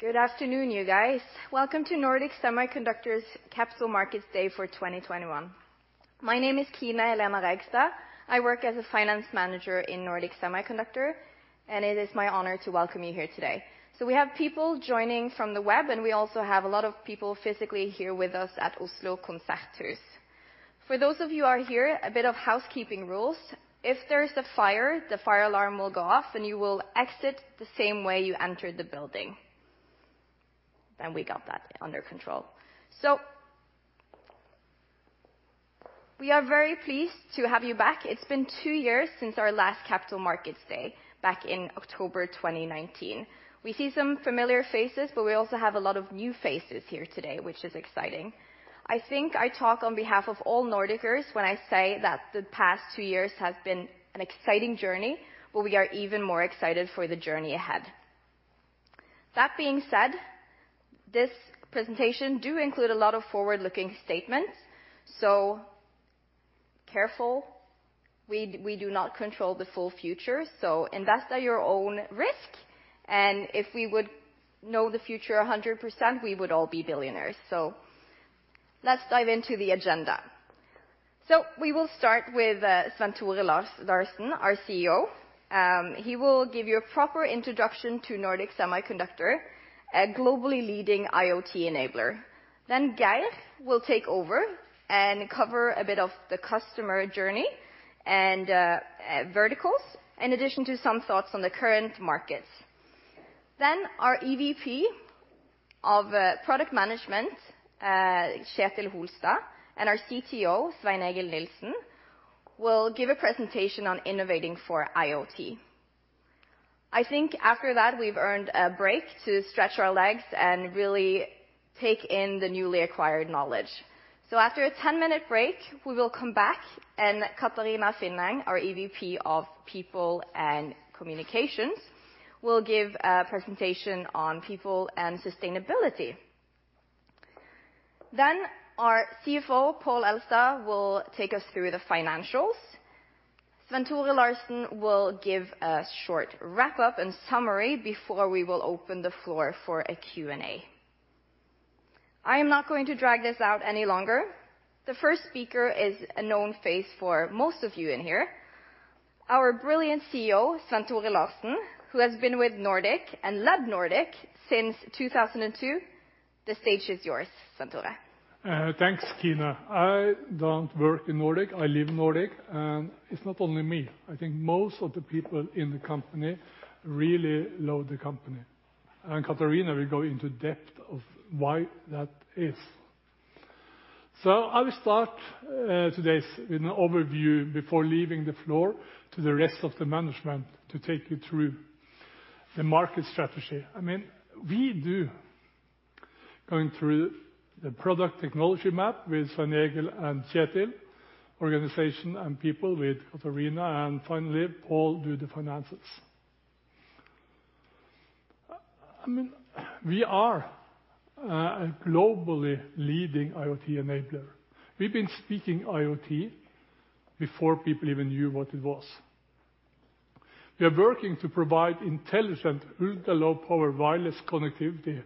Good afternoon, you guys. Welcome to Nordic Semiconductor's Capital Markets Day for 2021. My name is Kine-Elena Reigstad. I work as a finance manager in Nordic Semiconductor, and it is my honor to welcome you here today. We have people joining from the web, and we also have a lot of people physically here with us at Oslo Konserthus. For those of you who are here, a bit of housekeeping rules. If there's a fire, the fire alarm will go off, and you will exit the same way you entered the building. We got that under control. We are very pleased to have you back. It's been two years since our last Capital Markets Day back in October 2019. We see some familiar faces, but we also have a lot of new faces here today, which is exciting. I think I talk on behalf of all Nordicers when I say that the past two years have been an exciting journey, but we are even more excited for the journey ahead. That being said, this presentation do include a lot of forward-looking statements. Careful. We do not control the full future. Invest at your own risk. If we would know the future 100%, we would all be billionaires. Let's dive into the agenda. We will start with Svenn-Tore Larsen, our CEO. He will give you a proper introduction to Nordic Semiconductor, a globally leading IoT enabler. Geir Langeland will take over and cover a bit of the customer journey and verticals, in addition to some thoughts on the current markets. Our EVP of Product Management, Kjetil Holstad, and our CTO, Svein-Egil Nielsen, will give a presentation on innovating for IoT. I think after that, we've earned a break to stretch our legs and really take in the newly acquired knowledge. After a 10-minute break, we will come back and Katarina Finneng, our EVP of People and Communications, will give a presentation on people and sustainability. Our CFO, Pål Elstad, will take us through the financials. Svenn-Tore Larsen will give a short wrap-up and summary before we will open the floor for a Q&A. I am not going to drag this out any longer. The first speaker is a known face for most of you in here, our brilliant CEO, Svenn-Tore Larsen, who has been with Nordic and led Nordic since 2002. The stage is yours, Svenn-Tore. Thanks, Kina. I don't work in Nordic, I live Nordic, and it's not only me. I think most of the people in the company really love the company. Katarina will go into depth of why that is. I will start today with an overview before leaving the floor to the rest of the management to take you through the market strategy. We do going through the product technology map with Svein-Egil and Kjetil, organization and people with Katarina, and finally, Pål do the finances. We are a globally leading IoT enabler. We've been speaking IoT before people even knew what it was. We are working to provide intelligent, ultra-low power wireless connectivity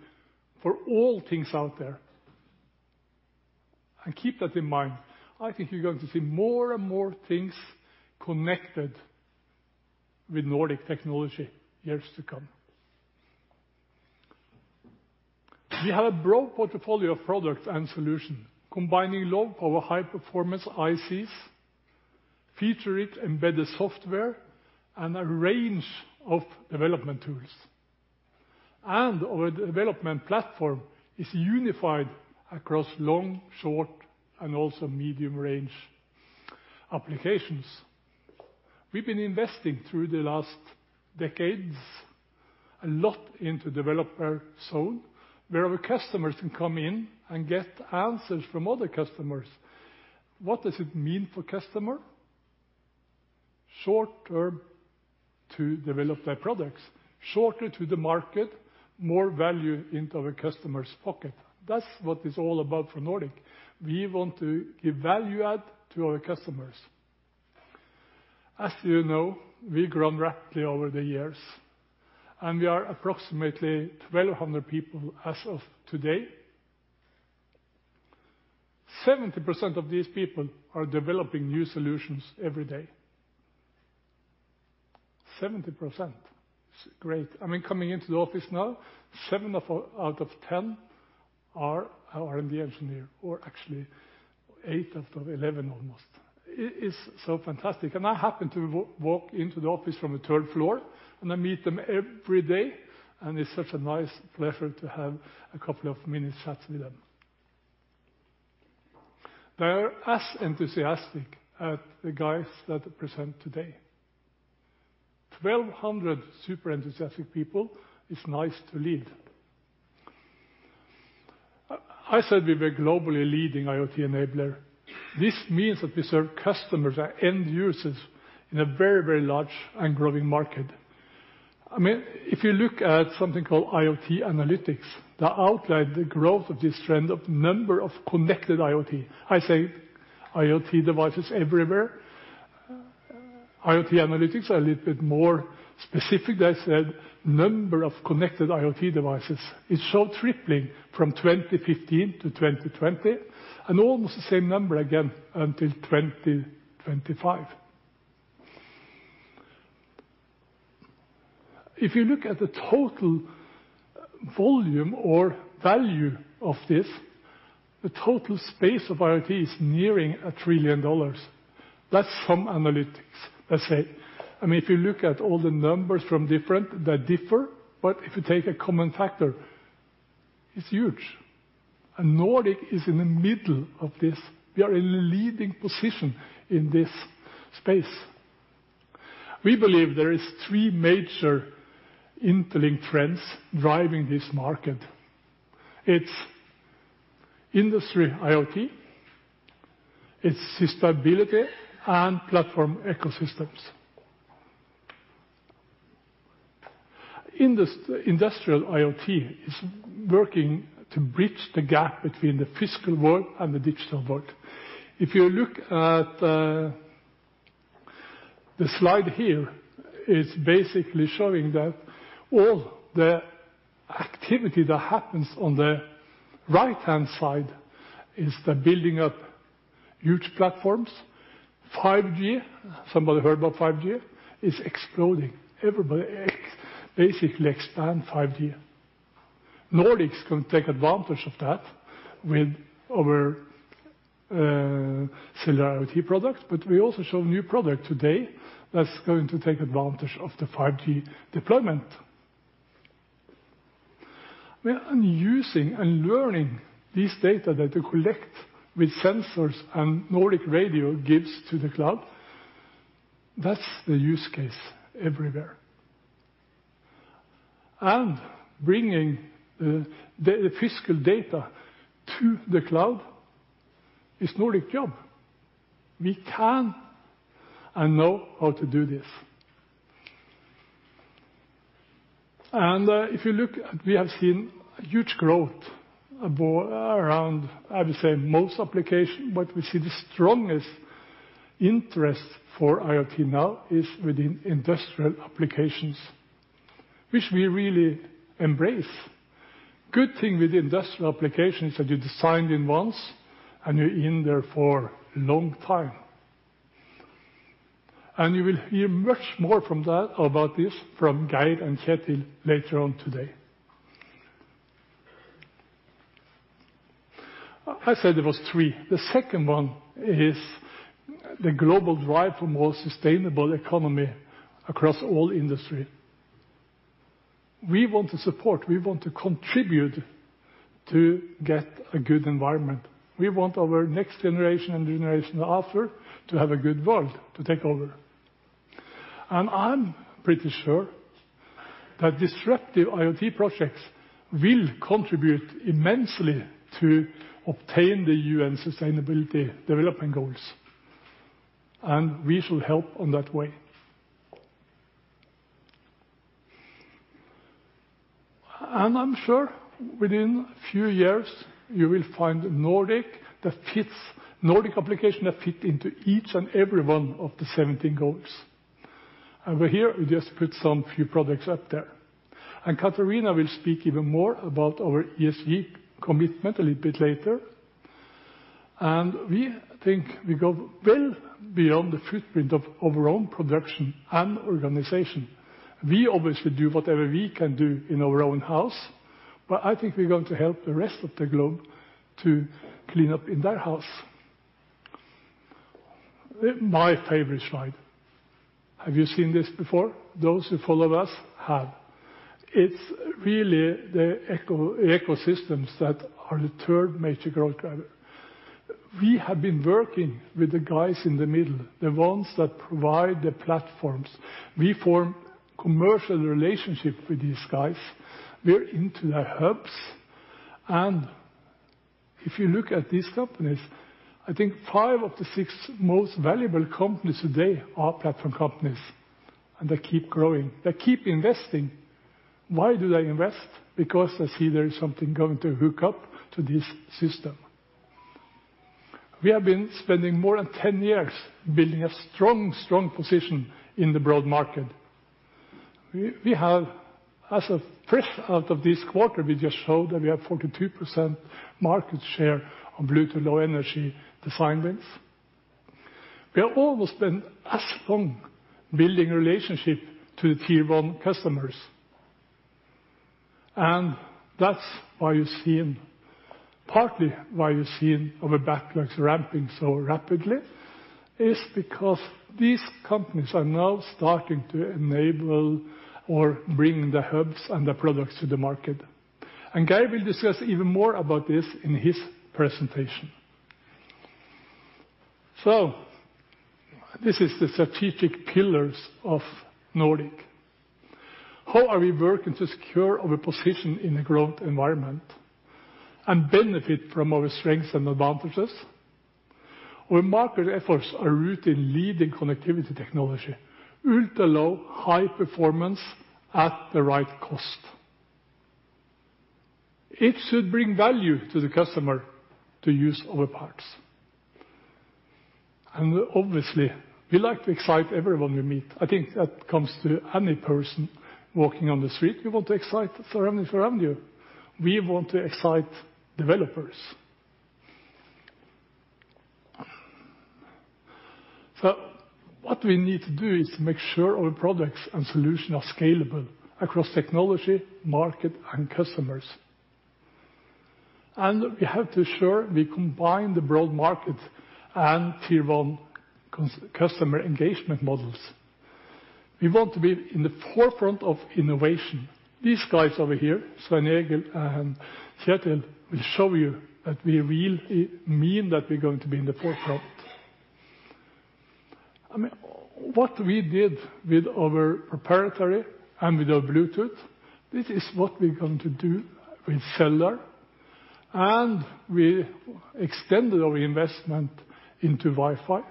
for all things out there, and keep that in mind. I think you're going to see more and more things connected with Nordic technology years to come. We have a broad portfolio of products and solution combining low power, high performance ICs, feature it embedded software and a range of development tools. Our development platform is unified across long-, short-, and also medium-range applications. We've been investing through the last decades a lot into DevZone, where our customers can come in and get answers from other customers. What does it mean for customer? Short term to develop their products, shorter to the market, more value into our customer's pocket. That's what is all about for Nordic. We want to give value add to our customers. As you know, we've grown rapidly over the years, and we are approximately 1,200 people as of today. 70% of these people are developing new solutions every day. 70%. It's great. Coming into the office now, seven out of 10 are R&D engineer, or actually eight out of 11 almost. It is so fantastic. I happen to walk into the office from the third floor, and I meet them every day, and it's such a nice pleasure to have a couple of minute chats with them. They are as enthusiastic as the guys that present today. 1,200 super enthusiastic people is nice to lead. I said we were globally leading IoT enabler. This means that we serve customers and end users in a very, very large and growing market. If you look at something called IoT Analytics that outline the growth of this trend of number of connected IoT, I say IoT devices everywhere. IoT Analytics are a little bit more specific. They said number of connected IoT devices is show tripling from 2015 to 2020, and almost the same number again until 2025. If you look at the total volume or value of this, the total space of IoT is nearing $1 trillion. That's some analytics, let's say. If you look at all the numbers from different, they differ, if you take a common factor, it's huge. Nordic is in the middle of this. We are in the leading position in this space. We believe there is three major interlink trends driving this market. It's Industrial IoT, it's sustainability and platform ecosystems. Industrial IoT is working to bridge the gap between the physical world and the digital world. If you look at the slide here, it's basically showing that all the activity that happens on the right-hand side is the building up huge platforms. 5G, somebody heard about 5G, is exploding. Everybody basically expand 5G. Nordic can take advantage of that with our cellular IoT products. We also show new product today that's going to take advantage of the 5G deployment. We are using and learning this data that we collect with sensors and Nordic radio gives to the cloud. That's the use case everywhere. Bringing the physical data to the cloud is Nordic's job. We can and know how to do this. If you look, we have seen a huge growth around, I would say, most application. We see the strongest interest for IoT now is within industrial applications, which we really embrace. Good thing with industrial applications that you designed in once and you're in there for long time. You will hear much more from that about this from Geir and Kjetil later on today. I said there was three. The second one is the global drive for more sustainable economy across all industry. We want to support, we want to contribute to get a good environment. We want our next generation and generation after to have a good world to take over. I'm pretty sure that disruptive IoT projects will contribute immensely to obtain the UN Sustainable Development Goals. We shall help on that way. I'm sure within a few years you will find Nordic application that fit into each and every one of the 17 goals. Over here, we just put some few products up there. Katarina will speak even more about our ESG commitment a little bit later. We think we go well beyond the footprint of our own production and organization. We obviously do whatever we can do in our own house. I think we're going to help the rest of the globe to clean up in their house. My favorite slide. Have you seen this before? Those who follow us have. It's really the ecosystems that are the third major growth driver. We have been working with the guys in the middle, the ones that provide the platforms. We form commercial relationship with these guys. We're into the hubs, and if you look at these companies, I think five of the six most valuable companies today are platform companies, and they keep growing. They keep investing. Why do they invest? They see there is something going to hook up to this system. We have been spending more than 10 years building a strong position in the broad market. As of fresh out of this quarter, we just showed that we have 42% market share of Bluetooth Low Energy design wins. We have almost been as long building relationship to the Tier 1 customers. That's partly why you're seeing our backlogs ramping so rapidly, is because these companies are now starting to enable or bring the hubs and the products to the market. Geir will discuss even more about this in his presentation. This is the strategic pillars of Nordic Semiconductor. How are we working to secure our position in a growth environment and benefit from our strengths and advantages? Our market efforts are rooted in leading connectivity technology, ultra-low, high performance at the right cost. It should bring value to the customer to use our parts. Obviously, we like to excite everyone we meet. I think that comes to any person walking on the street, we want to excite for everyone around you. We want to excite developers. What we need to do is make sure our products and solutions are scalable across technology, market, and customers. We have to ensure we combine the broad market and Tier 1 customer engagement models. We want to be in the forefront of innovation. These guys over here, Svein-Egil and Kjetil, will show you that we really mean that we're going to be in the forefront. What we did with our proprietary and with our Bluetooth Low Energy, this is what we're going to do with cellular, and we extended our investment into Wi-Fi.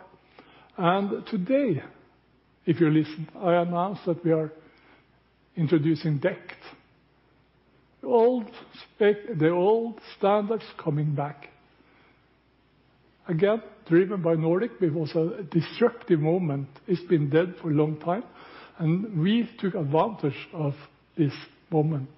Today, if you listen, I announced that we are introducing DECT NR+. The old standards coming back. Again, driven by Nordic Semiconductor, it was a disruptive moment. It's been dead for a long time. We took advantage of this moment.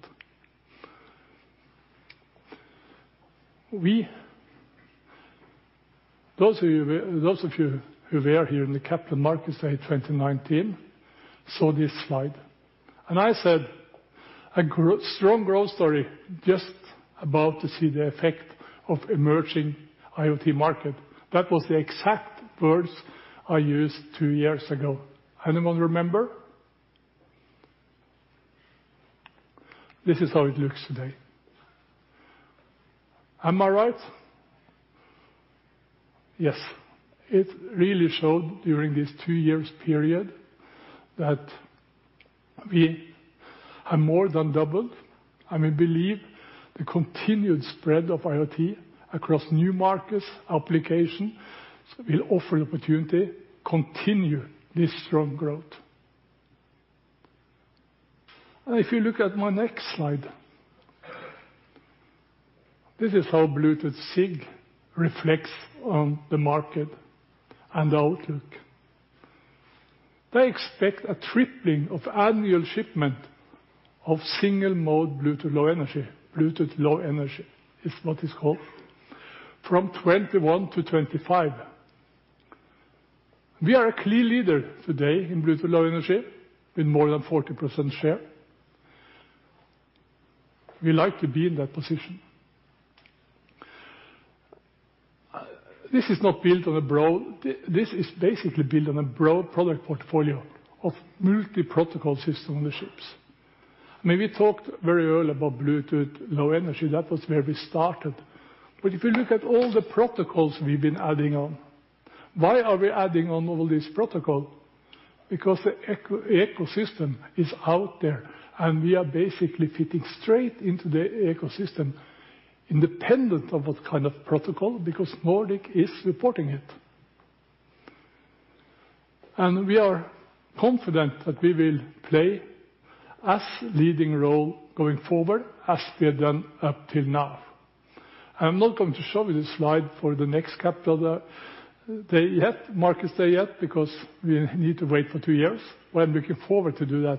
Those of you who were here in the Capital Markets Day 2019 saw this slide. I said, "A strong growth story, just about to see the effect of emerging IoT market." That was the exact words I used two years ago. Anyone remember? This is how it looks today. Am I right? Yes. It really showed during these two years period that we have more than doubled. We believe the continued spread of IoT across new markets, application, will offer the opportunity, continue this strong growth. If you look at my next slide, this is how Bluetooth SIG reflects on the market and the outlook. They expect a tripling of annual shipment of single-mode Bluetooth Low Energy. Bluetooth Low Energy is what is called, from 2021 to 2025. We are a clear leader today in Bluetooth Low Energy with more than 40% share. We like to be in that position. This is basically built on a broad product portfolio of multi-protocol System-on-Chips. We talked very early about Bluetooth Low Energy. That was where we started. If you look at all the protocols we've been adding on, why are we adding on all these protocol? The ecosystem is out there, and we are basically fitting straight into the ecosystem independent of what kind of protocol, because Nordic is supporting it. We are confident that we will play as leading role going forward as we have done up till now. I'm not going to show you this slide for the next Capital Markets Day yet, Markets Day yet, because we need to wait for two years. We're looking forward to do that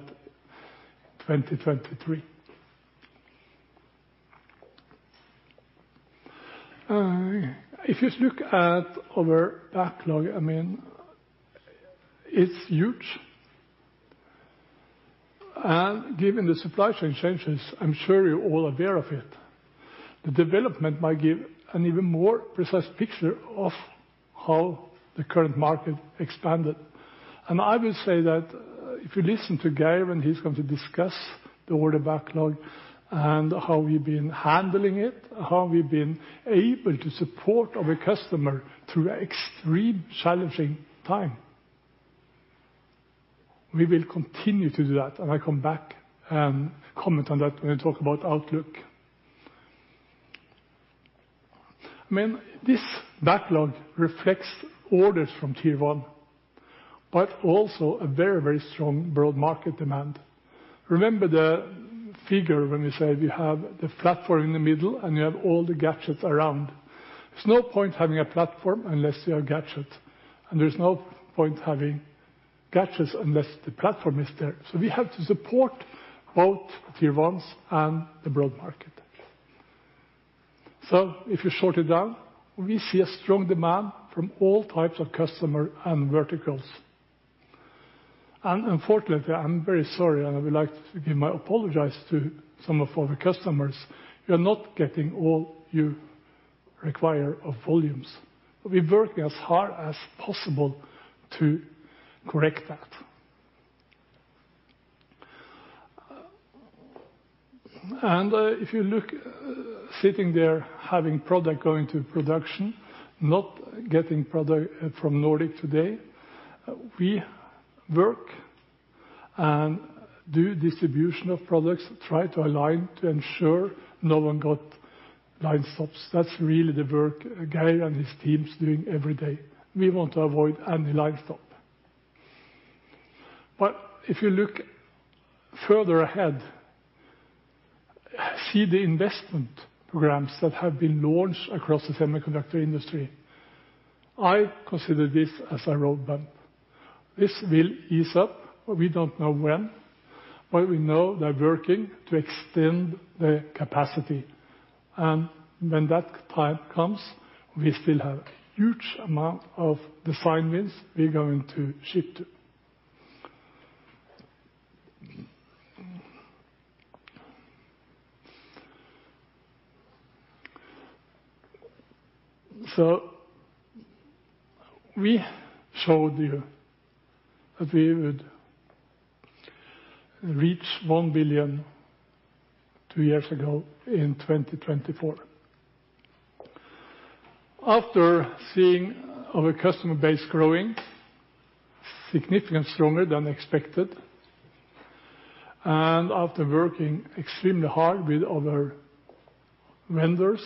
2023. If you look at our backlog, it's huge. Given the supply chain changes, I'm sure you're all aware of it. The development might give an even more precise picture of how the current market expanded. I will say that if you listen to Geir, when he's going to discuss the order backlog and how we've been handling it, how we've been able to support our customer through extreme challenging time. We will continue to do that, and I come back and comment on that when we talk about outlook. This backlog reflects orders from Tier 1, but also a very, very strong broad market demand. Remember the figure when we said we have the platform in the middle and we have all the gadgets around. There's no point having a platform unless you have gadgets. There's no point having gadgets unless the platform is there. We have to support both Tier 1s and the broad market. If you short it down, we see a strong demand from all types of customers and verticals. Unfortunately, I'm very sorry, and I would like to give my apologies to some of our customers, we are not getting all you require of volumes. We're working as hard as possible to correct that. If you look, sitting there having product going to production, not getting product from Nordic today, we work and do distribution of products, try to align to ensure no one got line stops. That's really the work Geir and his team is doing every day. We want to avoid any line stop. If you look further ahead, see the investment programs that have been launched across the semiconductor industry. I consider this as a road bump. This will ease up, we don't know when. We know they're working to extend the capacity. When that time comes, we still have huge amount of design wins we're going to ship to. We showed you that we would reach $1 billion two years ago in 2024. After seeing our customer base growing significantly stronger than expected, and after working extremely hard with other vendors,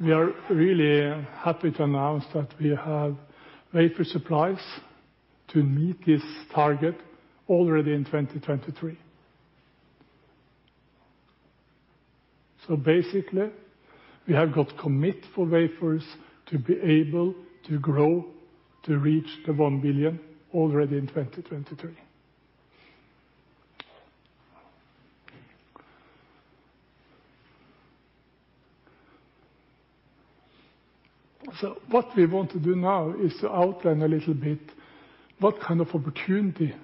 we are really happy to announce that we have wafer supplies to meet this target already in 2023. Basically, we have got commit for wafers to be able to grow to reach the $1 billion already in 2023. What we want to do now is outline a little bit what kind of opportunity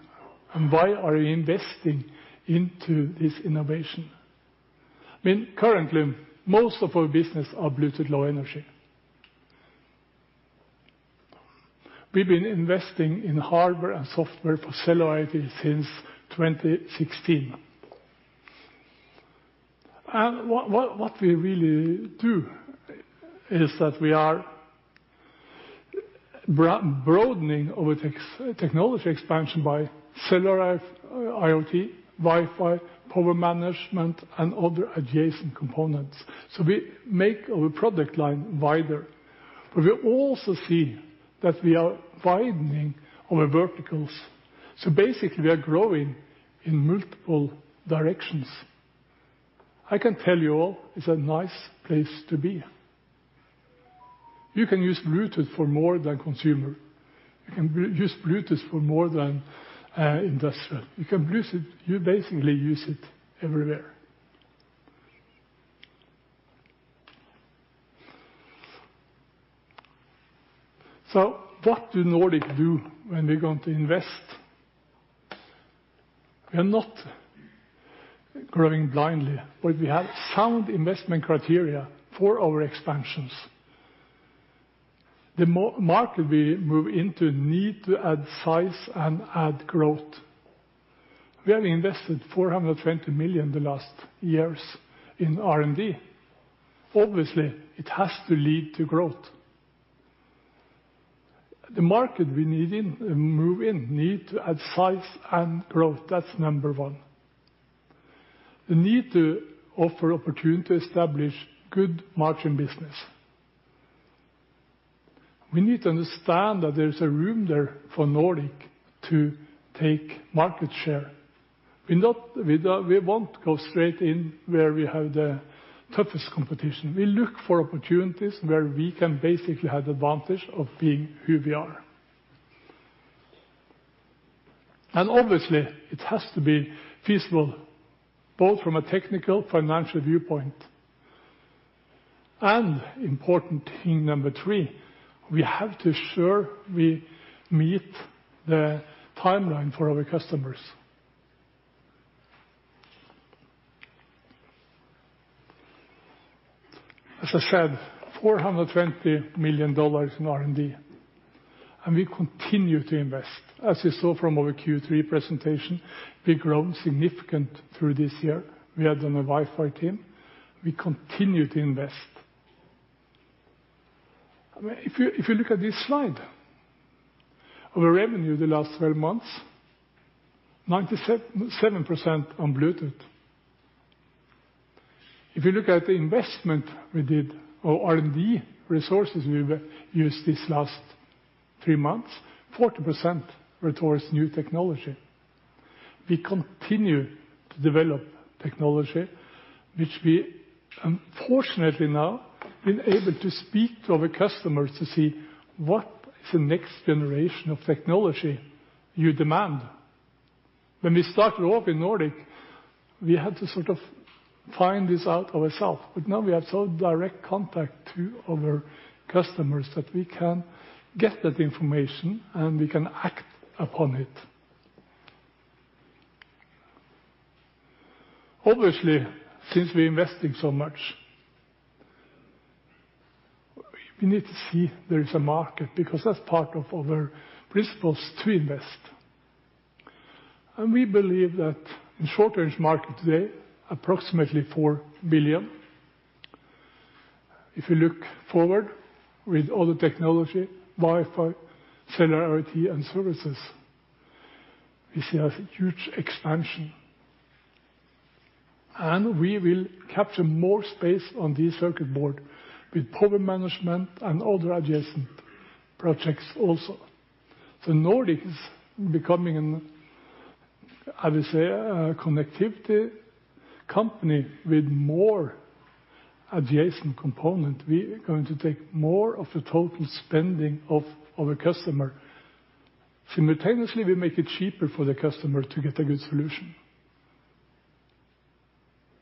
and why are we investing into this innovation. Currently, most of our business are Bluetooth Low Energy. We've been investing in hardware and software for cellular IoT since 2016. What we really do is that we are broadening our technology expansion by cellular IoT, Wi-Fi, power management, and other adjacent components. We make our product line wider. We also see that we are widening our verticals. Basically we are growing in multiple directions. I can tell you all, it's a nice place to be. You can use Bluetooth Low Energy for more than consumer. You can use Bluetooth Low Energy for more than industrial. You can Bluetooth, you basically use it everywhere. What do Nordic do when we're going to invest? We are not growing blindly, but we have sound investment criteria for our expansions. The market we move into need to add size and add growth. We have invested 420 million the last years in R&D. Obviously, it has to lead to growth. The market we need to add size and growth. That's number one. The need to offer opportunity to establish good margin business. We need to understand that there's room there for Nordic Semiconductor to take market share. We won't go straight in where we have the toughest competition. We look for opportunities where we can basically have the advantage of being who we are. Obviously it has to be feasible, both from a technical, financial viewpoint. Important thing number three, we have to ensure we meet the timeline for our customers. As I said, NOK 420 million in R&D, we continue to invest. As you saw from our Q3 presentation, we've grown significantly through this year. We have done a Wi-Fi team. We continue to invest. If you look at this slide, our revenue the last 12 months, 97% on Bluetooth Low Energy. If you look at the investment we did, our R&D resources we've used this last three months, 40% were towards new technology. We continue to develop technology, which we have unfortunately now been able to speak to our customers to see what is the next generation of technology you demand. When we started off in Nordic, we had to sort of find this out ourselves, now we have so direct contact to our customers that we can get that information, we can act upon it. Obviously, since we're investing so much, we need to see there is a market, because that's part of our principles to invest. We believe that in short-range market today, approximately 4 billion. If you look forward with all the technology, Wi-Fi, cellular IoT, and services, we see a huge expansion. We will capture more space on the circuit board with power management and other adjacent projects also. Nordic is becoming, I would say, a connectivity company with more adjacent component. We are going to take more of the total spending of our customer. Simultaneously, we make it cheaper for the customer to get a good solution.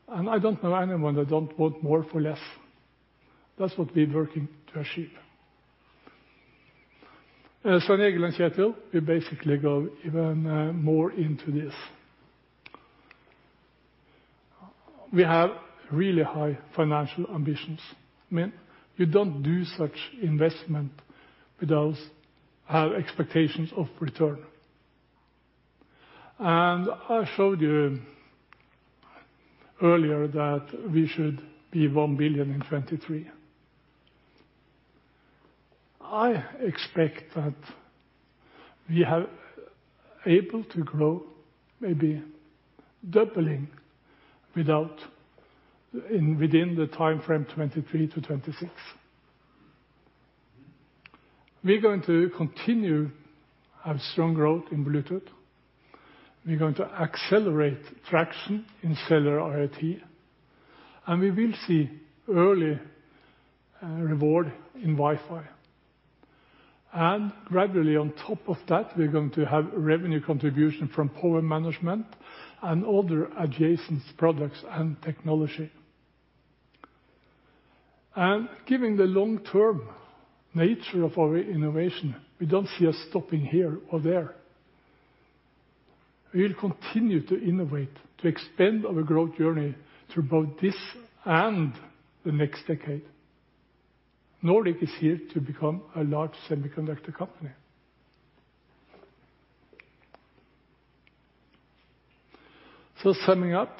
I don't know anyone that don't want more for less. That's what we're working to achieve. Svein-Egil and Kjetil, we basically go even more into this. We have really high financial ambitions. You don't do such investment without high expectations of return. I showed you earlier that we should be $1 billion in 2023. I expect that we are able to grow, maybe doubling, within the timeframe 2023 to 2026. We're going to continue our strong growth in Bluetooth Low Energy. We're going to accelerate traction in cellular IoT, and we will see early reward in Wi-Fi. Gradually on top of that, we're going to have revenue contribution from power management and other adjacent products and technology. Given the long-term nature of our innovation, we don't see us stopping here or there. We'll continue to innovate, to expand our growth journey through both this and the next decade. Nordic Semiconductor is here to become a large semiconductor company. Summing up,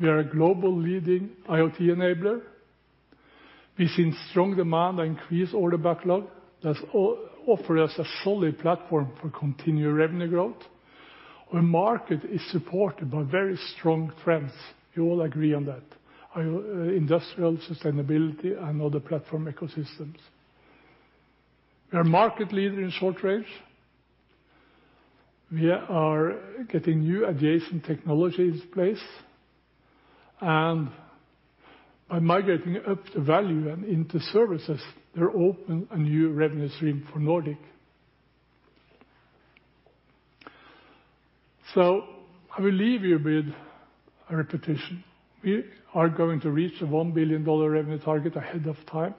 we are a global leading IoT enabler. We've seen strong demand and increased order backlog that offer us a solid platform for continued revenue growth. Our market is supported by very strong trends. We all agree on that. Industrial sustainability and other platform ecosystems. We are a market leader in short-range. We are getting new adjacent technologies in place, and are migrating up the value and into services that open a new revenue stream for Nordic Semiconductor. I will leave you with a repetition. We are going to reach the $1 billion revenue target ahead of time.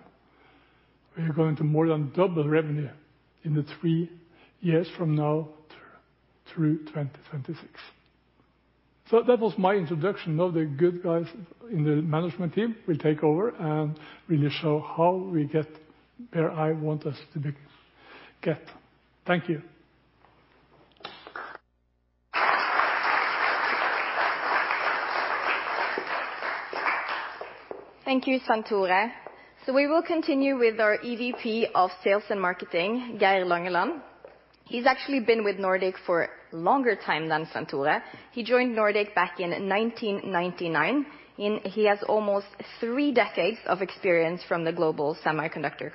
We are going to more than double revenue in the three years from now through 2026. That was my introduction. Now the good guys in the management team will take over and really show how we get where I want us to get. Thank you. Thank you, Svenn-Tore Larsen. We will continue with our EVP of Sales and Marketing, Geir Langeland. He's actually been with Nordic for longer time than Svenn-Tore Larsen. He joined Nordic back in 1999, and he has almost three decades of experience from the global semiconductor,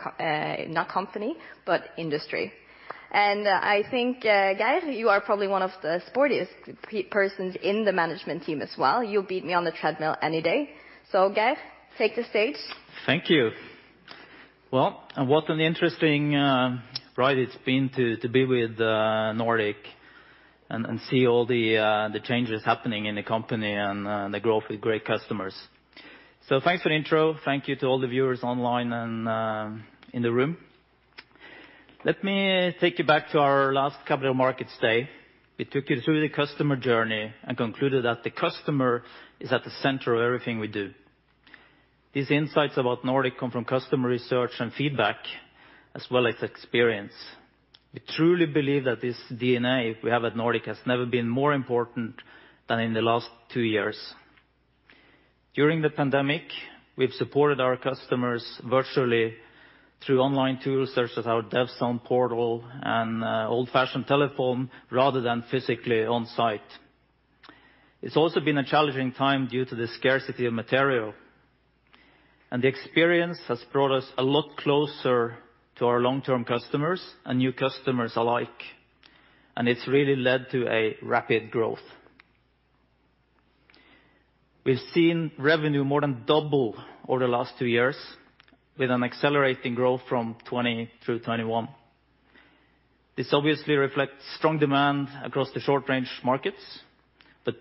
not company, but industry. I think, Geir, you are probably one of the sportiest persons in the management team as well. You'll beat me on the treadmill any day. Geir, take the stage. Thank you. Well, what an interesting ride it's been to be with Nordic and see all the changes happening in the company and the growth with great customers. Thanks for the intro. Thank you to all the viewers online and in the room. Let me take you back to our last Capital Markets Day. We took you through the customer journey and concluded that the customer is at the center of everything we do. These insights about Nordic come from customer research and feedback, as well as experience. We truly believe that this DNA we have at Nordic has never been more important than in the last two years. During the pandemic, we've supported our customers virtually through online tools such as our DevZone portal and old-fashioned telephone rather than physically on-site. It's also been a challenging time due to the scarcity of material. The experience has brought us a lot closer to our long-term customers and new customers alike. It's really led to a rapid growth. We've seen revenue more than double over the last two years, with an accelerating growth from 2020 through 2021. This obviously reflects strong demand across the short-range markets,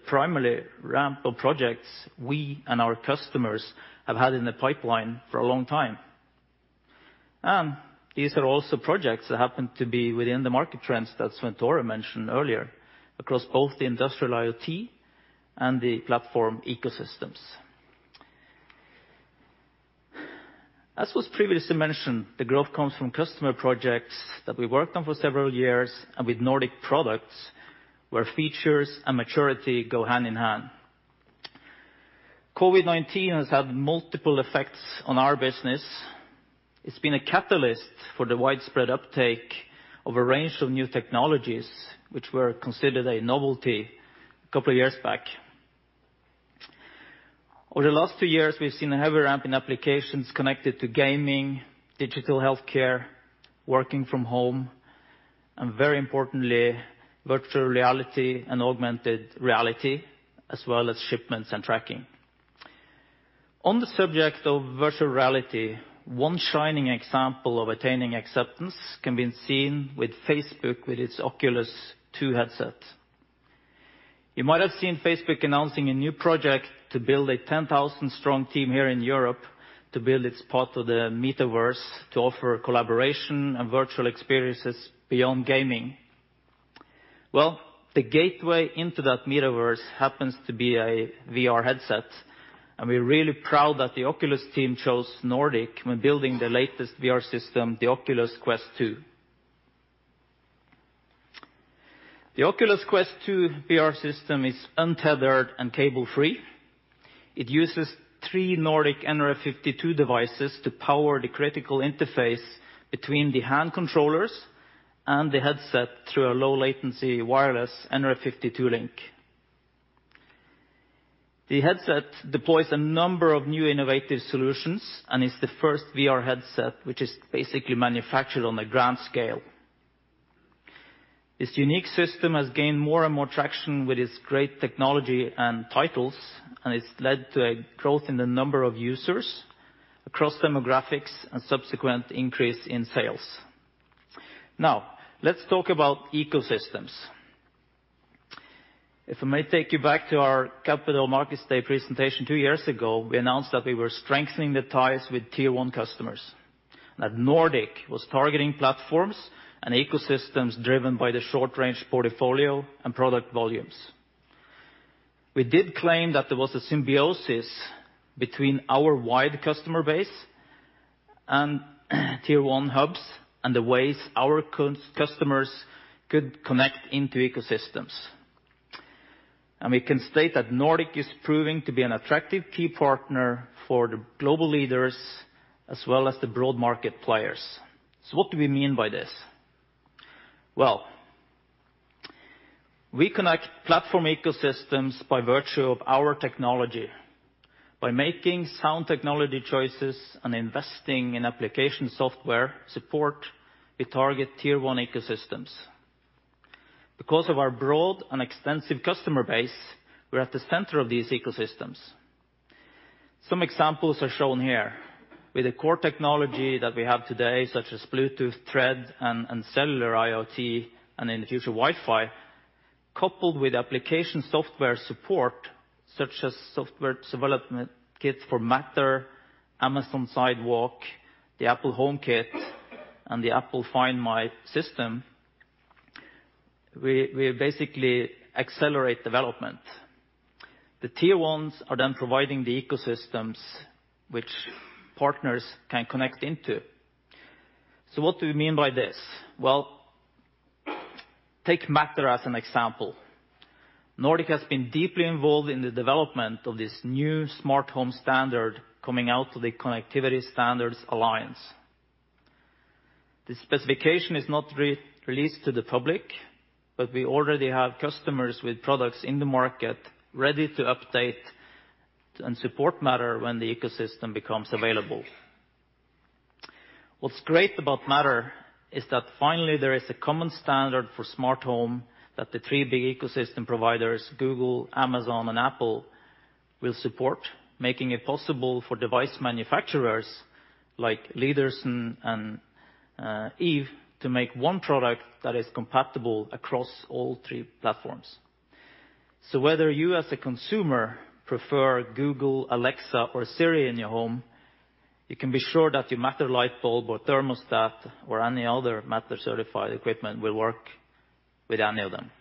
primarily ramp of projects we and our customers have had in the pipeline for a long time. These are also projects that happen to be within the market trends that Svenn-Tore Larsen mentioned earlier, across both the Industrial IoT and the platform ecosystems. As was previously mentioned, the growth comes from customer projects that we worked on for several years and with Nordic products where features and maturity go hand-in-hand. COVID-19 has had multiple effects on our business. It's been a catalyst for the widespread uptake of a range of new technologies which were considered a novelty a couple of years back. Over the last two years, we've seen a heavy ramp in applications connected to gaming, digital healthcare, working from home, and very importantly, virtual reality and augmented reality, as well as shipments and tracking. On the subject of virtual reality, one shining example of attaining acceptance can be seen with Facebook, with its Oculus Quest 2 headset. You might have seen Facebook announcing a new project to build a 10,000-strong team here in Europe to build its part of the metaverse to offer collaboration and virtual experiences beyond gaming. Well, the gateway into that metaverse happens to be a VR headset, and we're really proud that the Oculus team chose Nordic when building the latest VR system, the Oculus Quest 2. The Oculus Quest 2 VR system is untethered and cable-free. It uses three Nordic nRF52 devices to power the critical interface between the hand controllers and the headset through a low-latency wireless nRF52 link. The headset deploys a number of new innovative solutions and is the first VR headset which is basically manufactured on a grand scale. This unique system has gained more and more traction with its great technology and titles, and it's led to a growth in the number of users across demographics and subsequent increase in sales. Now, let's talk about ecosystems. If I may take you back to our Capital Markets Day presentation two years ago, we announced that we were strengthening the ties with Tier 1 customers, that Nordic Semiconductor was targeting platforms and ecosystems driven by the short-range portfolio and product volumes. We did claim that there was a symbiosis between our wide customer base and Tier 1 hubs, and the ways our customers could connect into ecosystems. We can state that Nordic Semiconductor is proving to be an attractive key partner for the global leaders as well as the broad market players. What do we mean by this? Well, we connect platform ecosystems by virtue of our technology. By making sound technology choices and investing in application software support, we target Tier 1 ecosystems. Because of our broad and extensive customer base, we're at the center of these ecosystems. Some examples are shown here. With the core technology that we have today, such as Bluetooth Low Energy, Thread, and cellular IoT, and in the future, Wi-Fi, coupled with application software support, such as software development kits for Matter, Amazon Sidewalk, the Apple HomeKit, and the Apple Find My network, we basically accelerate development. The Tier 1s are providing the ecosystems which partners can connect into. What do we mean by this? Well, take Matter as an example. Nordic Semiconductor has been deeply involved in the development of this new smart home standard coming out of the Connectivity Standards Alliance. This specification is not released to the public, we already have customers with products in the market ready to update and support Matter when the ecosystem becomes available. What's great about Matter is that finally there is a common standard for smart home that the three big ecosystem providers, Google, Amazon, and Apple, will support, making it possible for device manufacturers like LEEDARSON and Eve Systems to make one product that is compatible across all three platforms. Whether you as a consumer prefer Google, Alexa, or Siri in your home, you can be sure that your Matter light bulb or thermostat or any other Matter-certified equipment will work with any of them.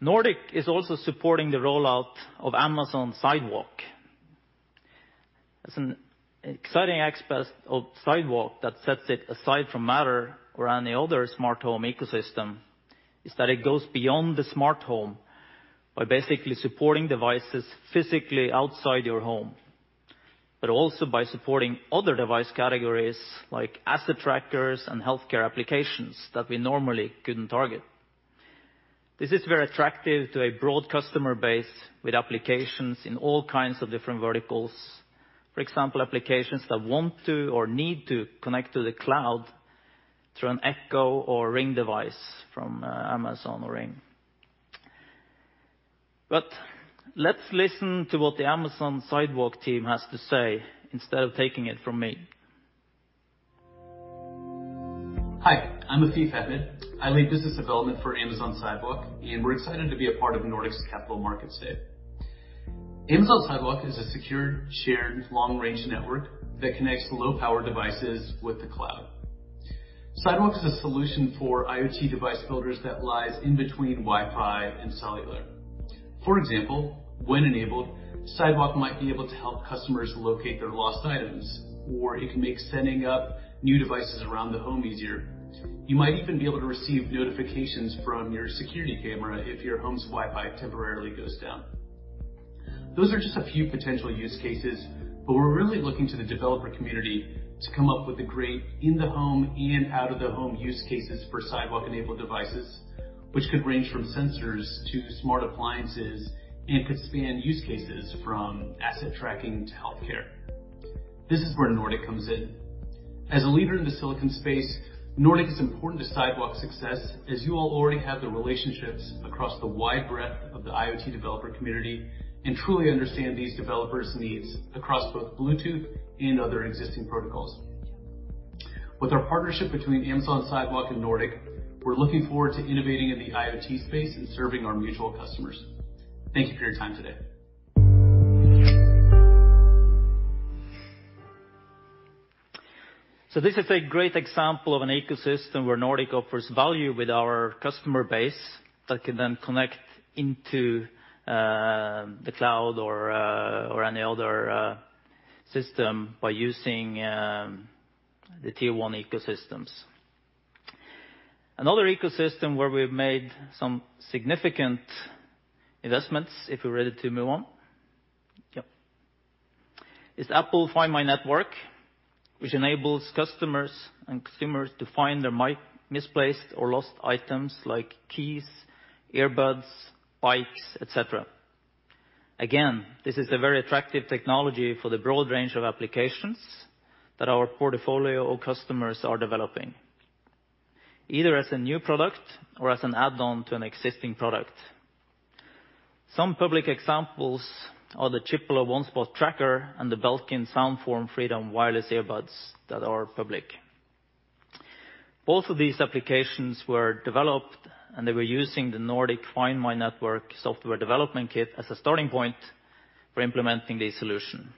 Nordic Semiconductor is also supporting the rollout of Amazon Sidewalk. An exciting aspect of Sidewalk that sets it aside from Matter or any other smart home ecosystem is that it goes beyond the smart home by basically supporting devices physically outside your home, but also by supporting other device categories like asset trackers and healthcare applications that we normally couldn't target. This is very attractive to a broad customer base with applications in all kinds of different verticals. For example, applications that want to or need to connect to the cloud through an Echo or Ring device from Amazon or Ring. Let's listen to what the Amazon Sidewalk team has to say instead of taking it from me. Hi, I'm Afeef Ahmed. I lead business development for Amazon Sidewalk, and we're excited to be a part of Nordic's Capital Markets Day. Amazon Sidewalk is a secure, shared, long-range network that connects low-power devices with the cloud. Sidewalk is a solution for IoT device builders that lies in between Wi-Fi and cellular. For example, when enabled, Sidewalk might be able to help customers locate their lost items, or it can make setting up new devices around the home easier. You might even be able to receive notifications from your security camera if your home's Wi-Fi temporarily goes down. Those are just a few potential use cases. We're really looking to the developer community to come up with great in-the-home and out-of-the-home use cases for Sidewalk-enabled devices, which could range from sensors to smart appliances, and could span use cases from asset tracking to healthcare. This is where Nordic Semiconductor comes in. As a leader in the silicon space, Nordic Semiconductor is important to Sidewalk's success, as you all already have the relationships across the wide breadth of the IoT developer community and truly understand these developers' needs across both Bluetooth Low Energy and other existing protocols. With our partnership between Amazon Sidewalk and Nordic Semiconductor, we're looking forward to innovating in the IoT space and serving our mutual customers. Thank you for your time today. This is a great example of an ecosystem where Nordic Semiconductor offers value with our customer base that can then connect into the cloud or any other system by using the Tier 1 ecosystems. Another ecosystem where we've made some significant investments, if we're ready to move on, is Apple Find My network, which enables customers and consumers to find their misplaced or lost items like keys, earbuds, bikes, et cetera. This is a very attractive technology for the broad range of applications that our portfolio or customers are developing, either as a new product or as an add-on to an existing product. Some public examples are the Chipolo ONE Spot tracker and the Belkin SOUNDFORM Freedom wireless earbuds that are public. Both of these applications were developed, and they were using the Nordic Find My network software development kit as a starting point for implementing the solution.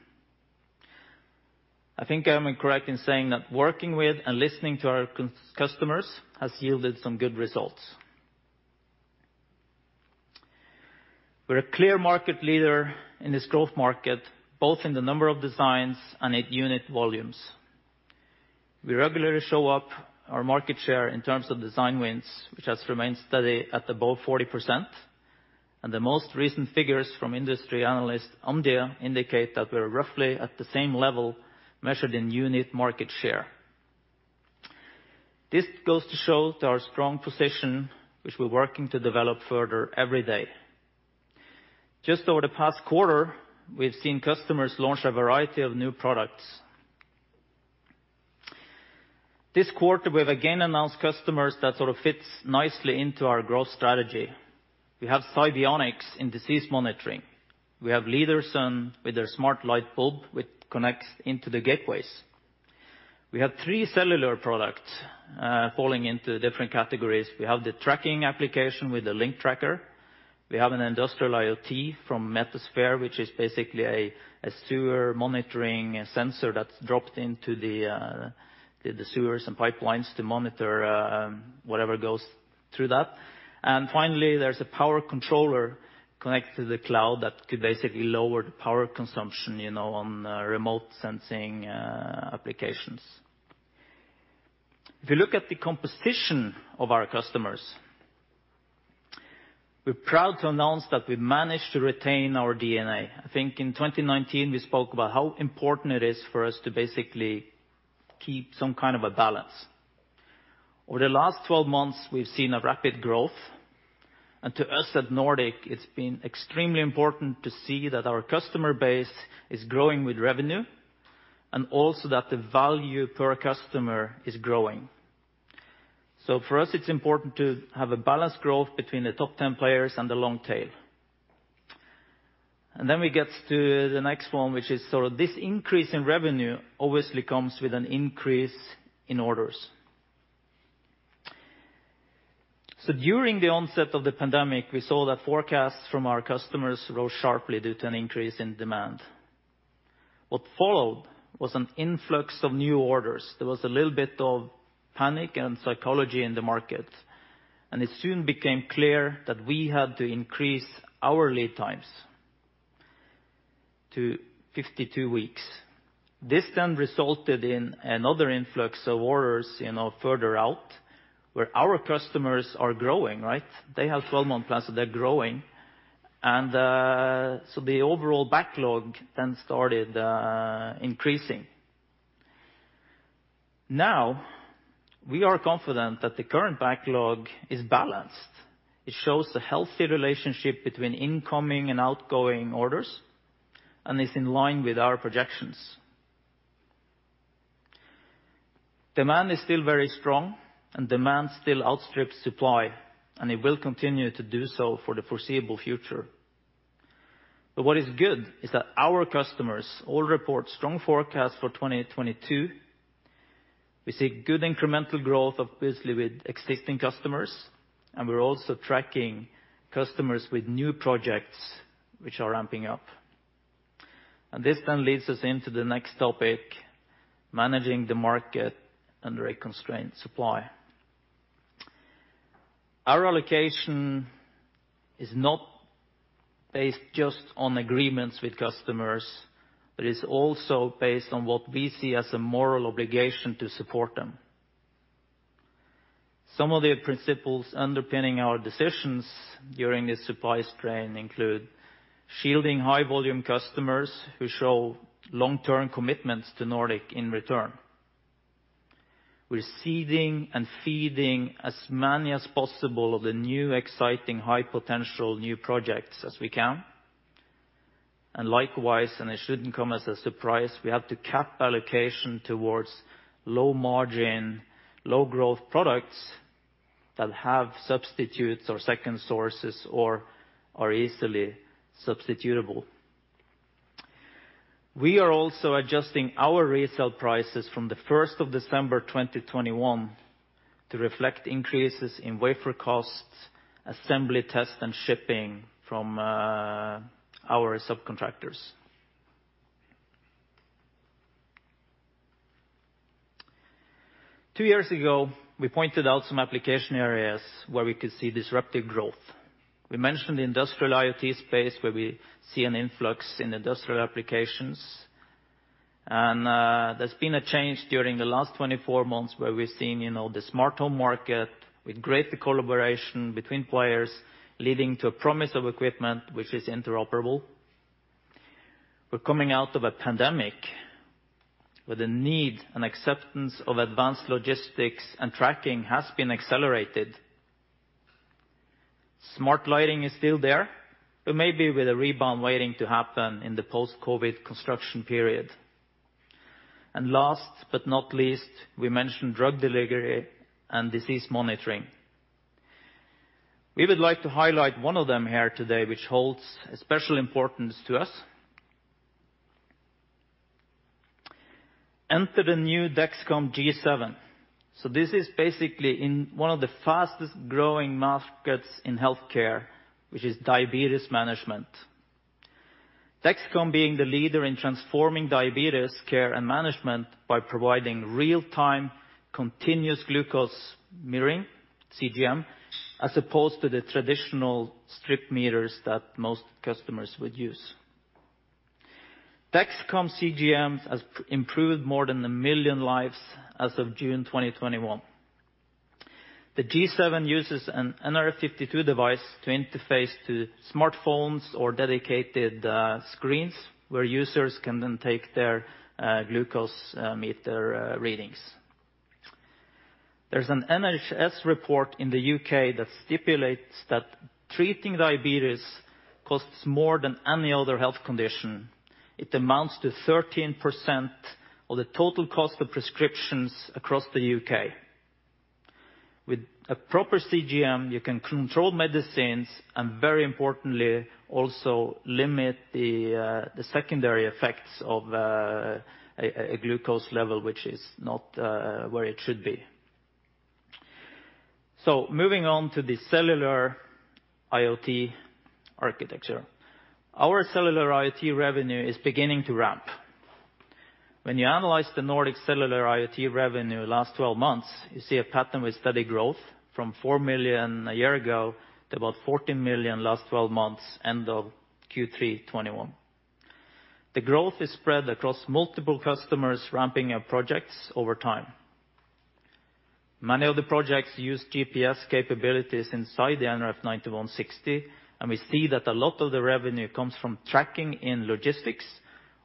I think I'm correct in saying that working with and listening to our customers has yielded some good results. We're a clear market leader in this growth market, both in the number of designs and at unit volumes. We regularly shore up our market share in terms of design wins, which has remained steady at above 40%. The most recent figures from industry analyst Omdia indicate that we're roughly at the same level measured in unit market share. This goes to show to our strong position, which we're working to develop further every day. Just over the past quarter, we've seen customers launch a variety of new products. This quarter, we've again announced customers that sort of fits nicely into our growth strategy. We have SiBionics in disease monitoring. We have LEEDARSON with their smart light bulb, which connects into the gateways. We have three cellular products falling into different categories. We have the tracking application with the link tracker. We have an Industrial IoT from Metasphere, which is basically a sewer monitoring sensor that's dropped into the sewers and pipelines to monitor whatever goes through that. Finally, there's a power controller connected to the cloud that could basically lower the power consumption on remote-sensing applications. If you look at the composition of our customers, we're proud to announce that we've managed to retain our DNA. I think in 2019, we spoke about how important it is for us to basically keep some kind of a balance. Over the last 12 months, we've seen a rapid growth, and to us at Nordic Semiconductor, it's been extremely important to see that our customer base is growing with revenue and also that the value per customer is growing. For us, it's important to have a balanced growth between the top 10 players and the long tail. We get to the next one, which is sort of this increase in revenue obviously comes with an increase in orders. During the onset of the pandemic, we saw that forecasts from our customers rose sharply due to an increase in demand. What followed was an influx of new orders. There was a little bit of panic and psychology in the market, and it soon became clear that we had to increase our lead times to 52 weeks. This then resulted in another influx of orders further out where our customers are growing, right? They have 12-month plans, so they're growing. The overall backlog then started increasing. Now, we are confident that the current backlog is balanced. It shows a healthy relationship between incoming and outgoing orders and is in line with our projections. Demand is still very strong and demand still outstrips supply, and it will continue to do so for the foreseeable future. What is good is that our customers all report strong forecasts for 2022. We see good incremental growth, obviously, with existing customers, and we're also tracking customers with new projects which are ramping up. This then leads us into the next topic, managing the market under a constrained supply. Our allocation is not based just on agreements with customers, but is also based on what we see as a moral obligation to support them. Some of the principles underpinning our decisions during this supply strain include shielding high-volume customers who show long-term commitments to Nordic Semiconductor in return. We're seeding and feeding as many as possible of the new exciting high-potential new projects as we can. Likewise, and it shouldn't come as a surprise, we have to cap allocation towards low margin, low growth products that have substitutes or second sources, or are easily substitutable. We are also adjusting our resale prices from the 1st of December 2021 to reflect increases in wafer costs, assembly test, and shipping from our subcontractors. Two years ago, we pointed out some application areas where we could see disruptive growth. We mentioned the Industrial IoT space, where we see an influx in industrial applications. There's been a change during the last 24 months where we're seeing the smart home market with great collaboration between players leading to a promise of equipment which is interoperable. We're coming out of a pandemic where the need and acceptance of advanced logistics and tracking has been accelerated. Maybe with a rebound waiting to happen in the post-COVID construction period. Last but not least, we mentioned drug delivery and disease monitoring. We would like to highlight one of them here today, which holds special importance to us. Enter the new Dexcom G7. This is basically in one of the fastest-growing markets in healthcare, which is diabetes management. Dexcom being the leader in transforming diabetes care and management by providing real-time continuous glucose monitoring, CGM, as opposed to the traditional strip meters that most customers would use. Dexcom CGMs has improved more than 1 million lives as of June 2021. The Dexcom G7 uses an nRF52 device to interface to smartphones or dedicated screens where users can then take their glucose meter readings. There's an NHS report in the U.K. that stipulates that treating diabetes costs more than any other health condition. It amounts to 13% of the total cost of prescriptions across the U.K. With a proper CGM, you can control medicines and very importantly, also limit the secondary effects of a glucose level which is not where it should be. Moving on to the cellular IoT architecture. Our cellular IoT revenue is beginning to ramp. When you analyze the Nordic cellular IoT revenue last 12 months, you see a pattern with steady growth from $4 million a year ago to about $14 million last 12 months end of Q3 2021. The growth is spread across multiple customers ramping up projects over time. Many of the projects use GPS capabilities inside the nRF9160. We see that a lot of the revenue comes from tracking in logistics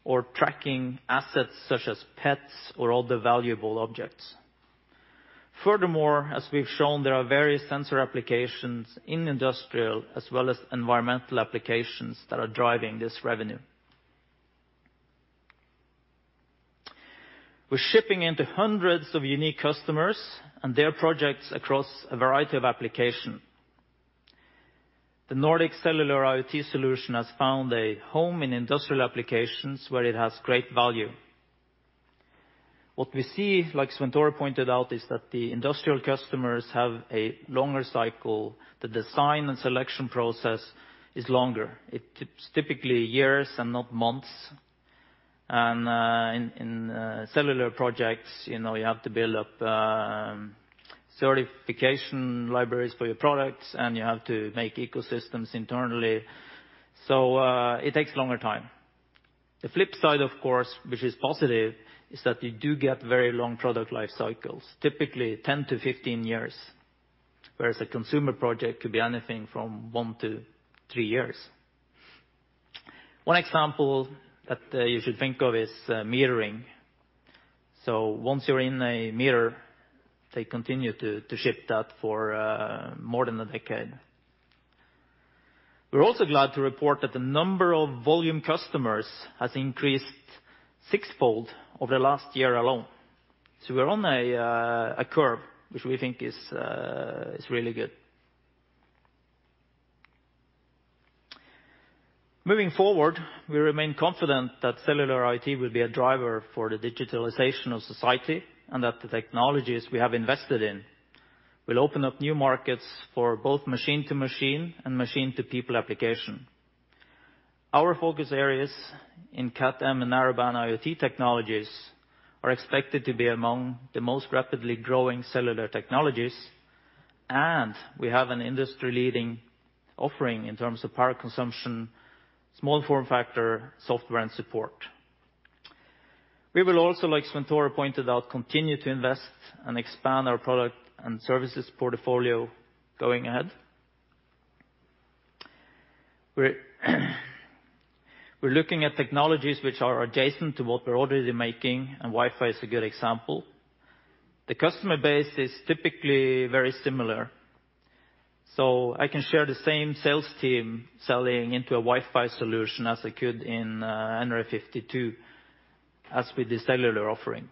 or tracking assets such as pets or other valuable objects. Furthermore, as we've shown, there are various sensor applications in industrial as well as environmental applications that are driving this revenue. We're shipping into hundreds of unique customers and their projects across a variety of application. The Nordic cellular IoT solution has found a home in industrial applications where it has great value. What we see, like Svenn-Tore Larsen pointed out, is that the industrial customers have a longer cycle. The design and selection process is longer. It takes typically years and not months. In cellular projects, you have to build up certification libraries for your products, and you have to make ecosystems internally, so it takes longer time. The flip side, of course, which is positive, is that you do get very long product life cycles, typically 10 to 15 years, whereas a consumer project could be anything from one to three years. One example that you should think of is metering. Once you're in a meter, they continue to ship that for more than a decade. We're also glad to report that the number of volume customers has increased sixfold over the last year alone. We're on a curve, which we think is really good. Moving forward, we remain confident that cellular IoT will be a driver for the digitalization of society, and that the technologies we have invested in will open up new markets for both Machine-to-Machine and Machine-to-People application. Our focus areas in Cat-M1 and Narrowband IoT technologies are expected to be among the most rapidly growing cellular technologies. We have an industry-leading offering in terms of power consumption, small form factor, software, and support. We will also, like Svein Tore pointed out, continue to invest and expand our product and services portfolio going ahead. We're looking at technologies which are adjacent to what we're already making. Wi-Fi is a good example. The customer base is typically very similar. I can share the same sales team selling into a Wi-Fi solution as I could in nRF52 as with the cellular offering.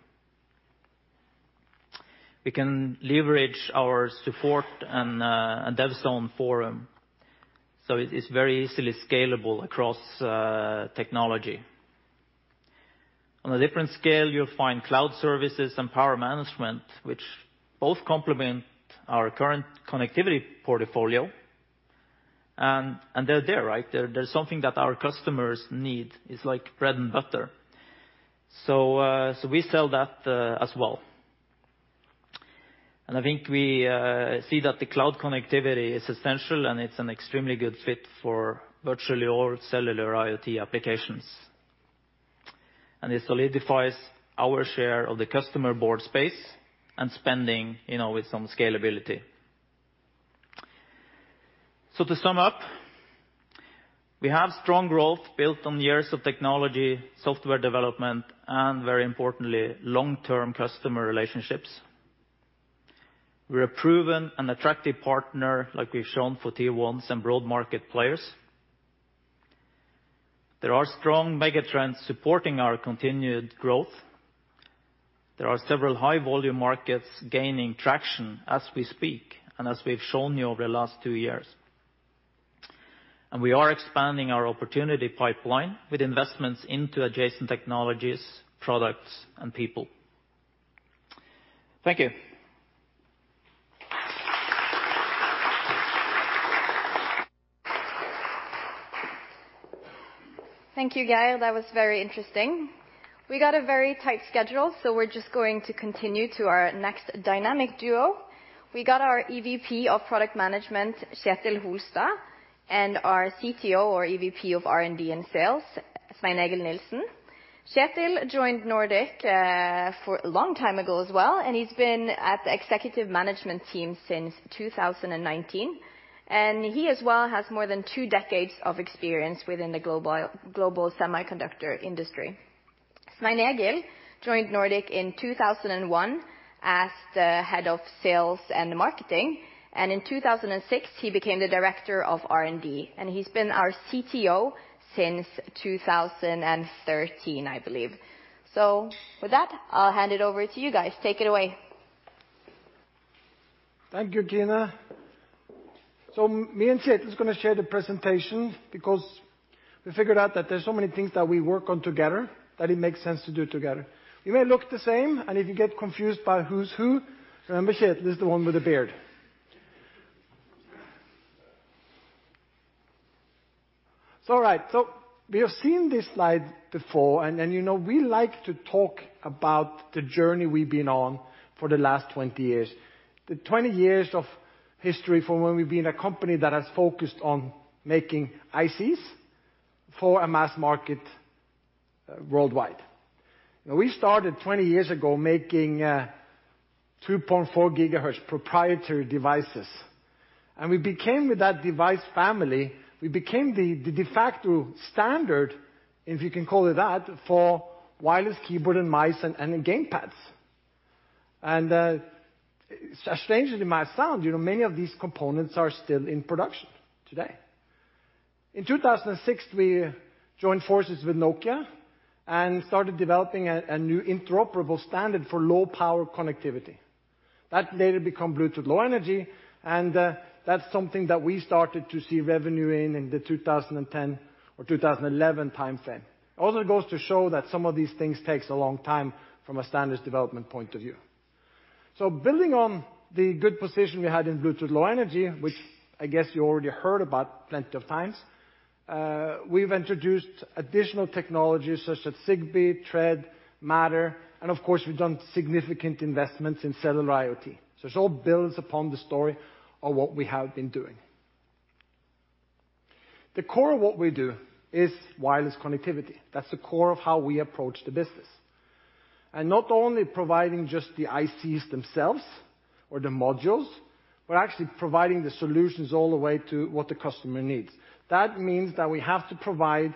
We can leverage our support and DevZone forum. It is very easily scalable across technology. On a different scale, you'll find cloud services and power management, which both complement our current connectivity portfolio. They're there. They're something that our customers need. It's like bread and butter. We sell that as well. I think we see that the cloud connectivity is essential, and it's an extremely good fit for virtually all cellular IoT applications. It solidifies our share of the customer board space and spending with some scalability. To sum up, we have strong growth built on years of technology, software development, and very importantly, long-term customer relationships. We're a proven and attractive partner, like we've shown for Tier 1s and broad market players. There are strong mega trends supporting our continued growth. There are several high-volume markets gaining traction as we speak, and as we've shown you over the last two years. We are expanding our opportunity pipeline with investments into adjacent technologies, products, and people. Thank you. Thank you, Geir. That was very interesting. We got a very tight schedule. We're just going to continue to our next dynamic duo. We got our EVP of Product Management, Kjetil Holstad, and our CTO or EVP of R&D and Sales, Svein-Egil Nielsen. Kjetil joined Nordic a long time ago as well. He's been at the Executive Management Team since 2019. He as well has more than two decades of experience within the global semiconductor industry. Svein-Egil joined Nordic in 2001 as the Head of Sales and Marketing. In 2006, he became the Director of R&D. He's been our CTO since 2013, I believe. With that, I'll hand it over to you guys. Take it away. Thank you, Kine. Me and Kjetil is going to share the presentation because we figured out that there's so many things that we work on together that it makes sense to do together. We may look the same, if you get confused by who's who, remember Kjetil is the one with the beard. All right. We have seen this slide before, you know we like to talk about the journey we've been on for the last 20 years. The 20 years of history from when we've been a company that has focused on making ICs for a mass market worldwide. We started 20 years ago making 2.4 GHz proprietary devices. We became, with that device family, we became the de facto standard, if you can call it that, for wireless keyboard and mice and game pads. As strange as it might sound, many of these components are still in production today. In 2006, we joined forces with Nokia and started developing a new interoperable standard for low-power connectivity. That later become Bluetooth Low Energy, and that's something that we started to see revenue in the 2010 or 2011 timeframe. Goes to show that some of these things takes a long time from a standards development point of view. Building on the good position we had in Bluetooth Low Energy, which I guess you already heard about plenty of times, we've introduced additional technologies such as Zigbee, Thread, Matter, and of course, we've done significant investments in cellular IoT. It all builds upon the story of what we have been doing. The core of what we do is wireless connectivity. That's the core of how we approach the business. Not only providing just the ICs themselves or the modules, we're actually providing the solutions all the way to what the customer needs. That means that we have to provide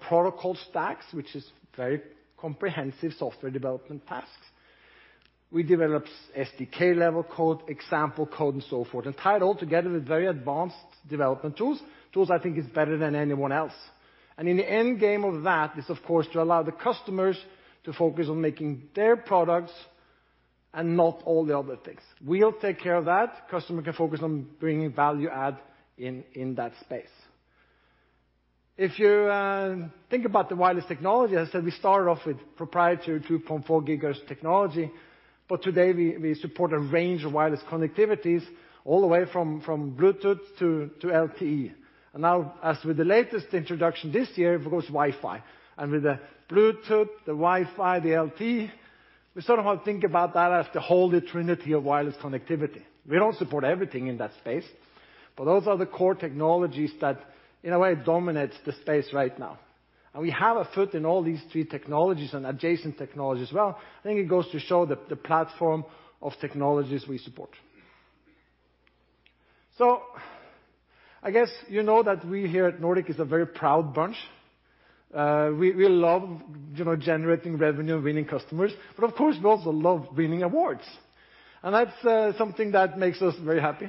protocol stacks, which is very comprehensive software development tasks. We develop SDK level code, example code, and so forth, and tie it all together with very advanced development tools, tools I think is better than anyone else. In the end game of that is, of course, to allow the customers to focus on making their products and not all the other things. We'll take care of that. Customer can focus on bringing value add in that space. If you think about the wireless technology, as I said, we started off with proprietary 2.4 GHz technology, but today we support a range of wireless connectivities all the way from Bluetooth Low Energy to LTE. Now, as with the latest introduction this year, of course, Wi-Fi. With the Bluetooth Low Energy, the Wi-Fi, the LTE. We sort of think about that as the holy trinity of wireless connectivity. We don't support everything in that space, but those are the core technologies that, in a way, dominate the space right now. We have a foot in all these three technologies and adjacent technologies as well. I think it goes to show the platform of technologies we support. I guess you know that we here at Nordic Semiconductor is a very proud bunch. We love generating revenue, winning customers, but of course, we also love winning awards, and that's something that makes us very happy.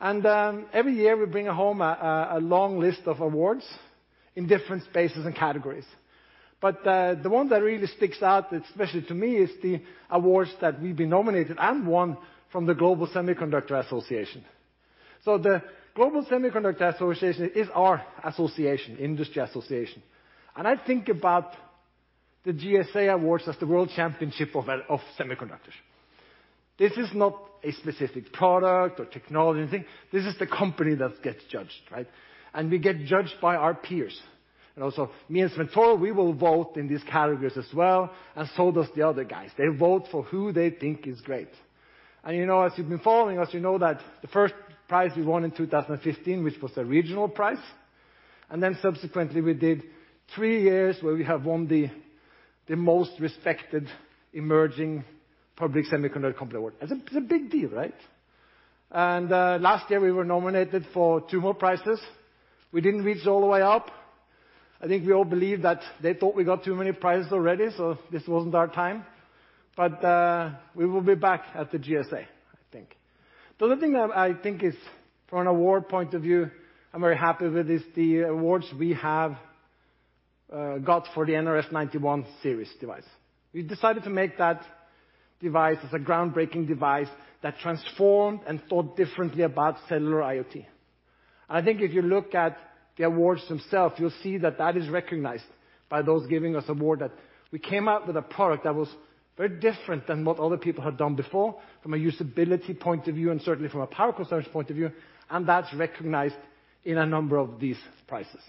Every year, we bring home a long list of awards in different spaces and categories. The one that really sticks out, especially to me, is the awards that we've been nominated and won from the Global Semiconductor Association. The Global Semiconductor Association is our industry association, and I think about the GSA awards as the world championship of semiconductors. This is not a specific product or technology or anything. This is the company that gets judged, right? We get judged by our peers. Also me and Svenn-Tore, we will vote in these categories as well, and so does the other guys. They vote for who they think is great. As you've been following us, you know that the first prize we won in 2015, which was a regional prize, and then subsequently we did three years where we have won the Most Respected Emerging Public Semiconductor Company award. It's a big deal, right? Last year, we were nominated for two more prizes. We didn't reach all the way up. I think we all believe that they thought we got too many prizes already, so this wasn't our time. We will be back at the GSA, I think. The other thing that I think is, from an award point of view, I'm very happy with is the awards we have got for the nRF91 Series device. We decided to make that device as a groundbreaking device that transformed and thought differently about cellular IoT. I think if you look at the awards themselves, you'll see that that is recognized by those giving us award, that we came out with a product that was very different than what other people had done before from a usability point of view, and certainly from a power consumption point of view, and that's recognized in a number of these prizes.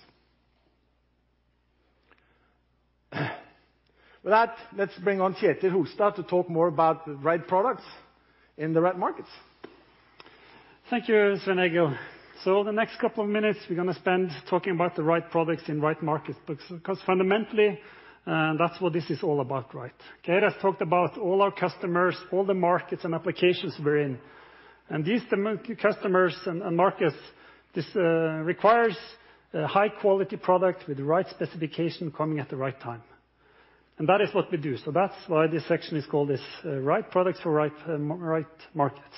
With that, let's bring on Kjetil Holstad to talk more about the Right Products in the Right Markets. Thank you, Svein-Egil. The next two minutes we're going to spend talking about the Right Products in Right Markets, because fundamentally, that's what this is all about, right? Geir has talked about all our customers, all the markets and applications we're in. These customers and markets, this requires a high-quality product with the right specification coming at the right time. That is what we do. That's why this section is called this Right Products for Right Markets.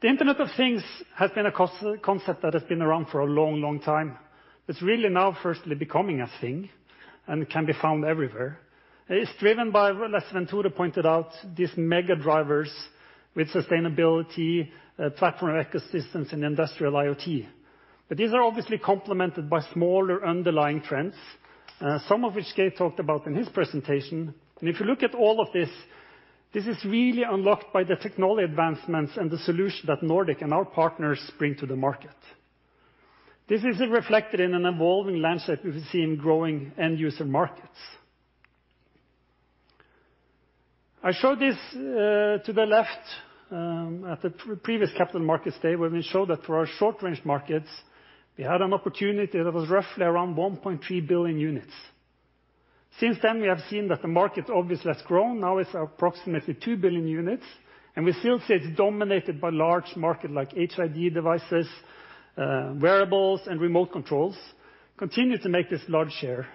The Internet of Things has been a concept that has been around for a long time, but it's really now firstly becoming a thing and can be found everywhere. It's driven by, as Svenn-Tore pointed out, these mega drivers with sustainability, platform ecosystems, and Industrial IoT. These are obviously complemented by smaller underlying trends, some of which Geir talked about in his presentation. If you look at all of this is really unlocked by the technology advancements and the solution that Nordic and our partners bring to the market. This is reflected in an evolving landscape we've seen growing end-user markets. I showed this to the left at the previous Capital Markets Day, where we showed that for our short-range markets, we had an opportunity that was roughly around 1.3 billion units. Since then, we have seen that the market obviously has grown. Now it's approximately 2 billion units, and we still see it's dominated by large market like HID devices, wearables, and remote controls continue to make this large share.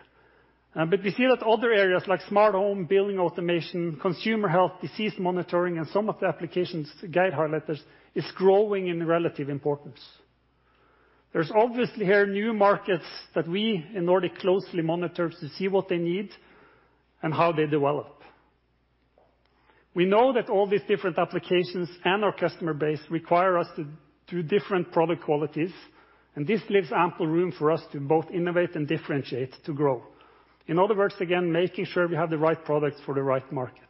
We see that other areas like smart home, building automation, consumer health, disease monitoring, and some of the applications Geir highlighted, is growing in relative importance. There's obviously here new markets that we in Nordic Semiconductor closely monitor to see what they need and how they develop. We know that all these different applications and our customer base require us to do different product qualities, and this leaves ample room for us to both innovate and differentiate to grow. In other words, again, making sure we have the right products for the right markets.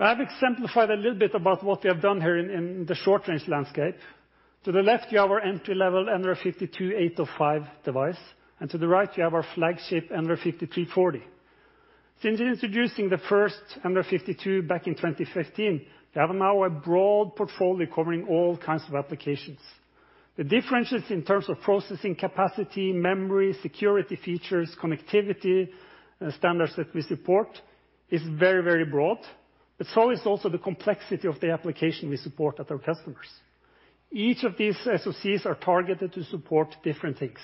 I have exemplified a little bit about what we have done here in the short-range landscape. To the left, you have our entry level nRF52805 device, and to the right you have our flagship nRF5340. Since introducing the first nRF52 back in 2015, we have now a broad portfolio covering all kinds of applications. The differences in terms of processing capacity, memory, security features, connectivity, standards that we support is very broad, so is also the complexity of the application we support at our customers. Each of these SoCs are targeted to support different things.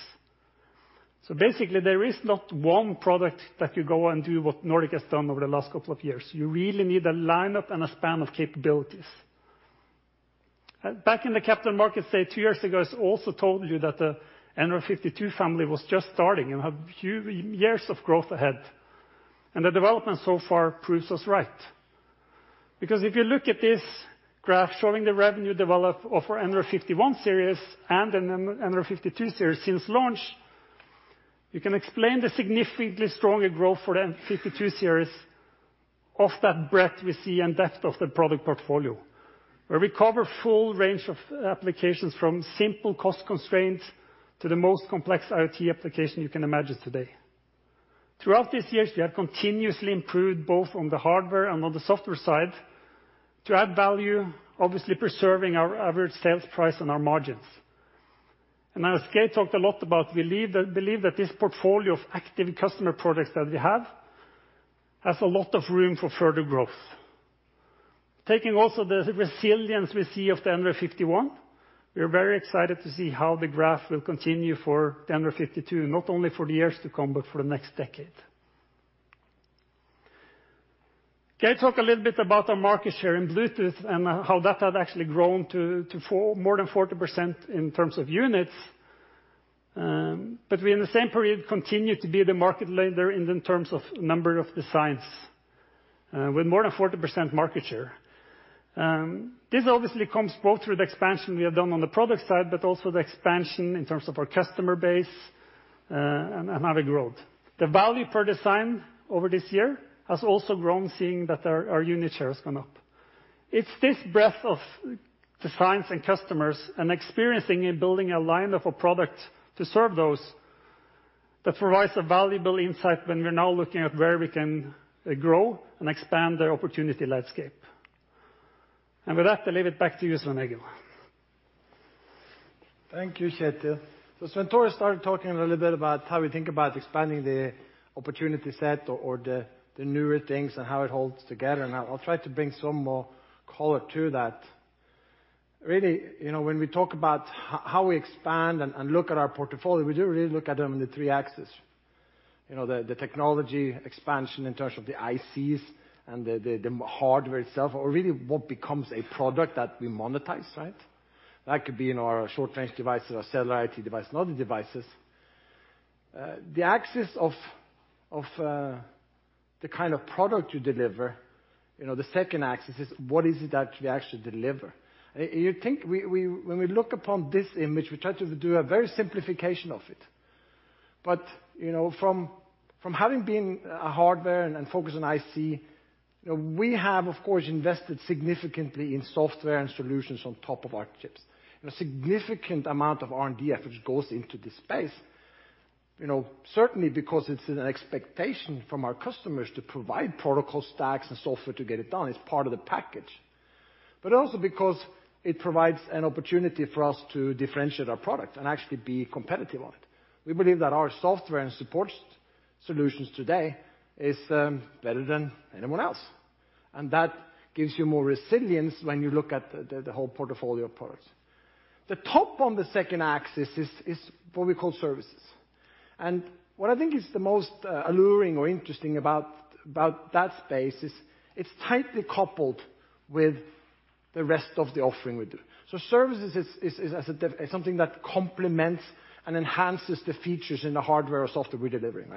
Basically, there is not one product that could go and do what Nordic Semiconductor has done over the last couple of years. You really need a lineup and a span of capabilities. Back in the Capital Markets Day two years ago, I also told you that the nRF52 family was just starting and had a few years of growth ahead, the development so far proves us right. If you look at this graph showing the revenue development of our nRF51 Series and the nRF52 Series since launch, you can explain the significantly stronger growth for the nRF52 Series. Of that breadth we see and depth of the product portfolio, where we cover full range of applications from simple cost constraints to the most complex IoT application you can imagine today. Throughout these years, we have continuously improved both on the hardware and on the software side to add value, obviously preserving our average sales price and our margins. As Geir talked a lot about, believe that this portfolio of active customer products that we have, has a lot of room for further growth. Taking also the resilience we see of the nRF51, we are very excited to see how the graph will continue for the nRF52, not only for the years to come, but for the next decade. Geir talked a little bit about our market share in Bluetooth Low Energy and how that had actually grown to more than 40% in terms of units. We, in the same period, continue to be the market leader in terms of number of designs, with more than 40% market share. This obviously comes both through the expansion we have done on the product side, but also the expansion in terms of our customer base and having growth. The value per design over this year has also grown, seeing that our unit share has gone up. It's this breadth of designs and customers and experiencing in building a line of a product to serve those, that provides a valuable insight when we're now looking at where we can grow and expand the opportunity landscape. With that, I leave it back to you, Svein-Egil. Thank you, Kjetil. When Svenn-Tore started talking a little bit about how we think about expanding the opportunity set or the newer things and how it holds together, and I'll try to bring some more color to that. Really, when we talk about how we expand and look at our portfolio, we do really look at them in the three axes. The technology expansion in terms of the ICs and the hardware itself, or really what becomes a product that we monetize. That could be in our short-range devices, our cellular IoT device, and other devices. The axis of the kind of product you deliver, the second axis, is what is it that we actually deliver. When we look upon this image, we try to do a very simplification of it. From having been a hardware and focused on IC, we have, of course, invested significantly in software and solutions on top of our chips, and a significant amount of R&D effort goes into this space. Certainly because it's an expectation from our customers to provide protocol stacks and software to get it done, it's part of the package. Also because it provides an opportunity for us to differentiate our product and actually be competitive on it. We believe that our software and support solutions today is better than anyone else, and that gives you more resilience when you look at the whole portfolio of products. The top on the second axis is what we call Services. What I think is the most alluring or interesting about that space is it's tightly coupled with the rest of the offering we do. Services is something that complements and enhances the features in the hardware or software we're delivering.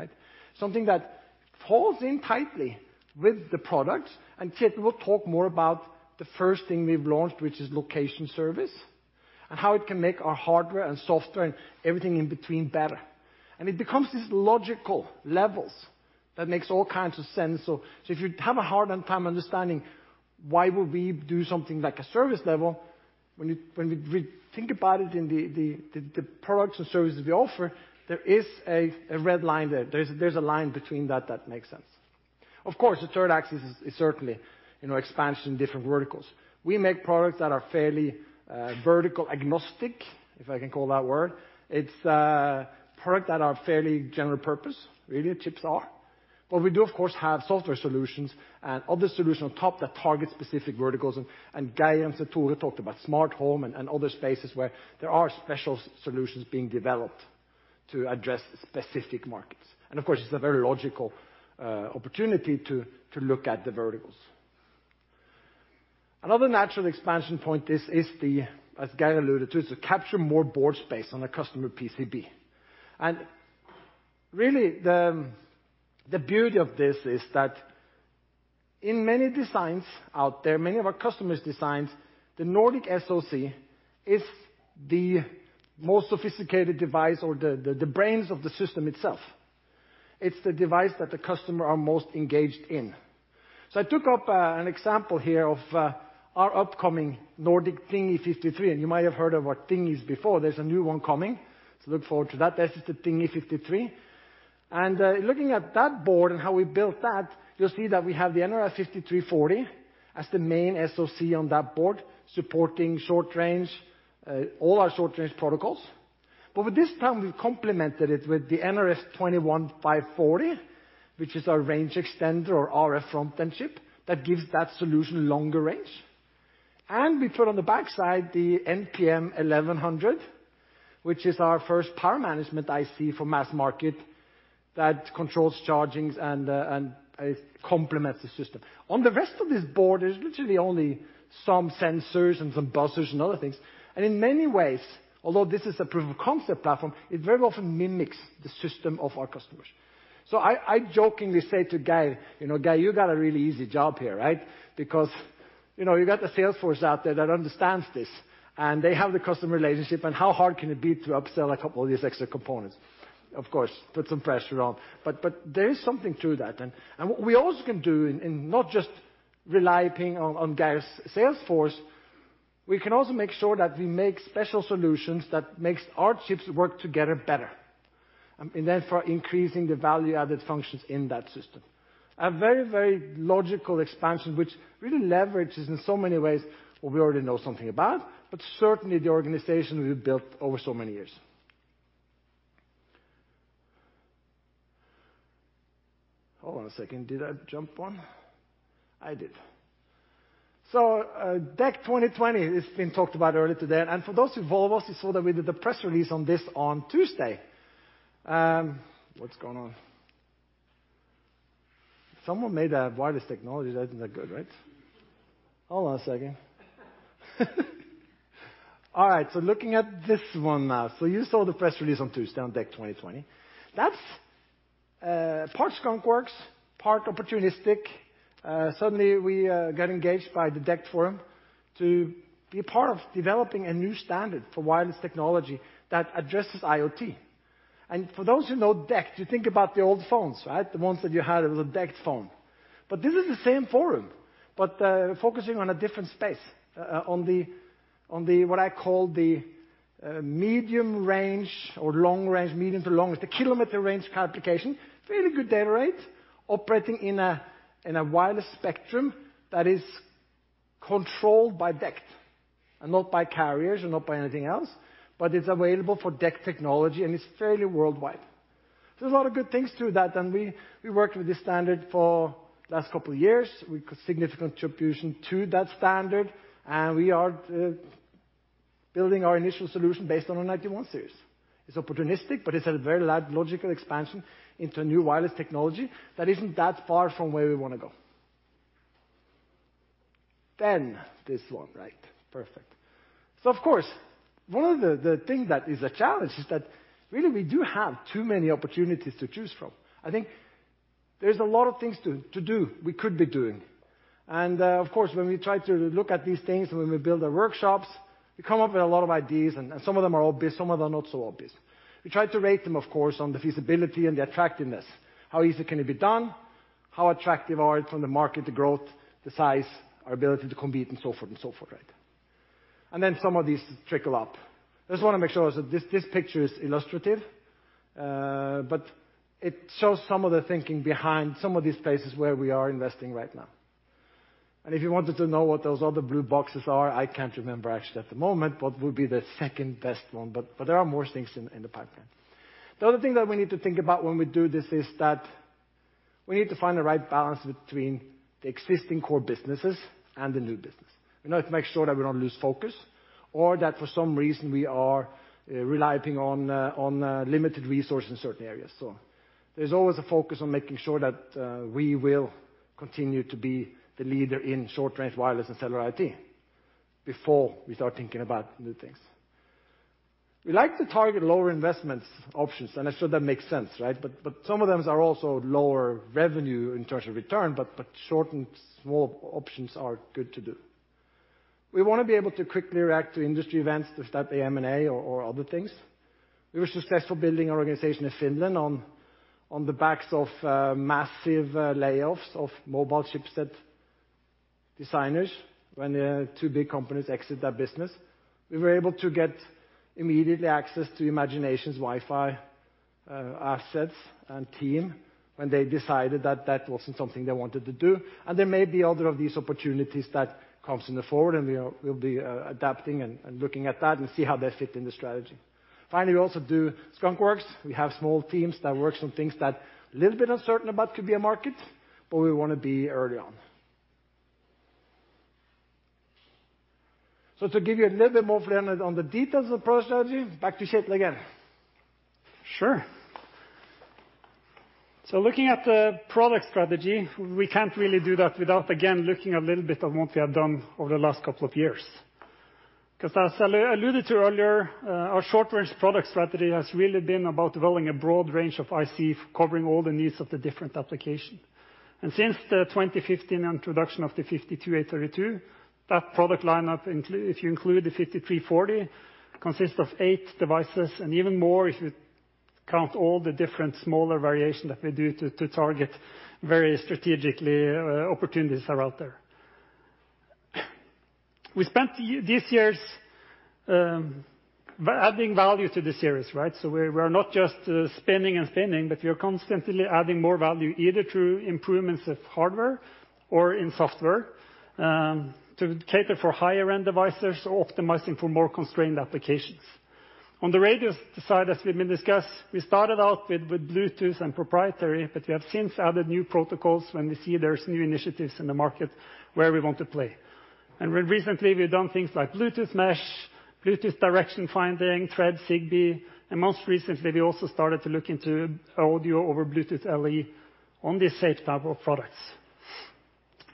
Something that falls in tightly with the product, and Kjetil will talk more about the first thing we've launched, which is Location Service, and how it can make our hardware and software and everything in between better. It becomes these logical levels that makes all kinds of sense. If you'd have a hard time understanding why would we do something like a service level, when we think about it in the products and services we offer, there is a red line there. There's a line between that that makes sense. Of course, the third axis is certainly expansion in different verticals. We make products that are fairly vertical agnostic, if I can call that word. It's a product that are fairly general purpose, really, chips are. We do, of course, have software solutions and other solution on top that target specific verticals, and Geir and Svenn-Tore talked about smart home and other spaces where there are special solutions being developed to address specific markets. Of course, it's a very logical opportunity to look at the verticals. Another natural expansion point is the, as Geir alluded to, is to capture more board space on a custom PCB. Really, the beauty of this is that in many designs out there, many of our customers' designs, the Nordic SoC is the most sophisticated device or the brains of the system itself. It's the device that the customer are most engaged in. I took up an example here of our upcoming Nordic Thingy:53, and you might have heard of our Thingys before. There's a new one coming, so look forward to that. This is the Thingy:53. Looking at that board and how we built that, you'll see that we have the nRF5340 as the main SoC on that board, supporting short-range, all our short-range protocols. With this time, we've complemented it with the nRF21540, which is our range extender or RF front-end module chip that gives that solution longer range. We put on the backside the nPM1100, which is our first power management IC for mass market that controls chargings and complements the system. On the rest of this board, there's literally only some sensors and some buzzers and other things. In many ways, although this is a proof of concept platform, it very often mimics the system of our customers. I jokingly say to Geir, "Geir, you got a really easy job here." You've got the sales force out there that understands this, and they have the customer relationship. How hard can it be to upsell a couple of these extra components? Of course, put some pressure on. There is something to that. What we also can do, and not just rely upon Geir's sales force, we can also make sure that we make special solutions that makes our chips work together better, and therefore increasing the value-added functions in that system. A very logical expansion which really leverages in so many ways what we already know something about, but certainly the organization we've built over so many years. Hold on a second. Did I jump one? I did. DECT-2020 NR. It's been talked about earlier today. For those who follow us, you saw that we did the press release on this on Tuesday. What's going on? Someone made a wireless technology that isn't that good, right? Hold on a second. All right, looking at this one now. You saw the press release on Tuesday on DECT-2020 NR. That's part skunk works, part opportunistic. Suddenly, we got engaged by the DECT Forum to be a part of developing a new standard for wireless technology that addresses IoT. For those who know DECT, you think about the old phones, right? The ones that you had, it was a DECT phone. This is the same Forum, but focusing on a different space, on the what I call the medium range or long range, medium to long, it's the kilometer range kind of application. Fairly good data rate, operating in a wireless spectrum that is controlled by DECT, and not by carriers and not by anything else, but it's available for DECT technology, and it's fairly worldwide. There's a lot of good things to that, and we worked with this standard for the last couple of years, with significant contribution to that standard, and we are building our initial solution based on our nRF91 Series. It's opportunistic, but it's a very logical expansion into a new wireless technology that isn't that far from where we want to go. This one, right. Perfect. Of course, one of the thing that is a challenge is that really we do have too many opportunities to choose from. I think there's a lot of things to do, we could be doing. Of course, when we try to look at these things and when we build our workshops, we come up with a lot of ideas, and some of them are obvious, some of them not so obvious. We try to rate them, of course, on the feasibility and the attractiveness. How easy can it be done? How attractive is it from the market, the growth, the size, our ability to compete, and so forth? Some of these trickle up. I just want to make sure also, this picture is illustrative, but it shows some of the thinking behind some of these places where we are investing right now. If you wanted to know what those other blue boxes are, I can't remember actually at the moment what would be the second best one, but there are more things in the pipeline. The other thing that we need to think about when we do this is that we need to find the right balance between the existing core businesses and the new business. We need to make sure that we don't lose focus or that for some reason we are relying on limited resource in certain areas. There's always a focus on making sure that we will continue to be the leader in short-range wireless and cellular IoT before we start thinking about new things. We like to target lower investments options, and I'm sure that makes sense. Some of them are also lower revenue in terms of return, but short and small options are good to do. We want to be able to quickly react to industry events, if that be M&A or other things. We were successful building our organization in Finland on the backs of massive layoffs of mobile chipset designers when two big companies exit that business. We were able to get immediately access to Imagination Technologies' Wi-Fi assets and team when they decided that that wasn't something they wanted to do. There may be other of these opportunities that comes in the forward, and we'll be adapting and looking at that and see how they fit in the strategy. Finally, we also do skunk works. We have small teams that works on things that a little bit uncertain about could be a market, but we want to be early on. To give you a little bit more on the details of the product strategy, back to Kjetil again. Sure. Looking at the product strategy, we can't really do that without, again, looking a little bit at what we have done over the last couple of years. As I alluded to earlier, our short-range product strategy has really been about developing a broad range of IC covering all the needs of the different application. Since the 2015 introduction of the nRF52832, that product lineup, if you include the nRF5340, consists of eight devices, and even more if you count all the different smaller variation that we do to target various strategically opportunities are out there. We spent these years adding value to the series. We're not just spinning and spinning, but we're constantly adding more value, either through improvements of hardware or in software, to cater for higher-end devices or optimizing for more constrained applications. On the radio side, as we've been discussed, we started out with Bluetooth, but we have since added new protocols when we see there's new initiatives in the market where we want to play. Recently we've done things like Bluetooth Mesh, Bluetooth Direction Finding, Thread, Zigbee, and most recently we also started to look into audio over Bluetooth LE on the safe type of products.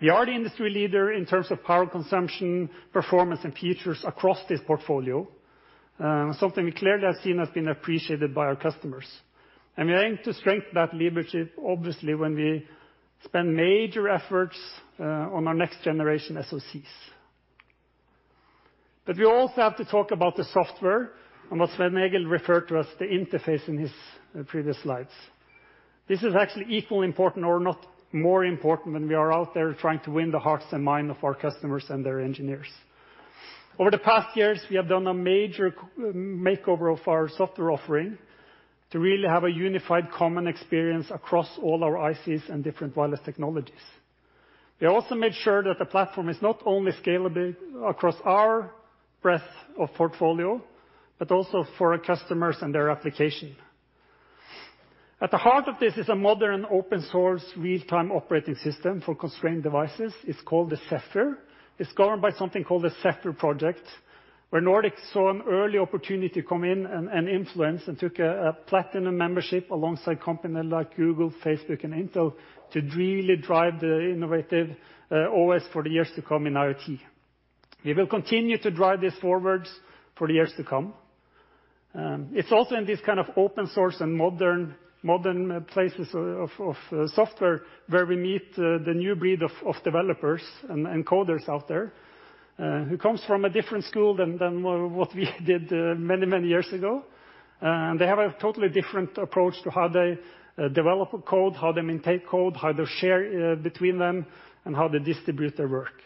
We are the industry leader in terms of power consumption, performance, and features across this portfolio. Something we clearly have seen has been appreciated by our customers. We aim to strengthen that leadership, obviously, when we spend major efforts on our next generation SoCs. We also have to talk about the software and what Svein-Egil referred to as the interface in his previous slides. This is actually equally important or not more important when we are out there trying to win the hearts and mind of our customers and their engineers. Over the past years, we have done a major makeover of our software offering to really have a unified common experience across all our ICs and different wireless technologies. We also made sure that the platform is not only scalable across our breadth of portfolio, but also for our customers and their application. At the heart of this is a modern open-source real-time operating system for constrained devices. It's called the Zephyr RTOS. It's governed by something called a Zephyr Project, where Nordic saw an early opportunity to come in and influence and took a platinum membership alongside company like Google, Facebook, and Intel to really drive the innovative OS for the years to come in IoT. We will continue to drive this forward for the years to come. It's also in this kind of open-source and modern places of software where we meet the new breed of developers and encoders out there, who comes from a different school than what we did many years ago. They have a totally different approach to how they develop a code, how they maintain code, how they share between them, and how they distribute their work.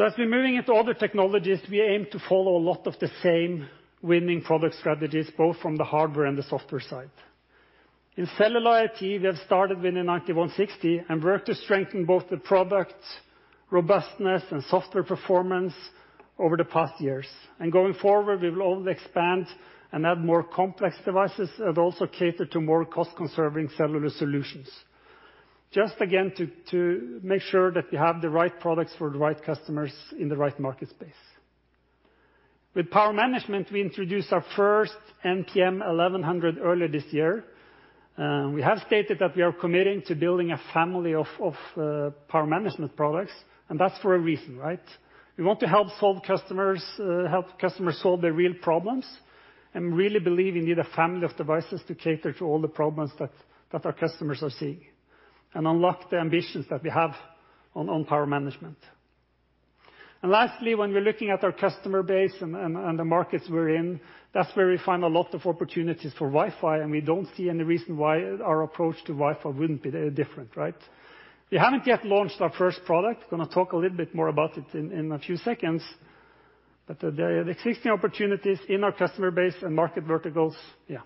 As we're moving into other technologies, we aim to follow a lot of the same winning product strategies, both from the hardware and the software side. In cellular IoT, we have started with the nRF9160 and worked to strengthen both the product robustness and software performance over the past years. Going forward, we will only expand and add more complex devices that also cater to more cost-conserving cellular solutions. Just again, to make sure that we have the right products for the right customers in the right market space. With power management, we introduced our first nPM1100 earlier this year. We have stated that we are committing to building a family of power management products. That's for a reason. We want to help customers solve their real problems and really believe we need a family of devices to cater to all the problems that our customers are seeing and unlock the ambitions that we have on power management. Lastly, when we're looking at our customer base and the markets we're in, that's where we find a lot of opportunities for Wi-Fi. We don't see any reason why our approach to Wi-Fi wouldn't be different. We haven't yet launched our first product. Going to talk a little bit more about it in a few seconds. There are existing opportunities in our customer base and market verticals. Yeah.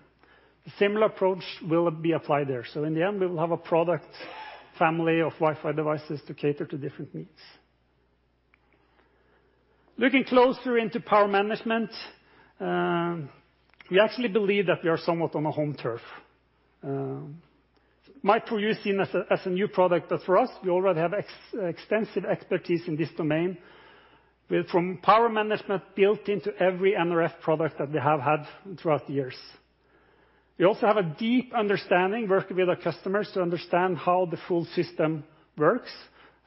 A similar approach will be applied there. In the end, we will have a product family of Wi-Fi devices to cater to different needs. Looking closer into power management, we actually believe that we are somewhat on a home turf. Micro is seen as a new product, but for us, we already have extensive expertise in this domain, from power management built into every nRF product that we have had throughout the years. We also have a deep understanding working with our customers to understand how the full system works.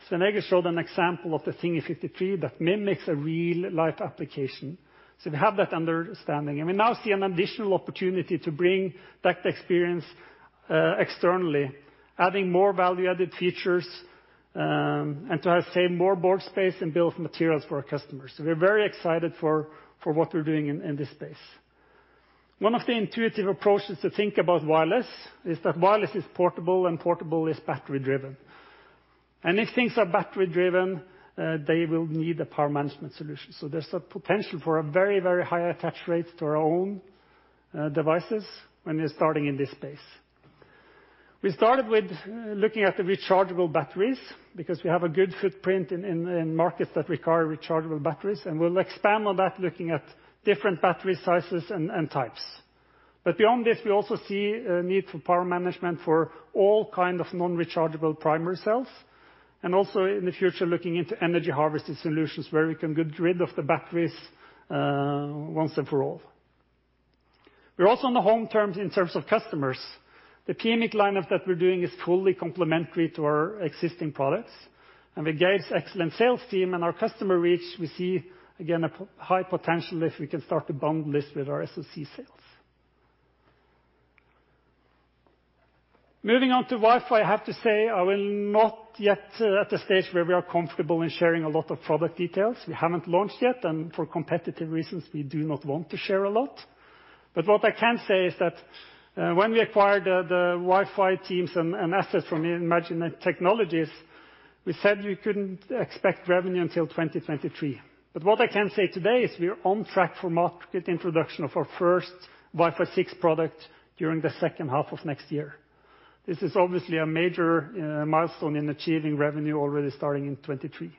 Svein-Egil showed an example of the Thingy:53 that mimics a real-life application. We have that understanding, and we now see an additional opportunity to bring that experience externally, adding more value-added features, and to save more board space and build materials for our customers. We're very excited for what we're doing in this space. One of the intuitive approaches to think about wireless is that wireless is portable, and portable is battery-driven. If things are battery-driven, they will need a power management solution. There's a potential for a very high attach rate to our own devices when you're starting in this space. We started with looking at the rechargeable batteries because we have a good footprint in markets that require rechargeable batteries, and we'll expand on that looking at different battery sizes and types. Beyond this, we also see a need for power management for all kind of non-rechargeable primary cells, and also in the future, looking into energy harvested solutions where we can get rid of the batteries once and for all. We're also on the home terms in terms of customers. The PMIC lineup that we're doing is fully complementary to our existing products. With Geir's excellent sales team and our customer reach, we see, again, a high potential if we can start to bundle this with our SoC sales. Moving on to Wi-Fi, I have to say I will not yet at the stage where we are comfortable in sharing a lot of product details. We haven't launched yet, and for competitive reasons, we do not want to share a lot. What I can say is that when we acquired the Wi-Fi teams and assets from Imagination Technologies, we said we couldn't expect revenue until 2023. What I can say today is we're on track for market introduction of our first Wi-Fi 6 product during the second half of next year. This is obviously a major milestone in achieving revenue already starting in 2023.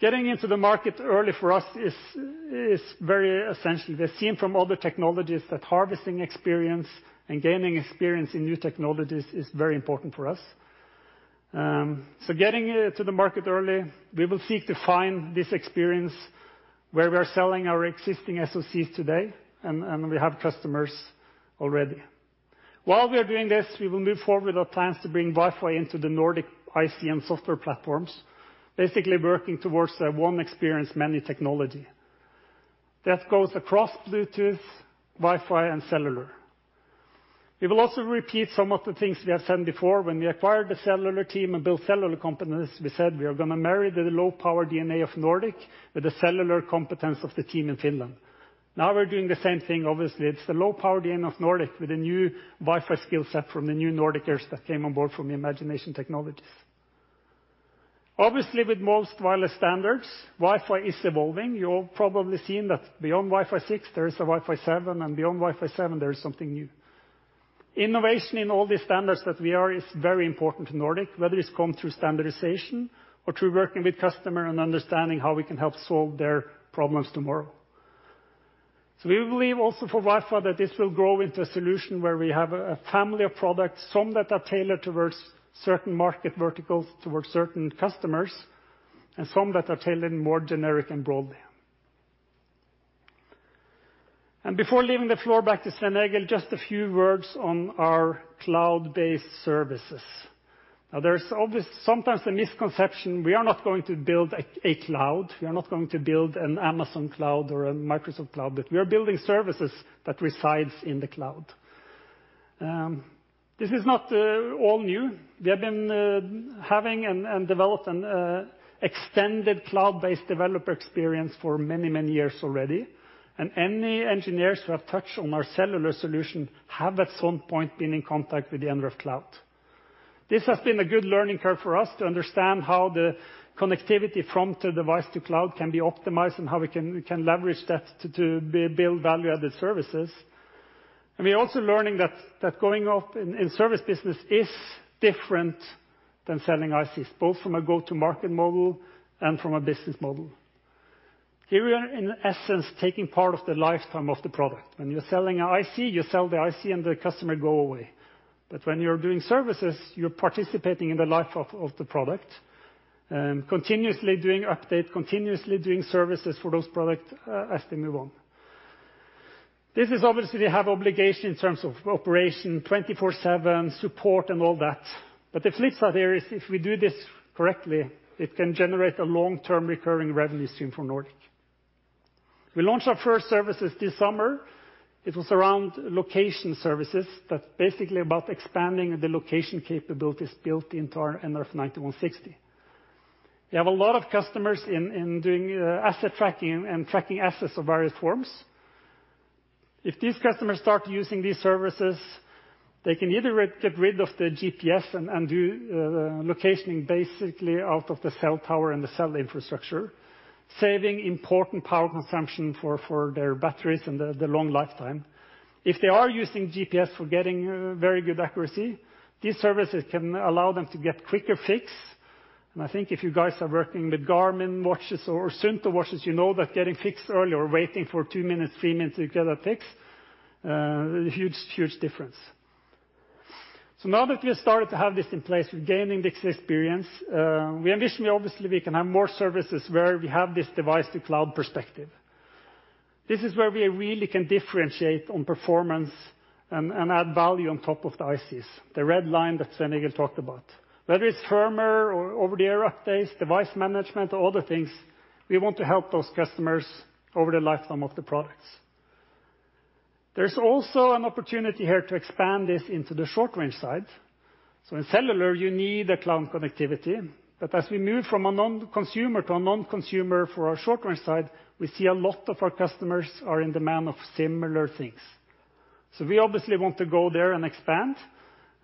Getting into the market early for us is very essential. We've seen from other technologies that harvesting experience and gaining experience in new technologies is very important for us. Getting to the market early, we will seek to find this experience where we are selling our existing SoCs today, and we have customers already. While we are doing this, we will move forward with our plans to bring Wi-Fi into the Nordic IC and software platforms, basically working towards one experience, many technology. That goes across Bluetooth, Wi-Fi, and cellular. We will also repeat some of the things we have said before. When we acquired the cellular team and built cellular components, we said we are going to marry the low-power DNA of Nordic with the cellular competence of the team in Finland. Now we're doing the same thing. Obviously, it's the low-power DNA of Nordic with the new Wi-Fi skill set from the new Nordicers that came on board from Imagination Technologies. Obviously, with most wireless standards, Wi-Fi is evolving. You've probably seen that beyond Wi-Fi 6, there is a Wi-Fi 7, and beyond Wi-Fi 7, there is something new. Innovation in all these standards that we are is very important to Nordic, whether it's come through standardization or through working with customer and understanding how we can help solve their problems tomorrow. We believe also for Wi-Fi that this will grow into a solution where we have a family of products, some that are tailored towards certain market verticals, towards certain customers, and some that are tailored more generic and broadly. Before leaving the floor back to Svein-Egil, just a few words on our cloud-based services. Now, there's sometimes the misconception we are not going to build a cloud. We are not going to build an Amazon cloud or a Microsoft cloud, but we are building services that resides in the cloud. This is not all new. We have been having and developed an extended cloud-based developer experience for many years already. Any engineers who have touched on our cellular solution have at some point been in contact with the nRF Cloud. This has been a good learning curve for us to understand how the connectivity from the device to cloud can be optimized and how we can leverage that to build value-added services. We're also learning that going up in service business is different than selling ICs, both from a go-to-market model and from a business model. Here we are, in essence, taking part of the lifetime of the product. When you're selling IC, you sell the IC, and the customer go away. When you're doing services, you're participating in the life of the product, continuously doing update, continuously doing services for those products as they move on. This is obviously, they have obligation in terms of operation 24/7 support and all that. The flip side here is if we do this correctly, it can generate a long-term recurring revenue stream for Nordic. We launched our first services this summer. It was around Location Services. That's basically about expanding the location capabilities built into our nRF9160. We have a lot of customers in doing asset tracking and tracking assets of various forms. If these customers start using these services, they can either get rid of the GPS and do locationing basically out of the cell tower and the cell infrastructure, saving important power consumption for their batteries and the long lifetime. If they are using GPS for getting very good accuracy, these services can allow them to get quicker fix. I think if you guys are working with Garmin watches or Suunto watches, you know that getting fixed early or waiting for two minutes, three minutes to get that fix, a huge difference. Now that we have started to have this in place, we're gaining this experience. We envision, obviously, we can have more services where we have this device-to-cloud perspective. This is where we really can differentiate on performance and add value on top of the ICs, the red line that Svein-Egil talked about. Whether it's firmware or over-the-air updates, device management, or other things, we want to help those customers over the lifetime of the products. There's also an opportunity here to expand this into the short-range side. In cellular, you need a cloud connectivity. As we move from a known consumer to a non-consumer for our short-range side, we see a lot of our customers are in demand of similar things. We obviously want to go there and expand.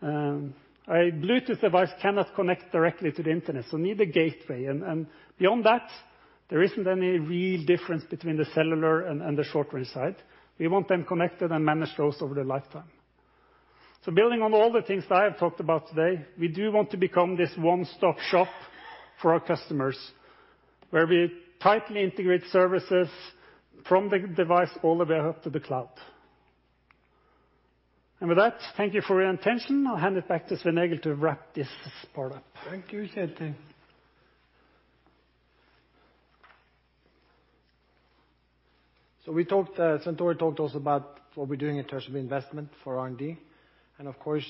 A Bluetooth device cannot connect directly to the internet, so need a gateway. Beyond that, there isn't any real difference between the cellular and the short-range side. We want them connected and managed those over their lifetime. Building on all the things that I have talked about today, we do want to become this one-stop shop for our customers, where we tightly integrate services from the device all the way up to the cloud. With that, thank you for your attention. I'll hand it back to Svein-Egil to wrap this part up. Thank you, Kjetil. Svenn-Tore talked also about what we're doing in terms of investment for R&D. Of course,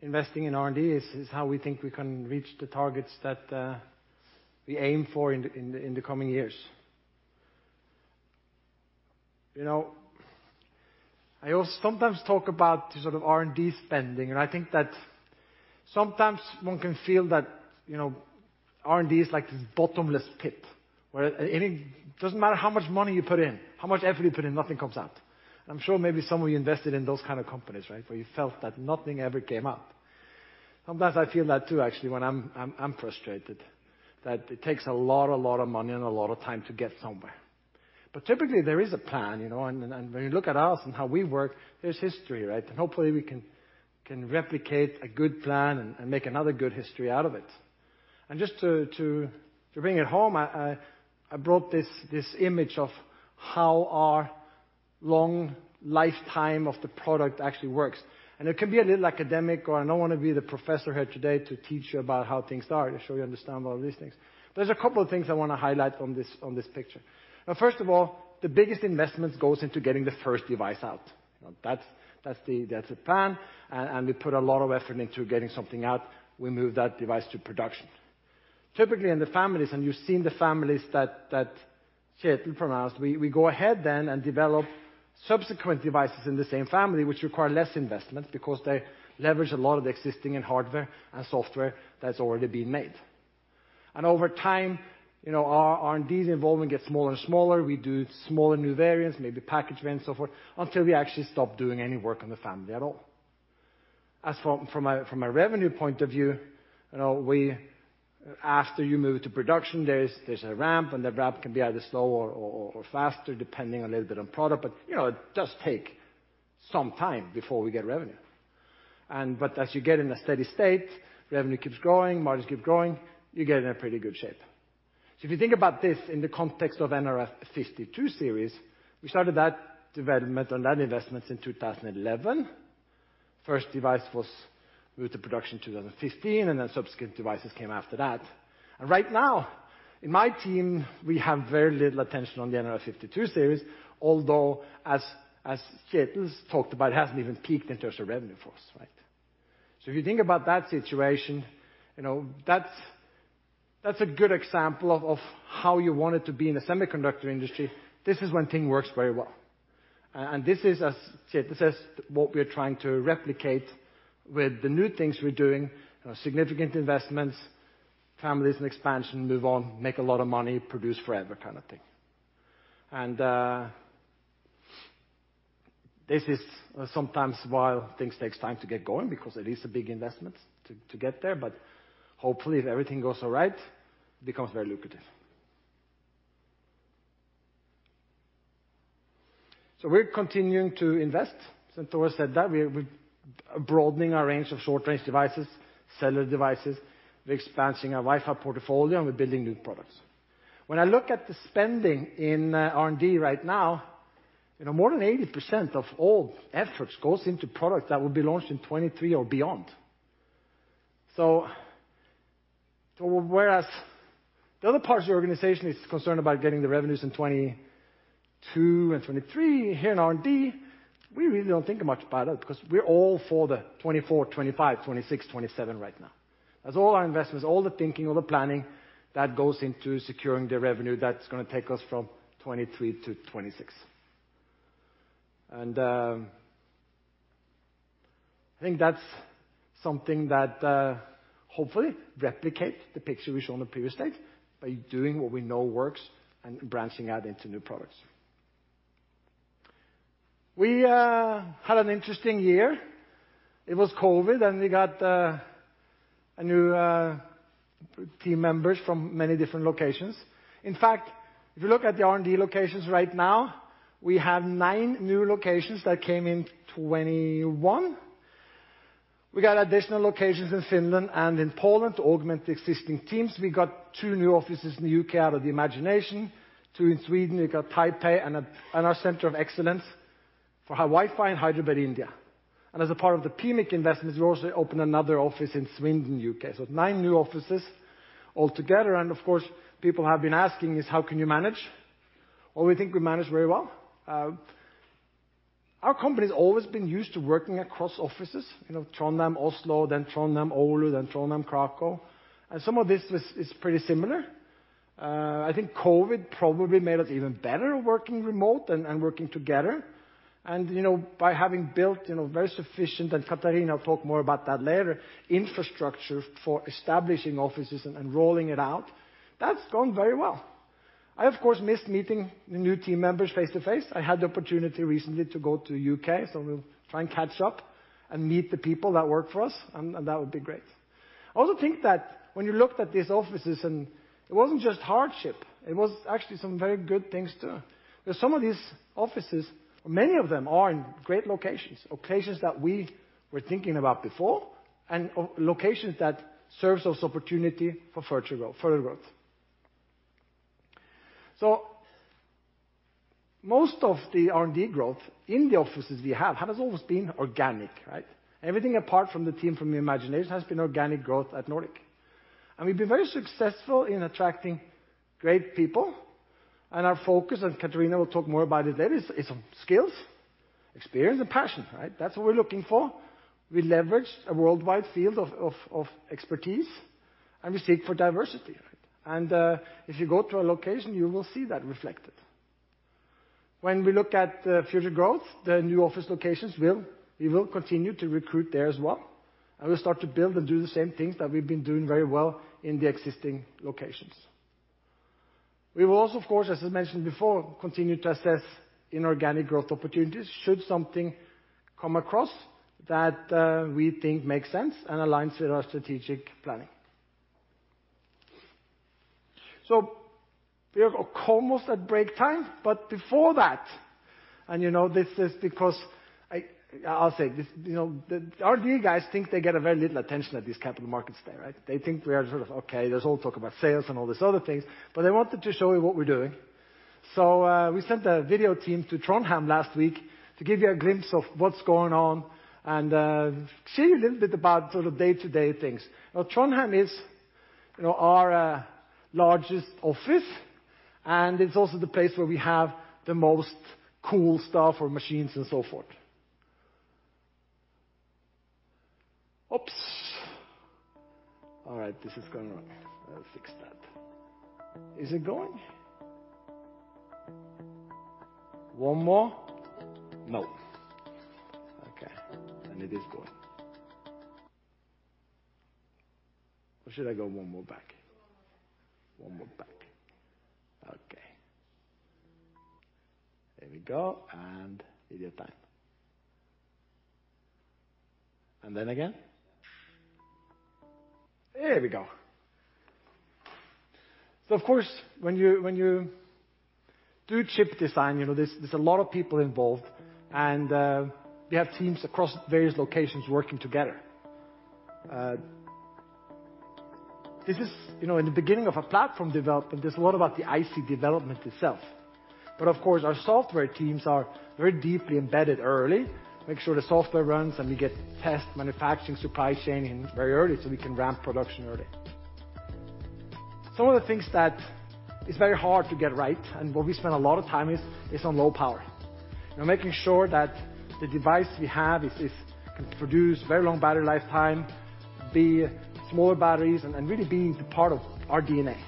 investing in R&D is how we think we can reach the targets that we aim for in the coming years. I sometimes talk about R&D spending, and I think that sometimes one can feel that R&D is like this bottomless pit. It doesn't matter how much money you put in, how much effort you put in, nothing comes out. I'm sure maybe some of you invested in those kind of companies, right? Where you felt that nothing ever came up. Sometimes I feel that, too, actually, when I'm frustrated, that it takes a lot of money and a lot of time to get somewhere. Typically there is a plan. When you look at us and how we work, there's history, right? Hopefully we can replicate a good plan and make another good history out of it. Just to bring it home, I brought this image of how our long lifetime of the product actually works. It can be a little academic, and I don't want to be the professor here today to teach you about how things are to show you understand about these things. There's a couple of things I want to highlight on this picture. Now, first of all, the biggest investment goes into getting the first device out. That's the plan, and we put a lot of effort into getting something out. We move that device to production. Typically, in the families, and you've seen the families that Kjetil pronounced, we go ahead and develop subsequent devices in the same family, which require less investment because they leverage a lot of the existing hardware and software that's already been made. Over time, our R&D involvement gets smaller and smaller. We do smaller new variants, maybe package variants, so forth, until we actually stop doing any work on the family at all. As from a revenue point of view, after you move to production, there's a ramp, the ramp can be either slow or faster, depending a little bit on product, it does take some time before we get revenue. As you get in a steady state, revenue keeps growing, margins keep growing, you get in a pretty good shape. If you think about this in the context of nRF52 Series, we started that development on that investment in 2011. First device was moved to production 2015, and then subsequent devices came after that. Right now, in my team, we have very little attention on the nRF52 Series, although, as Kjetil's talked about, it hasn't even peaked in terms of revenue for us. If you think about that situation, that's a good example of how you want it to be in the semiconductor industry. This is when thing works very well. This is, as Kjetil says, what we're trying to replicate with the new things we're doing, significant investments, families and expansion, move on, make a lot of money, produce forever kind of thing. This is sometimes why things take time to get going because it is a big investment to get there, but hopefully if everything goes all right, it becomes very lucrative. We're continuing to invest. Since Tore said that, we're broadening our range of short-range devices, cellular devices. We're expanding our Wi-Fi portfolio, and we're building new products. When I look at the spending in R&D right now, more than 80% of all efforts go into products that will be launched in 2023 or beyond. Whereas the other parts of the organization is concerned about getting the revenues in 2022 and 2023, here in R&D, we really don't think much about it because we're all for the 2024, 2025, 2026, 2027 right now, as all our investments, all the thinking, all the planning that goes into securing the revenue that's going to take us from 2023 to 2026. I think that's something that hopefully replicate the picture we showed on the previous slide, by doing what we know works and branching out into new products. We had an interesting year. It was COVID, and we got new team members from many different locations. In fact, if you look at the R&D locations right now, we have nine new locations that came in 2021. We got additional locations in Finland and in Poland to augment the existing teams. We got two new offices in the U.K. out of the Imagination, two in Sweden. We got Taipei and our center of excellence for our Wi-Fi in Hyderabad, India. As a part of the PMIC investments, we also opened another office in Swindon, U.K. Nine new offices altogether. Of course, people have been asking is how can you manage? Well, we think we manage very well. Our company's always been used to working across offices, Trondheim, Oslo, then Trondheim, Oulu, then Trondheim, Kraków. Some of this is pretty similar. I think COVID probably made us even better working remote and working together. By having built very sufficient, and Katarina will talk more about that later, infrastructure for establishing offices and rolling it out, that's gone very well. I, of course, missed meeting the new team members face-to-face. I had the opportunity recently to go to U.K., we'll try and catch up and meet the people that work for us, and that would be great. I also think that when you looked at these offices, it wasn't just hardship, it was actually some very good things, too. Some of these offices, many of them are in great locations that we were thinking about before, and locations that serves as opportunity for further growth. Most of the R&D growth in the offices we have has almost been organic. Everything apart from the team from Imagination Technologies has been organic growth at Nordic Semiconductor, and we've been very successful in attracting great people, and our focus, and Katarina will talk more about it later, is on skills, experience, and passion. That's what we're looking for. We leverage a worldwide field of expertise, and we seek for diversity. If you go to a location, you will see that reflected. When we look at future growth, the new office locations, we will continue to recruit there as well, and we'll start to build and do the same things that we've been doing very well in the existing locations. We will also, of course, as I mentioned before, continue to assess inorganic growth opportunities should something come across that we think makes sense and aligns with our strategic planning. We are almost at break time, but before that, and this is because I'll say this, the R&D guys think they get a very little attention at these Capital Markets Day. They think we are sort of, okay, let's all talk about sales and all these other things, but I wanted to show you what we're doing. We sent a video team to Trondheim last week to give you a glimpse of what's going on and show you a little bit about sort of day-to-day things. Trondheim is our largest office, and it's also the place where we have the most cool stuff or machines and so forth. Oops. All right, this is going wrong. I'll fix that. Is it going? One more? No. Okay, it is going. Should I go one more back? Go one more back. One more back. Okay. There we go, and video time. Then again? Yeah. There we go. Of course, when you do chip design, there's a lot of people involved, and we have teams across various locations working together. In the beginning of a platform development, there's a lot about the IC development itself. Of course, our software teams are very deeply embedded early, make sure the software runs, and we get test manufacturing supply chain in very early so we can ramp production early. Some of the things that is very hard to get right and what we spend a lot of time is on low power. Making sure that the device we have can produce very long battery lifetime, be smaller batteries, and really being part of our DNA.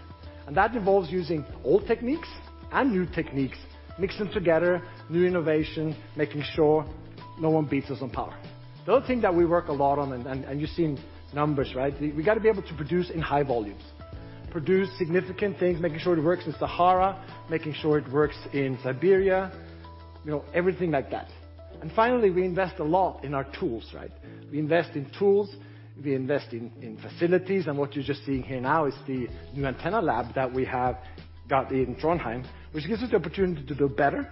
That involves using old techniques and new techniques, mix them together, new innovation, making sure no one beats us on power. The other thing that we work a lot on, you've seen numbers, right? We got to be able to produce in high volumes, produce significant things, making sure it works in Sahara, making sure it works in Siberia, everything like that. Finally, we invest a lot in our tools, right? We invest in tools, we invest in facilities, and what you're just seeing here now is the new antenna lab that we have got in Trondheim, which gives us the opportunity to do better,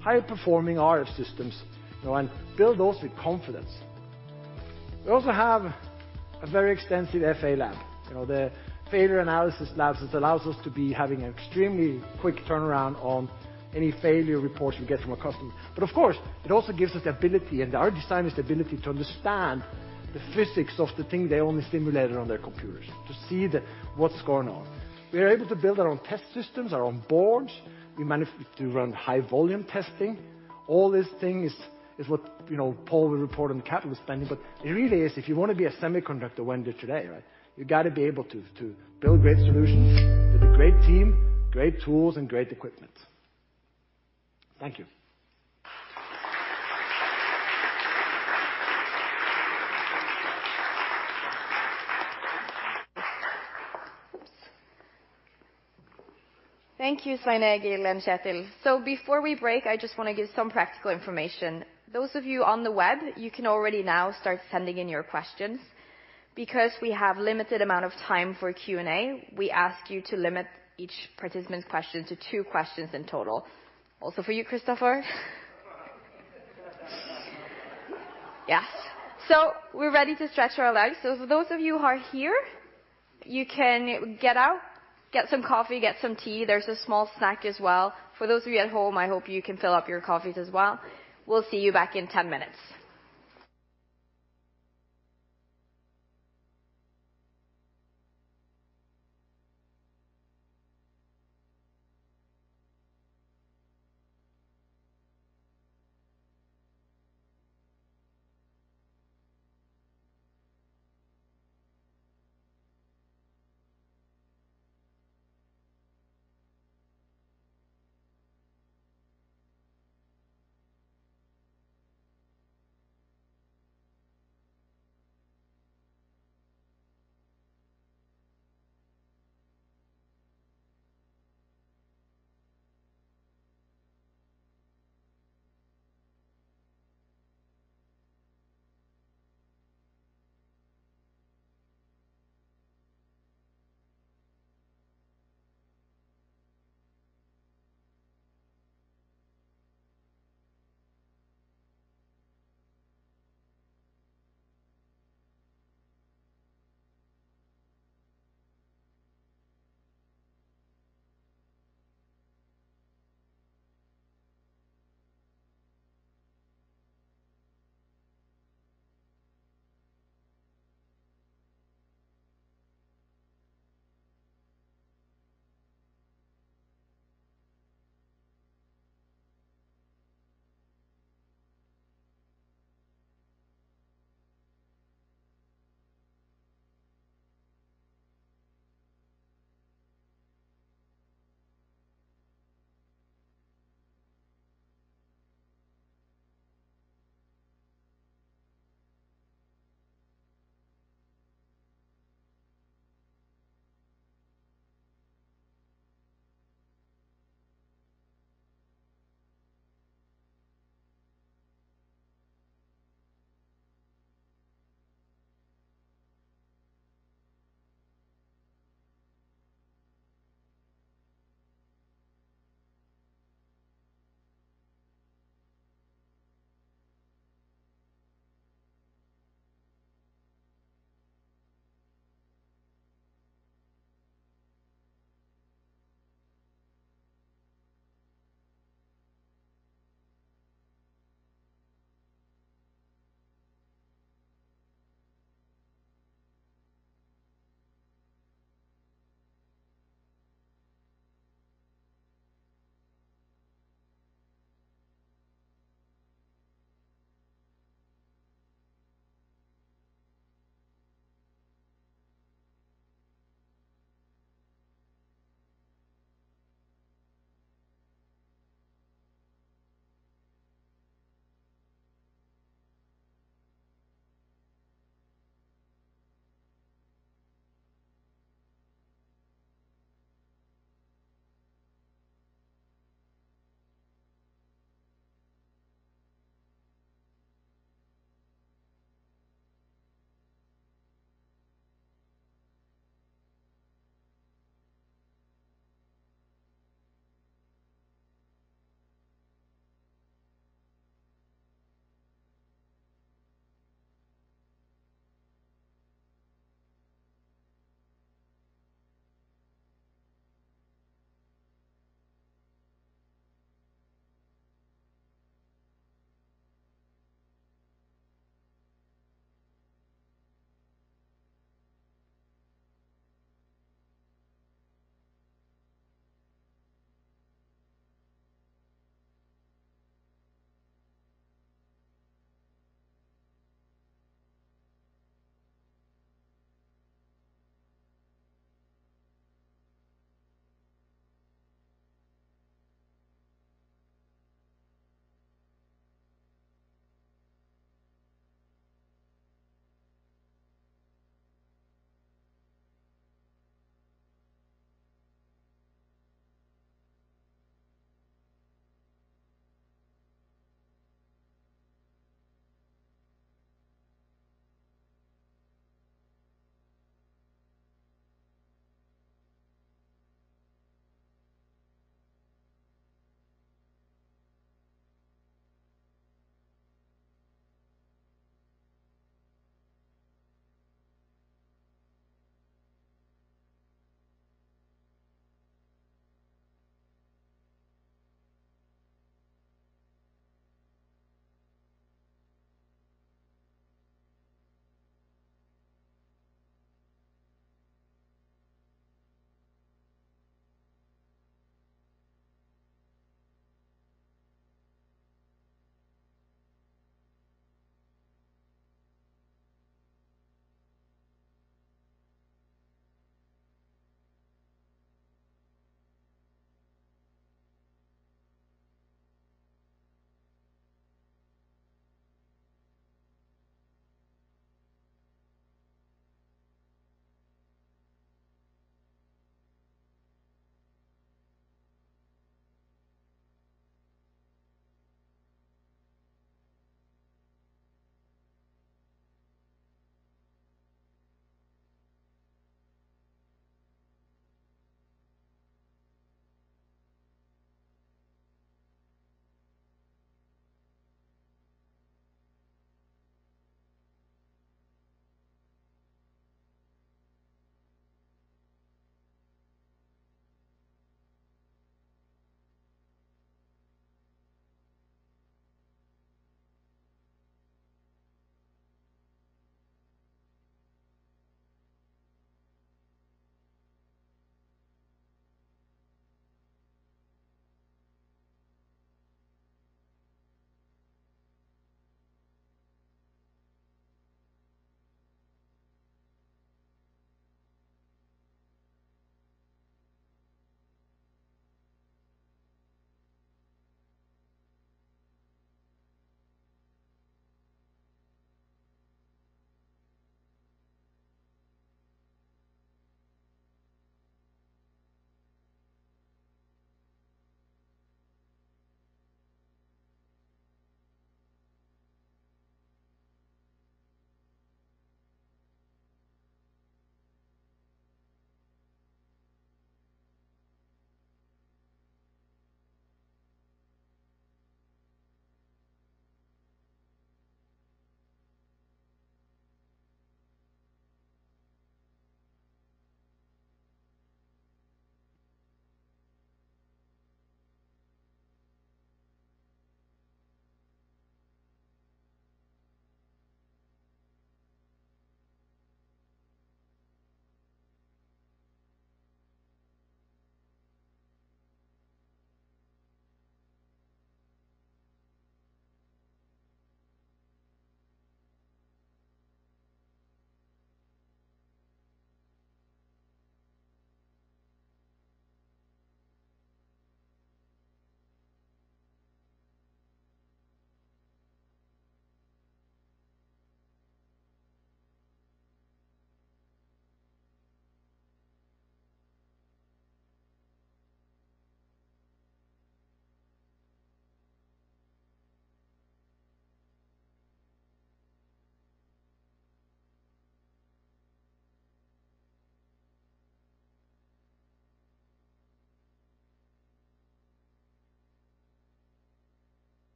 higher-performing RF systems, and build those with confidence. We also have a very extensive FA lab, the failure analysis labs. It allows us to be having an extremely quick turnaround on any failure reports we get from a customer. Of course, it also gives us the ability, and our designers the ability to understand the physics of the thing they only simulated on their computers, to see what's going on. We are able to build our own test systems, our own boards. We run high-volume testing. All these things is what Pål will report on the capital spending, it really is, if you want to be a semiconductor one today, you got to be able to build great solutions with a great team, great tools, and great equipment. Thank you. Thank you, Svein-Egil and Kjetil. Before we break, I just want to give some practical information. Those of you on the web, you can already now start sending in your questions. Because we have limited amount of time for Q&A, we ask you to limit each participant's question to two questions in total. Also for you, Christoffer. Yes. We're ready to stretch our legs. For those of you who are here, you can get out, get some coffee, get some tea. There's a small snack as well. For those of you at home, I hope you can fill up your coffees as well. We'll see you back in 10 minutes.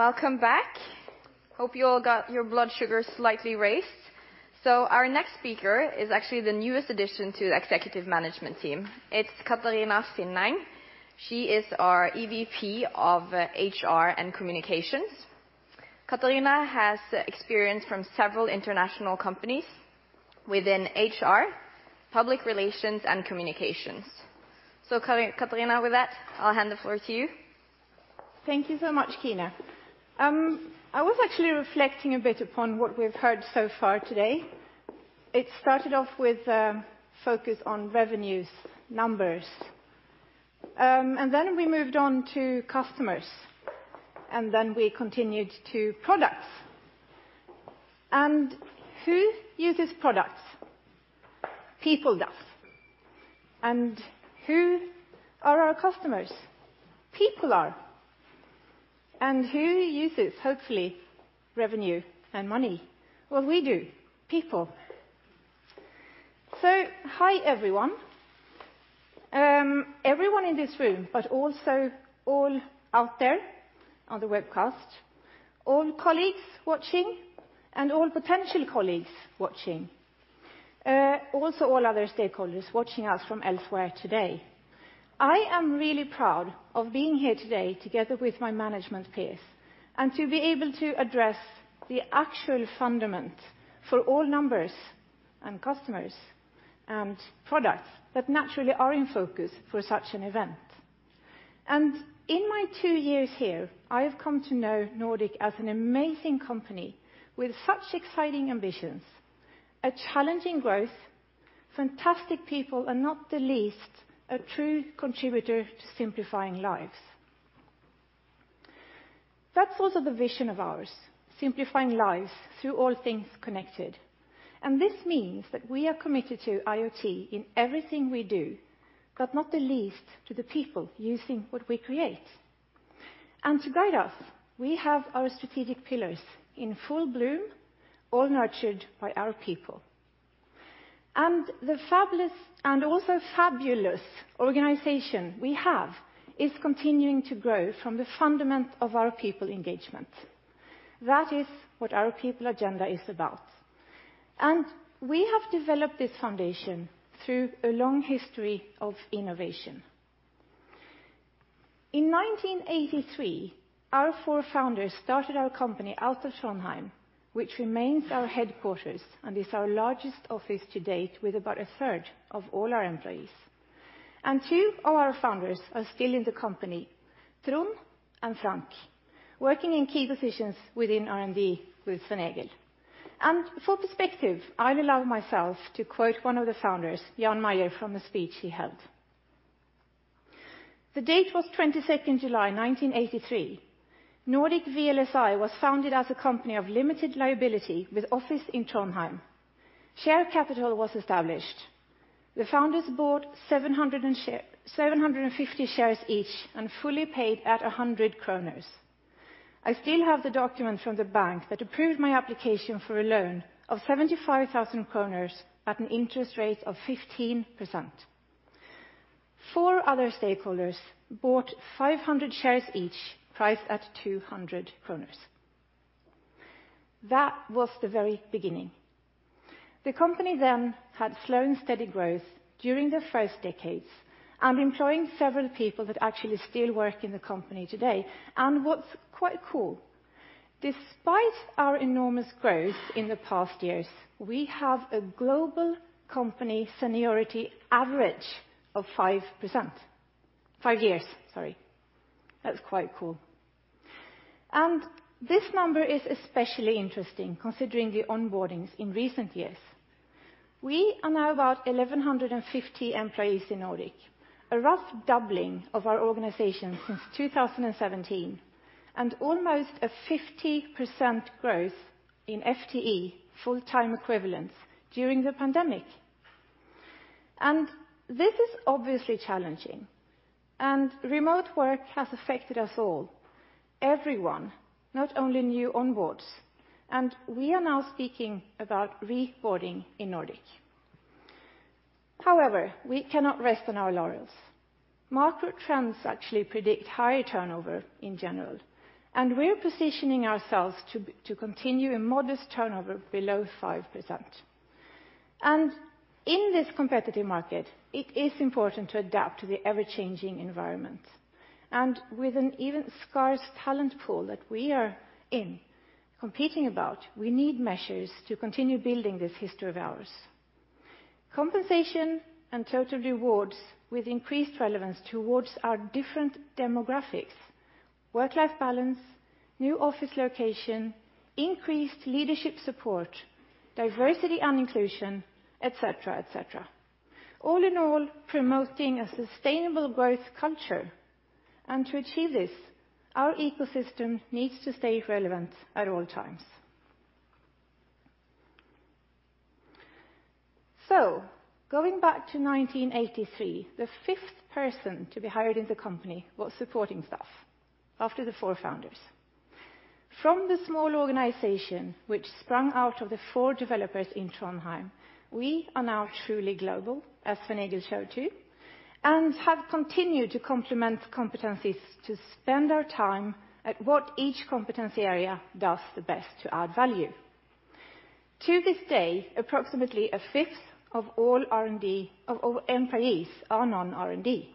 Welcome back. Hope you all got your blood sugar slightly raised. Our next speaker is actually the newest addition to the Executive Management Team. It's Katarina Finneng. She is our EVP of HR and Communications. Katarina has experience from several international companies within HR, public relations, and communications. Katarina, with that, I'll hand the floor to you. Thank you so much, Kine. I was actually reflecting a bit upon what we've heard so far today. It started off with a focus on revenues, numbers, and then we moved on to customers, and then we continued to products. Who uses products? People does. Who are our customers? People are. Who uses, hopefully, revenue and money? Well, we do, people. Hi, everyone. Everyone in this room, but also all out there on the webcast, all colleagues watching, and all potential colleagues watching. Also all other stakeholders watching us from elsewhere today. I am really proud of being here today together with my management peers, and to be able to address the actual fundament for all numbers and customers and products that naturally are in focus for such an event. In my two years here, I have come to know Nordic Semiconductor as an amazing company with such exciting ambitions, a challenging growth, fantastic people, and not the least, a true contributor to simplifying lives. That's also the vision of ours, simplifying lives through all things connected. This means that we are committed to IoT in everything we do, but not the least to the people using what we create. To guide us, we have our strategic pillars in full bloom, all nurtured by our people. The fabulous organization we have is continuing to grow from the fundament of our people engagement. That is what our people agenda is about. We have developed this foundation through a long history of innovation. In 1983, our four founders started our company out of Trondheim, which remains our headquarters and is our largest office to date with about 1/3 of all our employees. Two of our founders are still in the company, Trond Sæther and Frank Berntsen, working in key positions within R&D with Svein-Egil. For perspective, I'll allow myself to quote one of the founders, Jan Meyer, from the speech he held. The date was 22nd July 1983. Nordic VLSI was founded as a company of limited liability with office in Trondheim. Share capital was established. The founders bought 750 shares each and fully paid at 100 kroner. I still have the document from the bank that approved my application for a loan of 75,000 kroner at an interest rate of 15%. Four other stakeholders bought 500 shares each, priced at 200 kroner. That was the very beginning. The company had slow and steady growth during the first decades and employing several people that actually still work in the company today. What's quite cool, despite our enormous growth in the past years, we have a global company seniority average of five years. That's quite cool. This number is especially interesting considering the onboardings in recent years. We are now about 1,150 employees in Nordic Semiconductor, a rough doubling of our organization since 2017, and almost a 50% growth in FTE, full-time equivalents, during the pandemic. This is obviously challenging, and remote work has affected us all, everyone, not only new onboards. We are now speaking about reboarding in Nordic Semiconductor. However, we cannot rest on our laurels. Market trends actually predict higher turnover in general, and we're positioning ourselves to continue a modest turnover below 5%. In this competitive market, it is important to adapt to the ever-changing environment. With an even scarce talent pool that we are in, competing about, we need measures to continue building this history of ours. Compensation and total rewards with increased relevance towards our different demographics, work-life balance, new office location, increased leadership support, diversity and inclusion, et cetera. All in all, promoting a sustainable growth culture. To achieve this, our ecosystem needs to stay relevant at all times. Going back to 1983, the fifth person to be hired in the company was supporting staff after the four founders. From the small organization, which sprung out of the four developers in Trondheim, we are now truly global, as Svein-Egil showed you, and have continued to complement competencies to spend our time at what each competency area does the best to add value. To this day, approximately a fifth of all employees are non-R&D.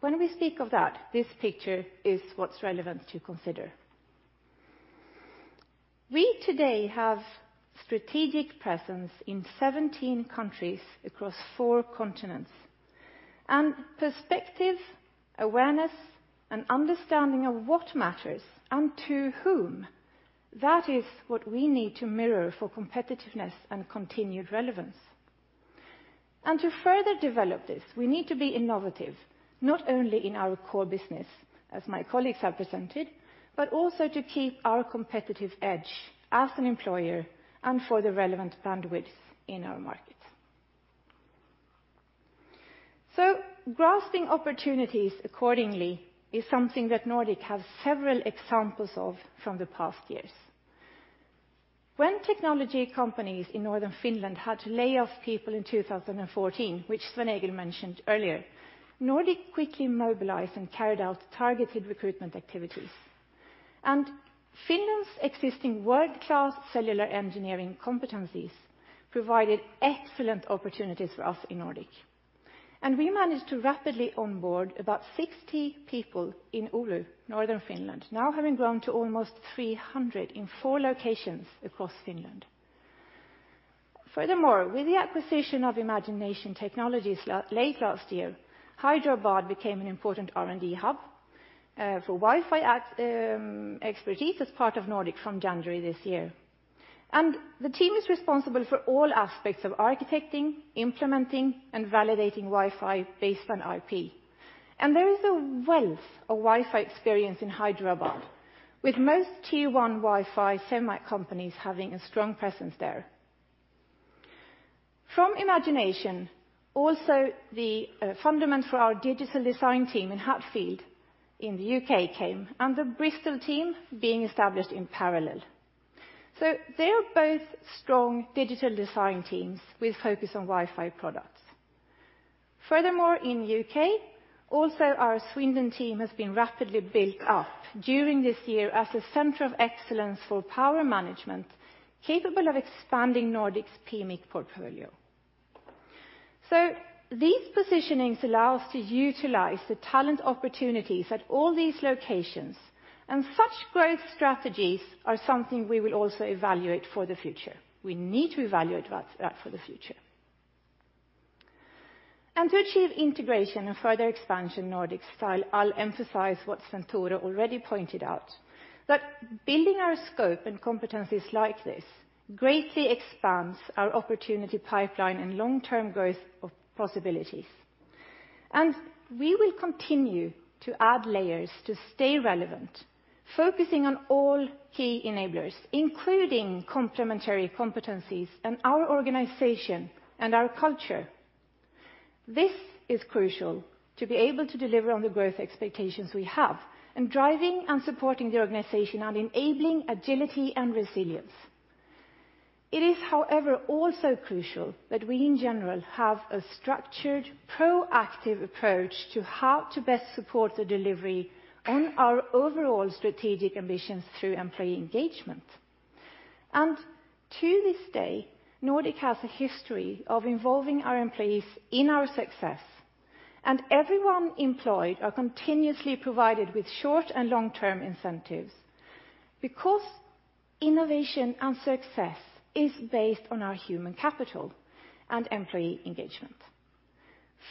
When we speak of that, this picture is what's relevant to consider. We today have strategic presence in 17 countries across four continents. Perspective, awareness, and understanding of what matters and to whom, that is what we need to mirror for competitiveness and continued relevance. To further develop this, we need to be innovative, not only in our core business, as my colleagues have presented, but also to keep our competitive edge as an employer and for the relevant bandwidths in our market. Grasping opportunities accordingly is something that Nordic has several examples of from the past years. When technology companies in Northern Finland had to lay off people in 2014, which Svein-Egil mentioned earlier, Nordic Semiconductor quickly mobilized and carried out targeted recruitment activities. Finland's existing world-class cellular engineering competencies provided excellent opportunities for us in Nordic Semiconductor. We managed to rapidly onboard about 60 people in Oulu, Northern Finland, now having grown to almost 300 in four locations across Finland. Furthermore, with the acquisition of Imagination Technologies late last year, Hyderabad became an important R&D hub, for Wi-Fi expertise as part of Nordic Semiconductor from January this year. The team is responsible for all aspects of architecting, implementing, and validating Wi-Fi based on IP. There is a wealth of Wi-Fi experience in Hyderabad, with most Tier 1 Wi-Fi semi companies having a strong presence there. From Imagination Technologies, also the fundament for our digital design team in Hatfield in the U.K. came, and the Bristol team being established in parallel. They are both strong digital design teams with focus on Wi-Fi products. Furthermore, in U.K., also our Swindon team has been rapidly built up during this year as a center of excellence for power management, capable of expanding Nordic's PMIC portfolio. These positionings allow us to utilize the talent opportunities at all these locations, and such growth strategies are something we will also evaluate for the future. We need to evaluate that for the future. To achieve integration and further expansion Nordic style, I'll emphasize what Svenn-Tore already pointed out, that building our scope and competencies like this greatly expands our opportunity pipeline and long-term growth of possibilities. We will continue to add layers to stay relevant, focusing on all key enablers, including complementary competencies in our organization and our culture. This is crucial to be able to deliver on the growth expectations we have and driving and supporting the organization on enabling agility and resilience. It is, however, also crucial that we in general have a structured, proactive approach to how to best support the delivery on our overall strategic ambitions through employee engagement. To this day, Nordic has a history of involving our employees in our success, and everyone employed are continuously provided with short and long-term incentives, because innovation and success is based on our human capital and employee engagement.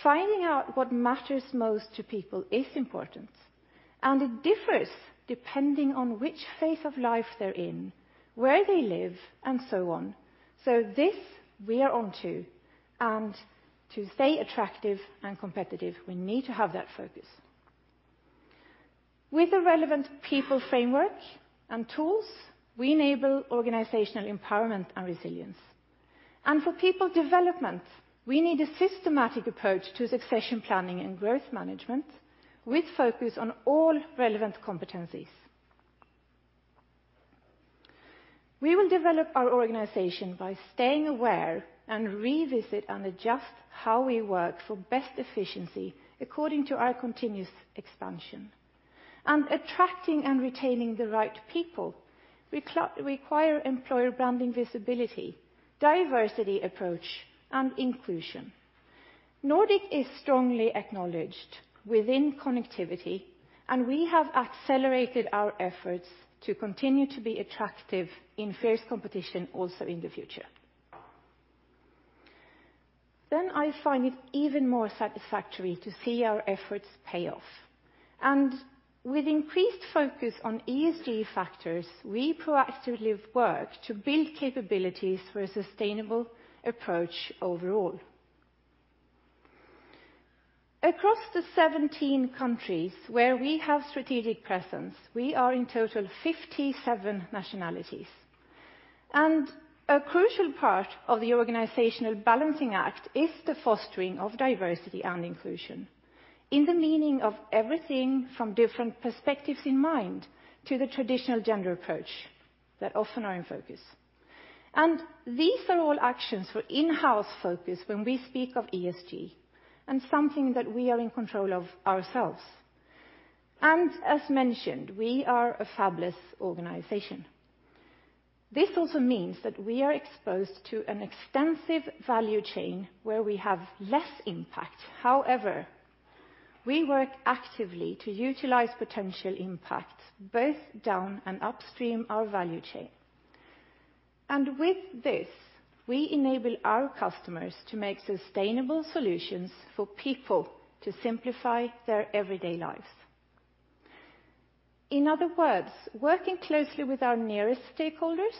Finding out what matters most to people is important, and it differs depending on which phase of life they're in, where they live, and so on. This we are on to, and to stay attractive and competitive, we need to have that focus. With the relevant people framework and tools, we enable organizational empowerment and resilience. For people development, we need a systematic approach to succession planning and growth management, with focus on all relevant competencies. We will develop our organization by staying aware and revisit and adjust how we work for best efficiency according to our continuous expansion. Attracting and retaining the right people require employer branding visibility, diversity approach, and inclusion. Nordic Semiconductor is strongly acknowledged within connectivity, and we have accelerated our efforts to continue to be attractive in fierce competition also in the future. I find it even more satisfactory to see our efforts pay off. With increased focus on ESG factors, we proactively have worked to build capabilities for a sustainable approach overall. Across the 17 countries where we have strategic presence, we are in total 57 nationalities. A crucial part of the organizational balancing act is the fostering of diversity, equity, and inclusion, in the meaning of everything from different perspectives in mind to the traditional gender approach that often are in focus. These are all actions for in-house focus when we speak of ESG and something that we are in control of ourselves. As mentioned, we are a fabless organization. This also means that we are exposed to an extensive value chain where we have less impact. However, we work actively to utilize potential impacts both down and upstream our value chain. With this, we enable our customers to make sustainable solutions for people to simplify their everyday lives. In other words, working closely with our nearest stakeholders,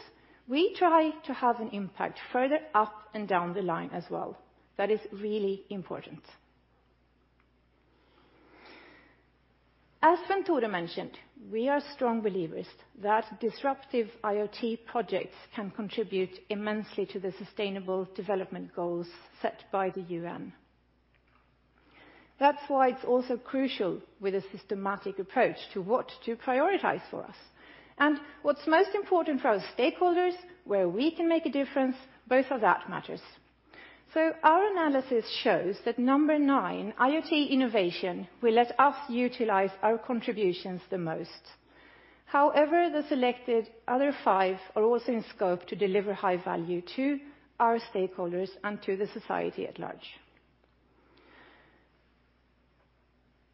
we try to have an impact further up and down the line as well. That is really important. As Svenn-Tore mentioned, we are strong believers that disruptive IoT projects can contribute immensely to the sustainable development goals set by the UN. That's why it's also crucial with a systematic approach to what to prioritize for us. What's most important for our stakeholders, where we can make a difference, both of that matters. Our analysis shows that number nine, IoT innovation, will let us utilize our contributions the most. However, the selected other five are also in scope to deliver high value to our stakeholders and to the society at large.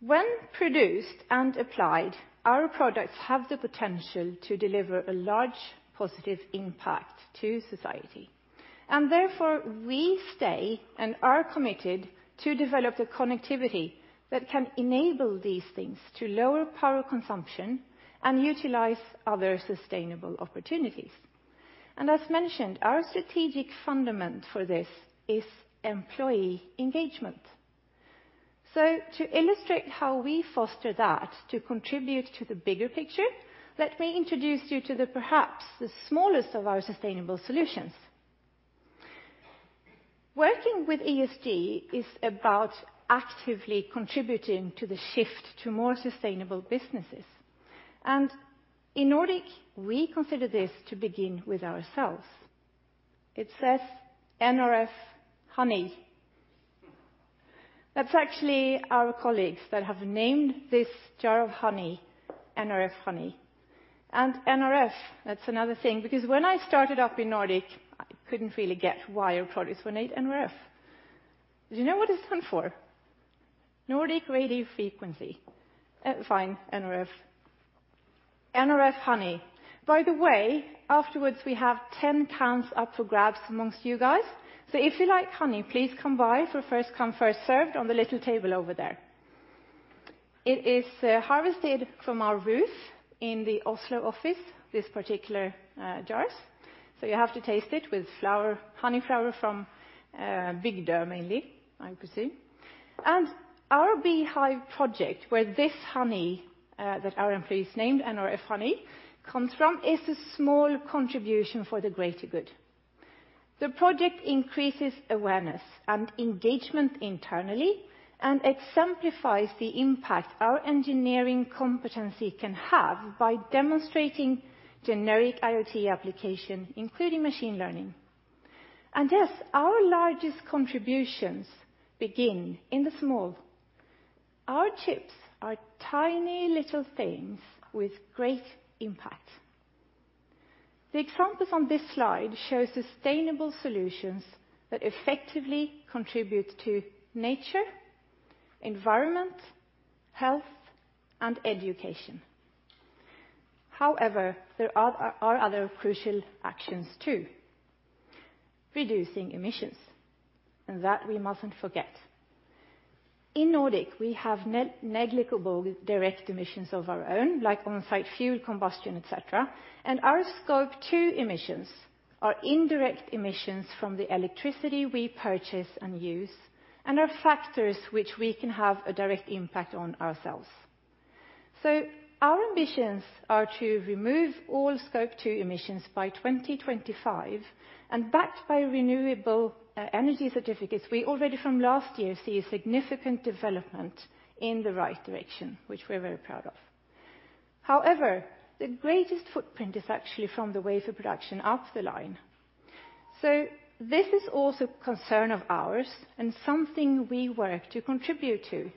When produced and applied, our products have the potential to deliver a large positive impact to society. Therefore, we stay and are committed to develop the connectivity that can enable these things to lower power consumption and utilize other sustainable opportunities. As mentioned, our strategic fundament for this is employee engagement. To illustrate how we foster that to contribute to the bigger picture, let me introduce you to the perhaps the smallest of our sustainable solutions. Working with ESG is about actively contributing to the shift to more sustainable businesses. In Nordic Semiconductor, we consider this to begin with ourselves. It says NRF Honey. That's actually our colleagues that have named this jar of honey NRF Honey. NRF, that's another thing, because when I started up in Nordic Semiconductor, I couldn't really get why our products were named NRF. Do you know what it stands for? Nordic Radio Frequency. Fine, NRF. NRF Honey. By the way, afterwards, we have 10 lbs up for grabs amongst you guys. If you like honey, please come by. It's first come, first served on the little table over there. It is harvested from our roof in the Oslo office, these particular jars. You have to taste it with honey flower from Vigda, mainly, I presume. Our beehive project, where this honey that our employees named NRF Honey comes from, is a small contribution for the greater good. The project increases awareness and engagement internally, and exemplifies the impact our engineering competency can have by demonstrating generic IoT application, including machine learning. Yes, our largest contributions begin in the small. Our chips are tiny little things with great impact. The examples on this slide show sustainable solutions that effectively contribute to nature, environment, health, and education. There are other crucial actions, too. Reducing emissions, that we mustn't forget. In Nordic Semiconductor, we have negligible direct emissions of our own, like on-site fuel combustion, et cetera. Our Scope 2 emissions are indirect emissions from the electricity we purchase and use, and are factors which we can have a direct impact on ourselves. Our ambitions are to remove all Scope 2 emissions by 2025, and backed by renewable energy certificates, we already from last year see a significant development in the right direction, which we're very proud of. However, the greatest footprint is actually from the way the production up the line. This is also a concern of ours and something we work to contribute to.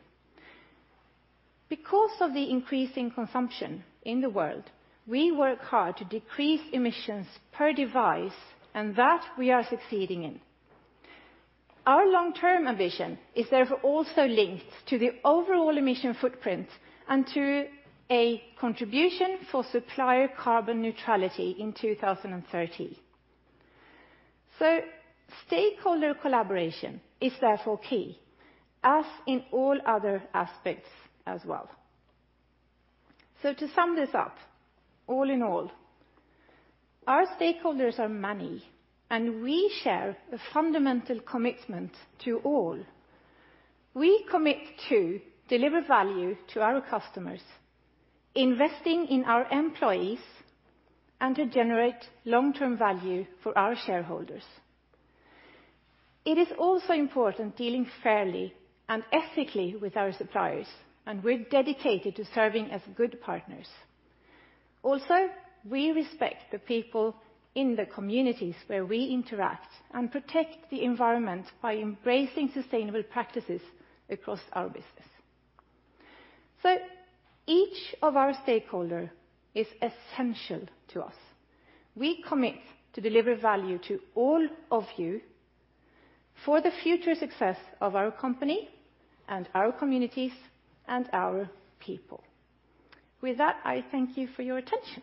Because of the increasing consumption in the world, we work hard to decrease emissions per device, and that we are succeeding in. Our long-term ambition is therefore also linked to the overall emission footprint and to a contribution for supplier carbon neutrality in 2030. Stakeholder collaboration is therefore key, as in all other aspects as well. To sum this up, all in all, our stakeholders are many, and we share a fundamental commitment to all. We commit to deliver value to our customers, investing in our employees, and to generate long-term value for our shareholders. It is also important dealing fairly and ethically with our suppliers, and we're dedicated to serving as good partners. We respect the people in the communities where we interact and protect the environment by embracing sustainable practices across our business. Each of our stakeholder is essential to us. We commit to deliver value to all of you for the future success of our company and our communities and our people. With that, I thank you for your attention.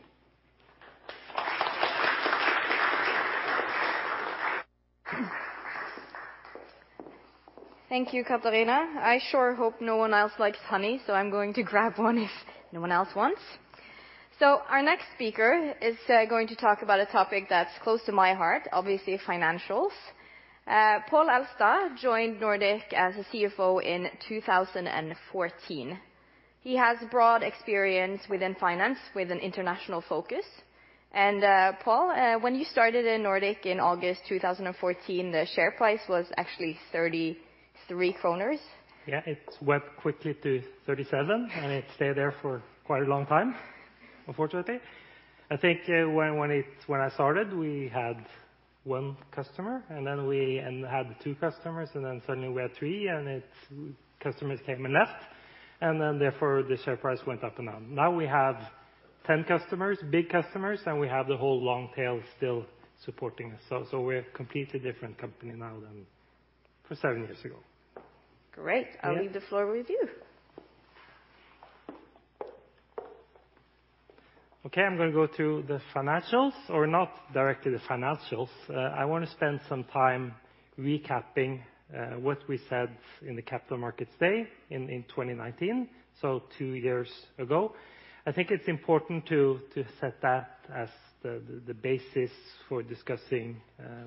Thank you, Katarina. I sure hope no one else likes honey, so I'm going to grab one if no one else wants. Our next speaker is going to talk about a topic that's close to my heart, obviously, financials. Pål Elstad joined Nordic Semiconductor as a CFO in 2014. He has broad experience within finance with an international focus. Pål, when you started in Nordic in August 2014, the share price was actually 33 kroner. Yeah. It went quickly to 37, and it stayed there for quite a long time, unfortunately. I think when I started, we had one customer, and then we had two customers, and then suddenly we had three, and customers came and left, and then therefore the share price went up and down. Now we have 10 customers, big customers, and we have the whole long tail still supporting us. We're a completely different company now than from seven years ago. Great. Yeah. I'll leave the floor with you. Okay. I am going to go to the financials, or not directly the financials. I want to spend some time recapping what we said in the Capital Markets Day in 2019, so two years ago. I think it is important to set that as the basis for discussing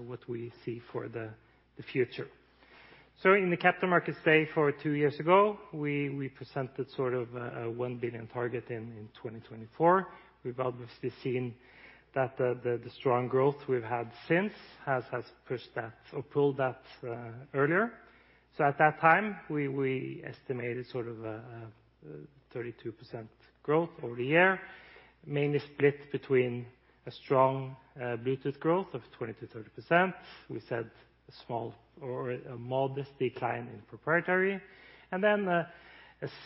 what we see for the future. In the Capital Markets Day for two years ago, we presented sort of a $1 billion target in 2024. We have obviously seen that the strong growth we have had since has pushed that or pulled that earlier. At that time, we estimated sort of a 32% growth over the year, mainly split between a strong Bluetooth growth of 20%-30%. We said a small or a modest decline in proprietary, and then a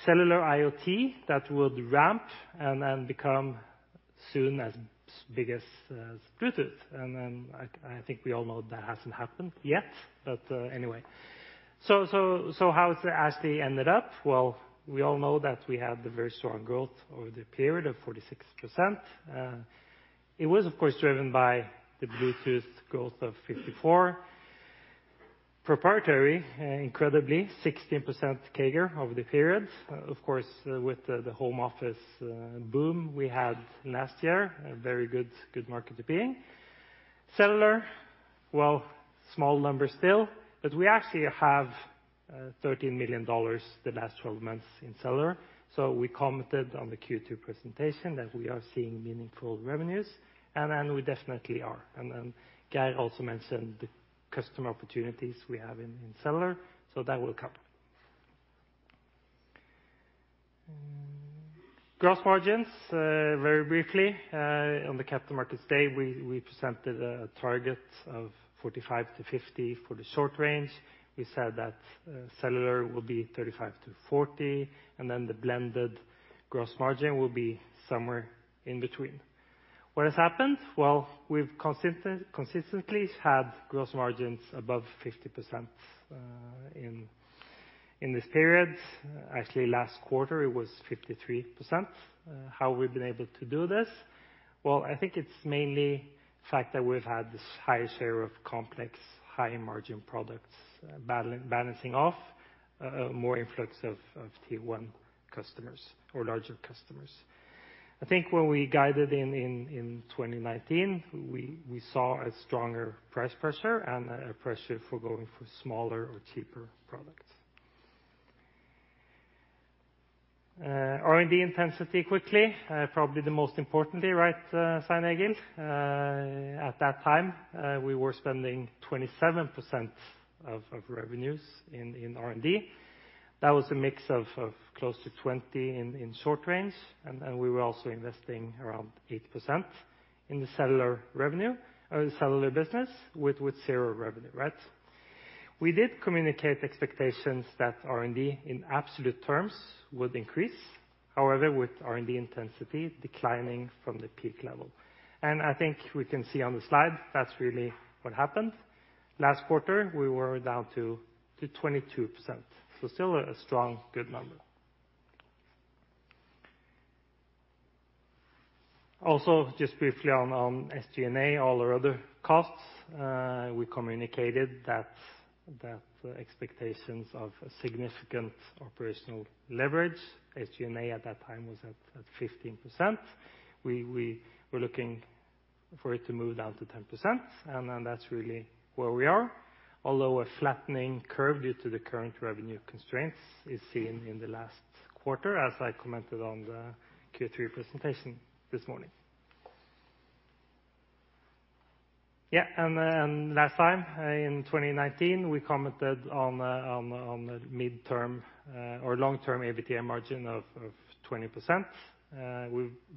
cellular IoT that would ramp and become soon as big as Bluetooth. I think we all know that hasn't happened yet. How it actually ended up, we all know that we had the very strong growth over the period of 46%. It was, of course, driven by the Bluetooth growth of 54%. Proprietary, incredibly, 16% CAGR over the period. Of course, with the home office boom we had last year, a very good market to be in. Cellular, small numbers still, but we actually have $13 million the last 12 months in cellular, so we commented on the Q2 presentation that we are seeing meaningful revenues, and we definitely are. Geir also mentioned the customer opportunities we have in cellular, so that will come. Gross margins, very briefly. On the Capital Markets Day, we presented a target of 45%-50% for the short-range. We said that cellular would be 35%-40%, then the blended gross margin would be somewhere in between. What has happened? Well, we've consistently had gross margins above 50% in this period. Actually, last quarter it was 53%. How we've been able to do this? Well, I think it's mainly the fact that we've had this high share of complex high-margin products balancing off more influx of Tier 1 customers or larger customers. I think when we guided in 2019, we saw a stronger price pressure and a pressure for going for smaller or cheaper products. R&D intensity quickly, probably the most importantly, right, Svein-Egil? At that time, we were spending 27% of revenues in R&D. That was a mix of close to 20% in short-range, we were also investing around 8% in the cellular business with zero revenue. We did communicate expectations that R&D in absolute terms would increase. With R&D intensity declining from the peak level. I think we can see on the slide that's really what happened. Last quarter, we were down to 22%, so still a strong, good number. Just briefly on SG&A, all our other costs, we communicated that the expectations of significant operational leverage, SG&A at that time was at 15%. We were looking for it to move down to 10%, that's really where we are, although a flattening curve due to the current revenue constraints is seen in the last quarter, as I commented on the Q3 presentation this morning. Last time in 2019, we commented on the mid-term or long-term EBITDA margin of 20%.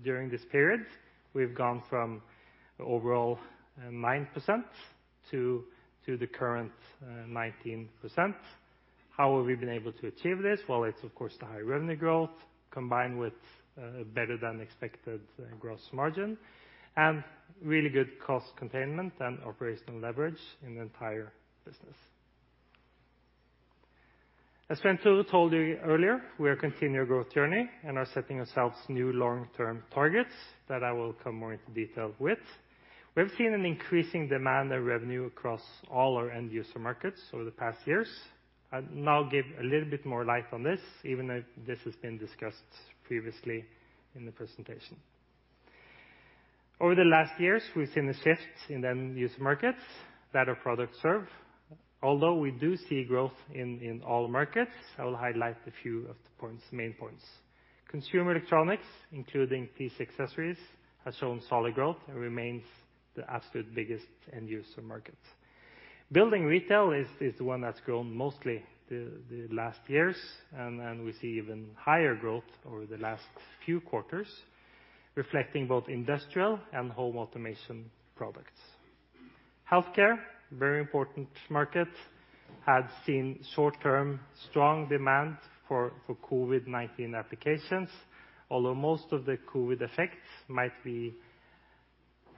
During this period, we've gone from overall 9% to the current 19%. How have we been able to achieve this? Well, it's of course the high revenue growth combined with better than expected gross margin and really good cost containment and operational leverage in the entire business. As Svenn-Tore told you earlier, we are continuing our growth journey and are setting ourselves new long-term targets that I will come more into detail with. We have seen an increasing demand and revenue across all our end-user markets over the past years. I'll now give a little bit more light on this, even though this has been discussed previously in the presentation. Over the last years, we've seen a shift in the end-user markets that our products serve. Although we do see growth in all markets, I will highlight a few of the main points. Consumer electronics, including PC accessories, has shown solid growth and remains the absolute biggest end-user market. Building and retail is the one that's grown mostly the last years. We see even higher growth over the last few quarters, reflecting both industrial and home automation products. Healthcare, very important market, had seen short-term strong demand for COVID-19 applications. Although most of the COVID effects might be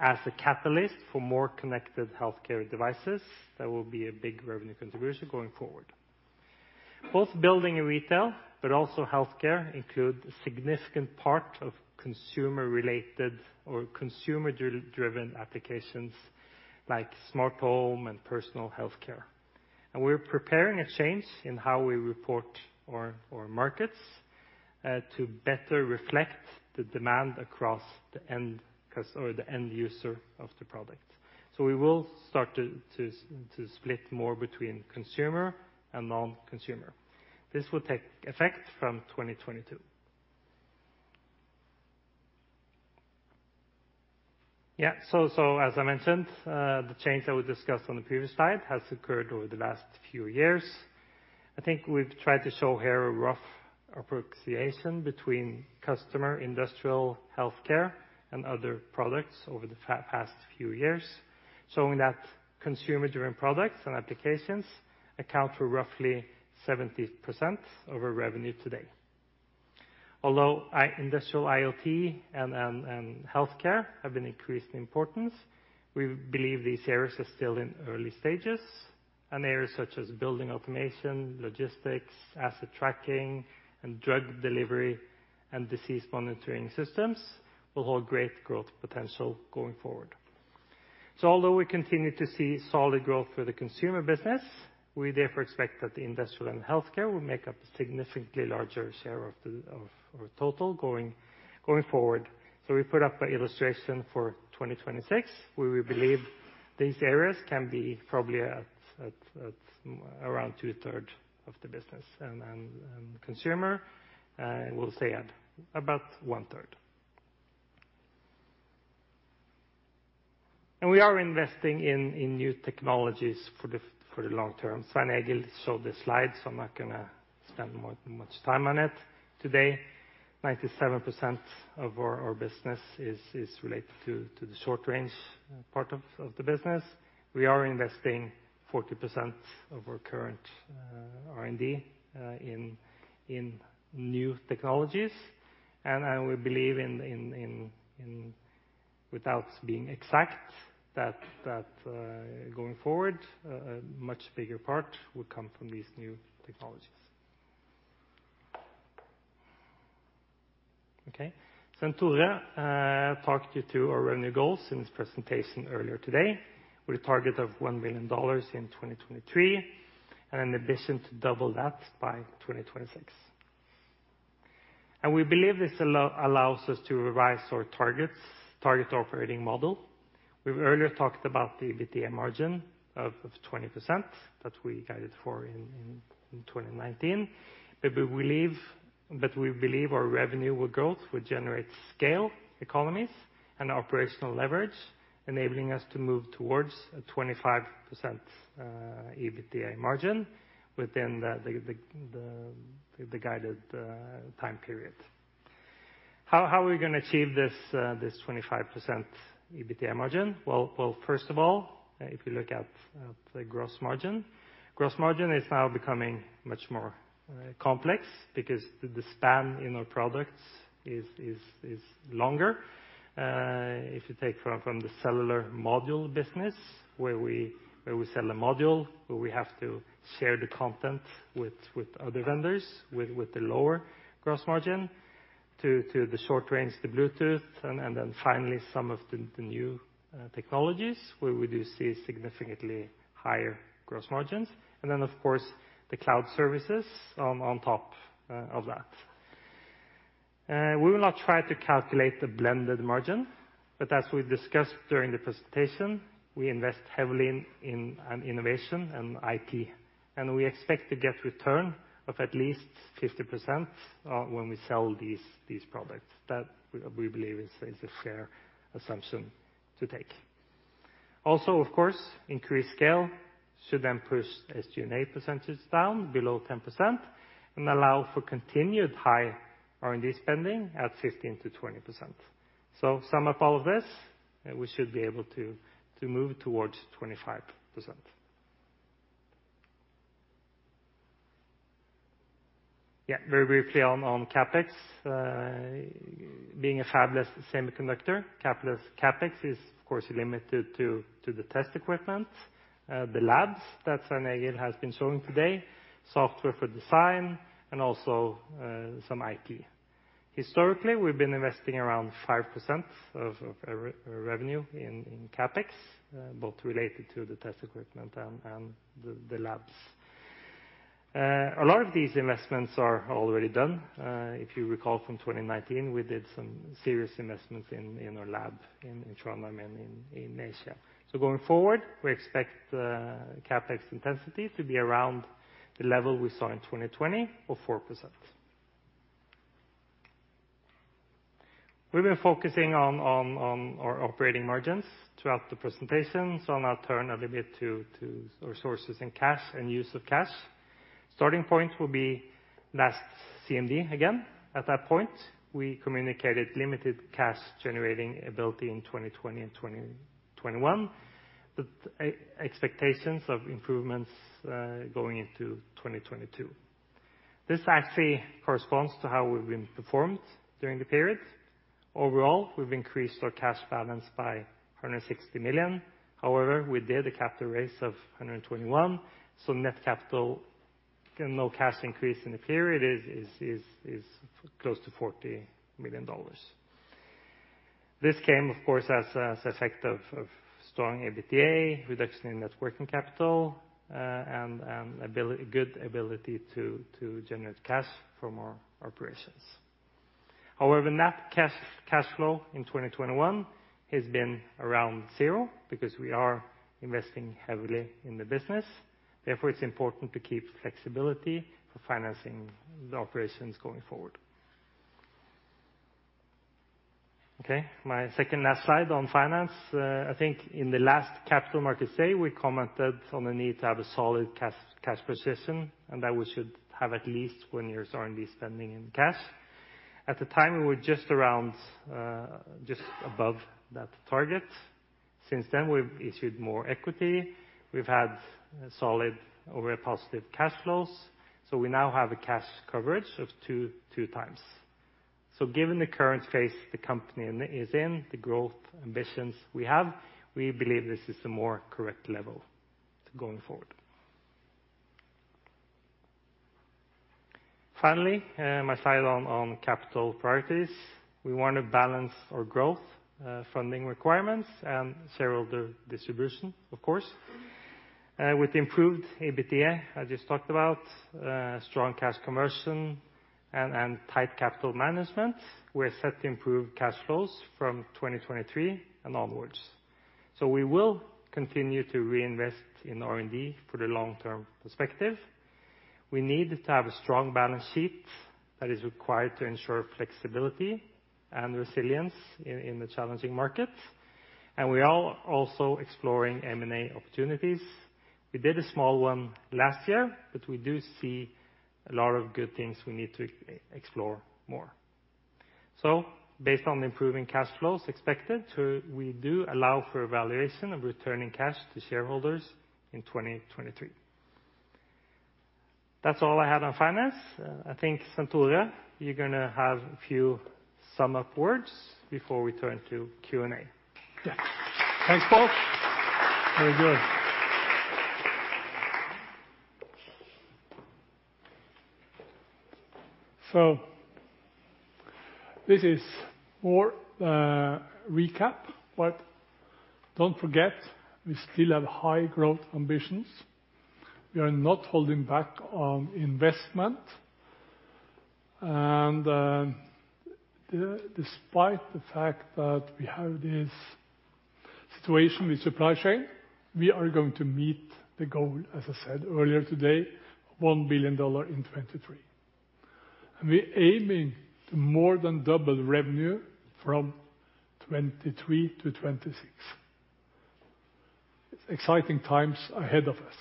as a catalyst for more connected healthcare devices, that will be a big revenue contributor going forward. Both building and retail, but also healthcare, include a significant part of consumer-related or consumer-driven applications like smart home and personal healthcare. We're preparing a change in how we report our markets, to better reflect the demand across the end user of the product. We will start to split more between consumer and non-consumer. This will take effect from 2022. As I mentioned, the change that we discussed on the previous slide has occurred over the last few years. I think we've tried to show here a rough approximation between customer, industrial, healthcare, and other products over the past few years, showing that consumer-driven products and applications account for roughly 70% of our revenue today. Although Industrial IoT and healthcare have been increased in importance, we believe these areas are still in early stages, and areas such as building automation, logistics, asset tracking, and drug delivery and disease monitoring systems will hold great growth potential going forward. Although we continue to see solid growth for the consumer business, we therefore expect that the industrial and healthcare will make up a significantly larger share of our total going forward. We put up an illustration for 2026, where we believe these areas can be probably at around 2/3 of the business, and consumer will stay at about 1/3. We are investing in new technologies for the long term. Svein-Egil showed the slide, I'm not going to spend much time on it today. 97% of our business is related to the short-range part of the business. We are investing 40% of our current R&D in new technologies, and we believe, without being exact, that going forward, a much bigger part will come from these new technologies. Okay. Svenn-Tore talked you through our revenue goals in this presentation earlier today, with a target of $1 million in 2023, and an ambition to double that by 2026. We believe this allows us to revise our target operating model. We've earlier talked about the EBITDA margin of 20% that we guided for in 2019. We believe our revenue growth will generate scale economies and operational leverage, enabling us to move towards a 25% EBITDA margin within the guided time period. How are we going to achieve this 25% EBITDA margin? Well, first of all, if you look at the gross margin. Gross margin is now becoming much more complex, because the span in our products is longer. If you take from the cellular module business, where we sell a module, where we have to share the content with other vendors with the lower gross margin, to the short-range, the Bluetooth, and then finally some of the new technologies, where we do see significantly higher gross margins. Of course, the cloud services on top of that. We will not try to calculate the blended margin, but as we discussed during the presentation, we invest heavily in innovation and IT, and we expect to get return of at least 50% when we sell these products. That, we believe, is a fair assumption to take. Also, of course, increased scale should then push SG&A percentages down below 10% and allow for continued high R&D spending at 15%-20%. Sum up all of this, we should be able to move towards 25%. Yeah, very briefly on CapEx. Being a fabless semiconductor, CapEx is of course limited to the test equipment, the labs that Svein-Egil has been showing today, software for design, and also some IT. Historically, we've been investing around 5% of revenue in CapEx, both related to the test equipment and the labs. A lot of these investments are already done. If you recall, from 2019, we did some serious investments in our lab in Trondheim and in Asia. Going forward, we expect the CapEx intensity to be around the level we saw in 2020 of 4%. We've been focusing on our operating margins throughout the presentation, so I'll turn a little bit to resources and cash, and use of cash. Starting point will be last CMD again. At that point, we communicated limited cash-generating ability in 2020 and 2021, but expectations of improvements going into 2022. This actually corresponds to how we've been performed during the period. Overall, we've increased our cash balance by 160 million. However, we did a capital raise of 121 million, so net capital and low cash increase in the period is close to NOK 40 million. This came, of course, as effect of strong EBITDA, reduction in net working capital, and good ability to generate cash from our operations. However, net cash flow in 2021 has been around zero, because we are investing heavily in the business. Therefore, it's important to keep flexibility for financing the operations going forward. My second last slide on finance. I think in the last Capital Markets Day, we commented on the need to have a solid cash position, and that we should have at least one year's R&D spending in cash. At the time, we were just above that target. Since then, we've issued more equity. We've had solid or very positive cash flows. We now have a cash coverage of 2x. Given the current phase the company is in, the growth ambitions we have, we believe this is the more correct level going forward. Finally, my slide on capital priorities. We want to balance our growth funding requirements and shareholder distribution, of course. With improved EBITDA, I just talked about, strong cash conversion, and tight capital management, we're set to improve cash flows from 2023 and onwards. We will continue to reinvest in R&D for the long-term perspective. We need to have a strong balance sheet that is required to ensure flexibility and resilience in the challenging market. We are also exploring M&A opportunities. We did a small one last year, but we do see a lot of good things we need to explore more. Based on the improving cash flows expected, we do allow for evaluation of returning cash to shareholders in 2023. That is all I have on finance. I think, Svenn-Tore, you are going to have a few sum-up words before we turn to Q&A. Yeah. Thanks, Pål. Very good. This is more a recap, but don't forget, we still have high growth ambitions. We are not holding back on investment. Despite the fact that we have this situation with supply chain, we are going to meet the goal, as I said earlier today, $1 billion in 2023. We're aiming to more than double revenue from 2023 to 2026. It's exciting times ahead of us.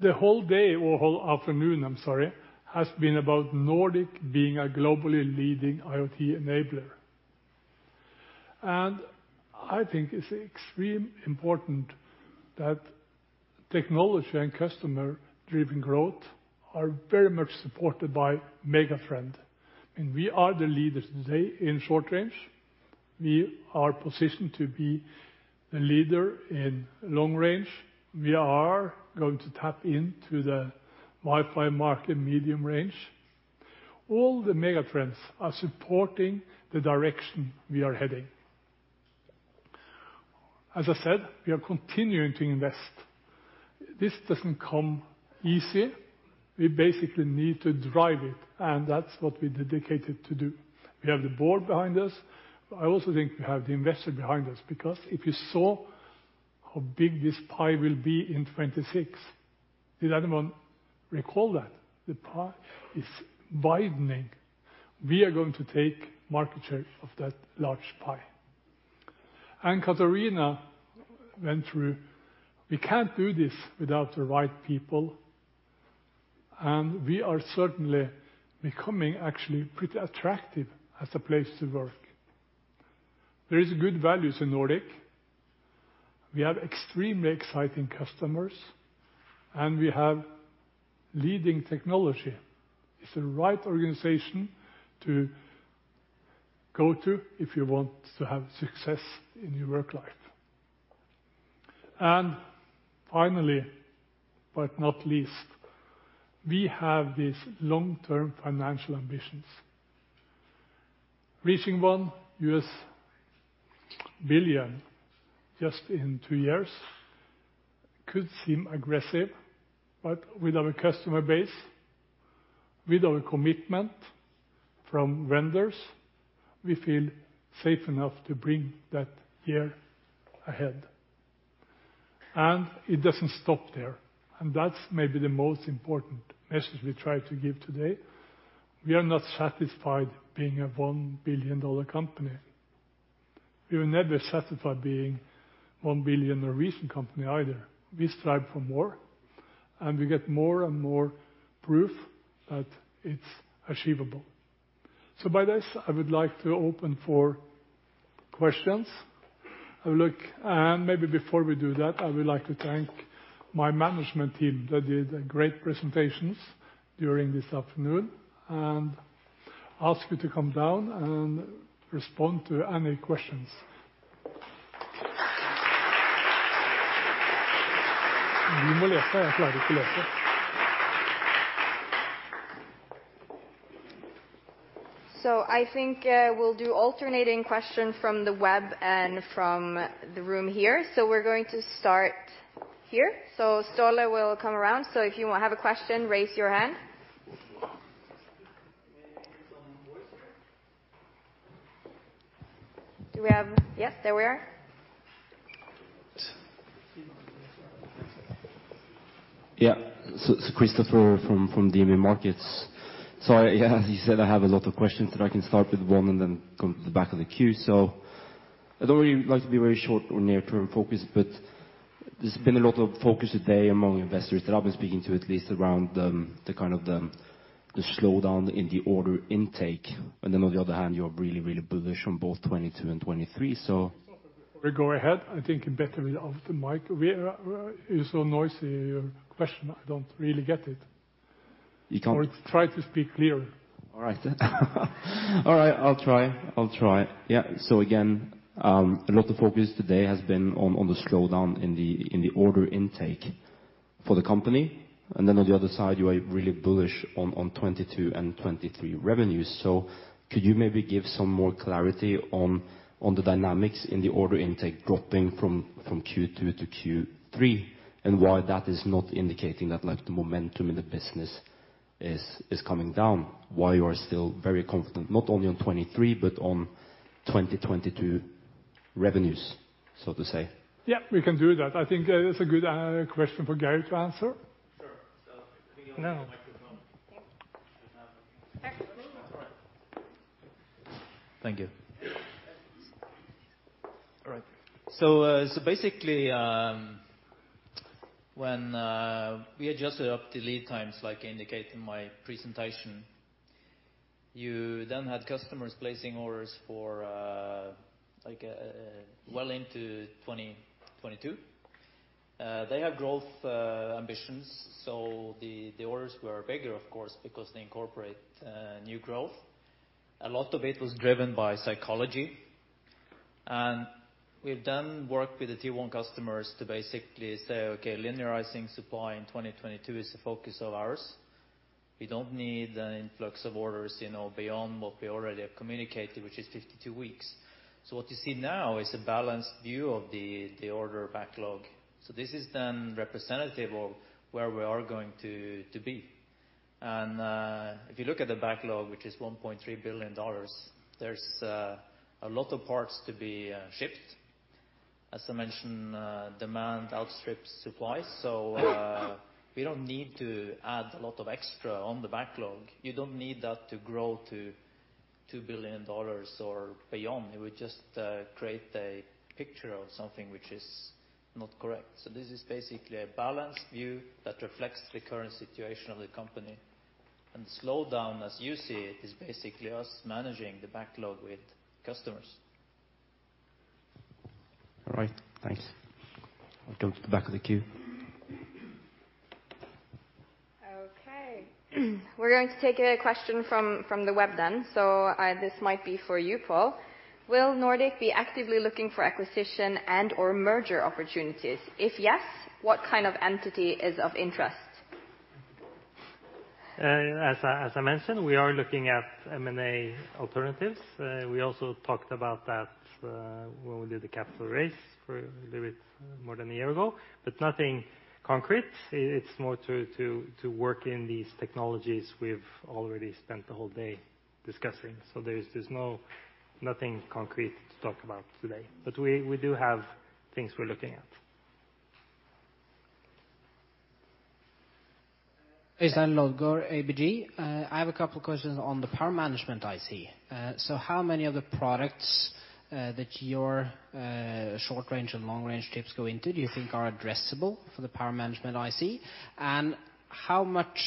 The whole day, or whole afternoon, I'm sorry, has been about Nordic Semiconductor being a globally leading IoT enabler. I think it's extreme important that technology and customer-driven growth are very much supported by mega trend. We are the leaders today in short-range. We are positioned to be the leader in long-range. We are going to tap into the Wi-Fi market medium-range. All the mega trends are supporting the direction we are heading. As I said, we are continuing to invest. This doesn't come easy. We basically need to drive it, and that's what we're dedicated to do. We have the board behind us, but I also think we have the investor behind us because if you saw how big this pie will be in 2026, did anyone recall that? The pie is widening. We are going to take market share of that large pie. Katarina went through, we can't do this without the right people, and we are certainly becoming actually pretty attractive as a place to work. There is good values in Nordic Semiconductor. We have extremely exciting customers, and we have leading technology. It's the right organization to go to if you want to have success in your work life. Finally, but not least, we have these long-term financial ambitions. Reaching $1 billion just in two years could seem aggressive, but with our customer base, with our commitment from vendors, we feel safe enough to bring that year ahead. It doesn't stop there, and that's maybe the most important message we try to give today. We are not satisfied being a $1 billion company. We will never satisfy being 1 billion company either. We strive for more, and we get more and more proof that it's achievable. By this, I would like to open for questions. Have a look. Maybe before we do that, I would like to thank my management team that did great presentations during this afternoon and ask you to come down and respond to any questions. You may let her. I'm glad you could let her. I think we'll do alternating question from the web and from the room here. We're going to start here. Ståle Ytterdal will come around. If you have a question, raise your hand. Can we hear some voice here? Yes, there we are. Yeah. Christoffer from DNB Markets. Yeah, as you said, I have a lot of questions, but I can start with one and then come to the back of the queue. I'd already like to be very short or near-term focused, but there's been a lot of focus today among investors that I've been speaking to, at least around the slowdown in the order intake. On the other hand, you're really, really bullish on both 2022 and 2023. Before you go ahead, I think better off the mic. Where it's so noisy, your question, I don't really get it. You can't- Try to speak clearer. All right. All right, I'll try. I'll try. Yeah. Again, a lot of focus today has been on the slowdown in the order intake for the company. Then on the other side, you are really bullish on 2022 and 2023 revenues. Could you maybe give some more clarity on the dynamics in the order intake dropping from Q2 to Q3, and why that is not indicating that the momentum in the business is coming down, why you are still very confident, not only on 2023, but on 2022 revenues, so to say? Yeah, we can do that. I think that is a good question for Geir to answer. Sure. I think I'll use the microphone. Here. There's another one. Actually- That's all right. Thank you. All right. Basically, when we adjusted up the lead times, like I indicate in my presentation, you then had customers placing orders for well into 2022. They have growth ambitions, the orders were bigger, of course, because they incorporate new growth. A lot of it was driven by psychology. We've done work with the Tier 1 customers to basically say, "Okay, linearizing supply in 2022 is a focus of ours. We don't need an influx of orders beyond what we already have communicated, which is 52 weeks." What you see now is a balanced view of the order backlog. This is then representative of where we are going to be. If you look at the backlog, which is $1.3 billion, there's a lot of parts to be shipped. As I mentioned, demand outstrips supply, we don't need to add a lot of extra on the backlog. You don't need that to grow to $2 billion or beyond. It would just create a picture of something which is not correct. This is basically a balanced view that reflects the current situation of the company. Slowdown, as you see, is basically us managing the backlog with customers. All right. Thanks. I'll go to the back of the queue. Okay. We're going to take a question from the web then. This might be for you, Pål. Will Nordic Semiconductor be actively looking for acquisition and/or merger opportunities? If yes, what kind of entity is of interest? As I mentioned, we are looking at M&A alternatives. We also talked about that when we did the capital raise a little bit more than a year ago. Nothing concrete. It's more to work in these technologies we've already spent the whole day discussing. There's nothing concrete to talk about today. We do have things we're looking at. Øystein Elton Lodgaard, ABG Sundal Collier. I have a couple questions on the power management IC. How many of the products that your short-range and long-range chips go into do you think are addressable for the power management IC? How much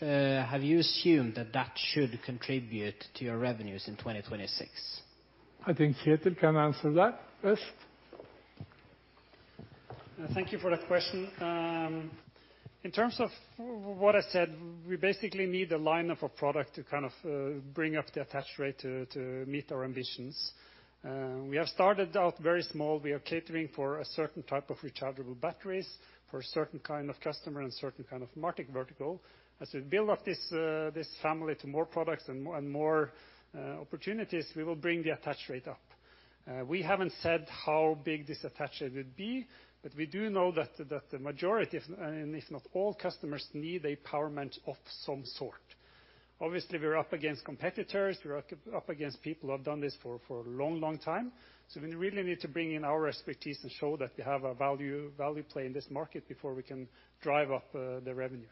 have you assumed that that should contribute to your revenues in 2026? I think Kjetil can answer that best. Thank you for the question. In terms of what I said, we basically need a line of a product to kind of bring up the attach rate to meet our ambitions. We have started out very small. We are catering for a certain type of rechargeable batteries, for a certain kind of customer, and certain kind of market vertical. As we build up this family to more products and more opportunities, we will bring the attach rate up. We haven't said how big this attach rate would be, but we do know that the majority, if not all customers, need a power management of some sort. Obviously, we're up against competitors. We're up against people who have done this for a long time. We really need to bring in our expertise and show that we have a value play in this market before we can drive up the revenue.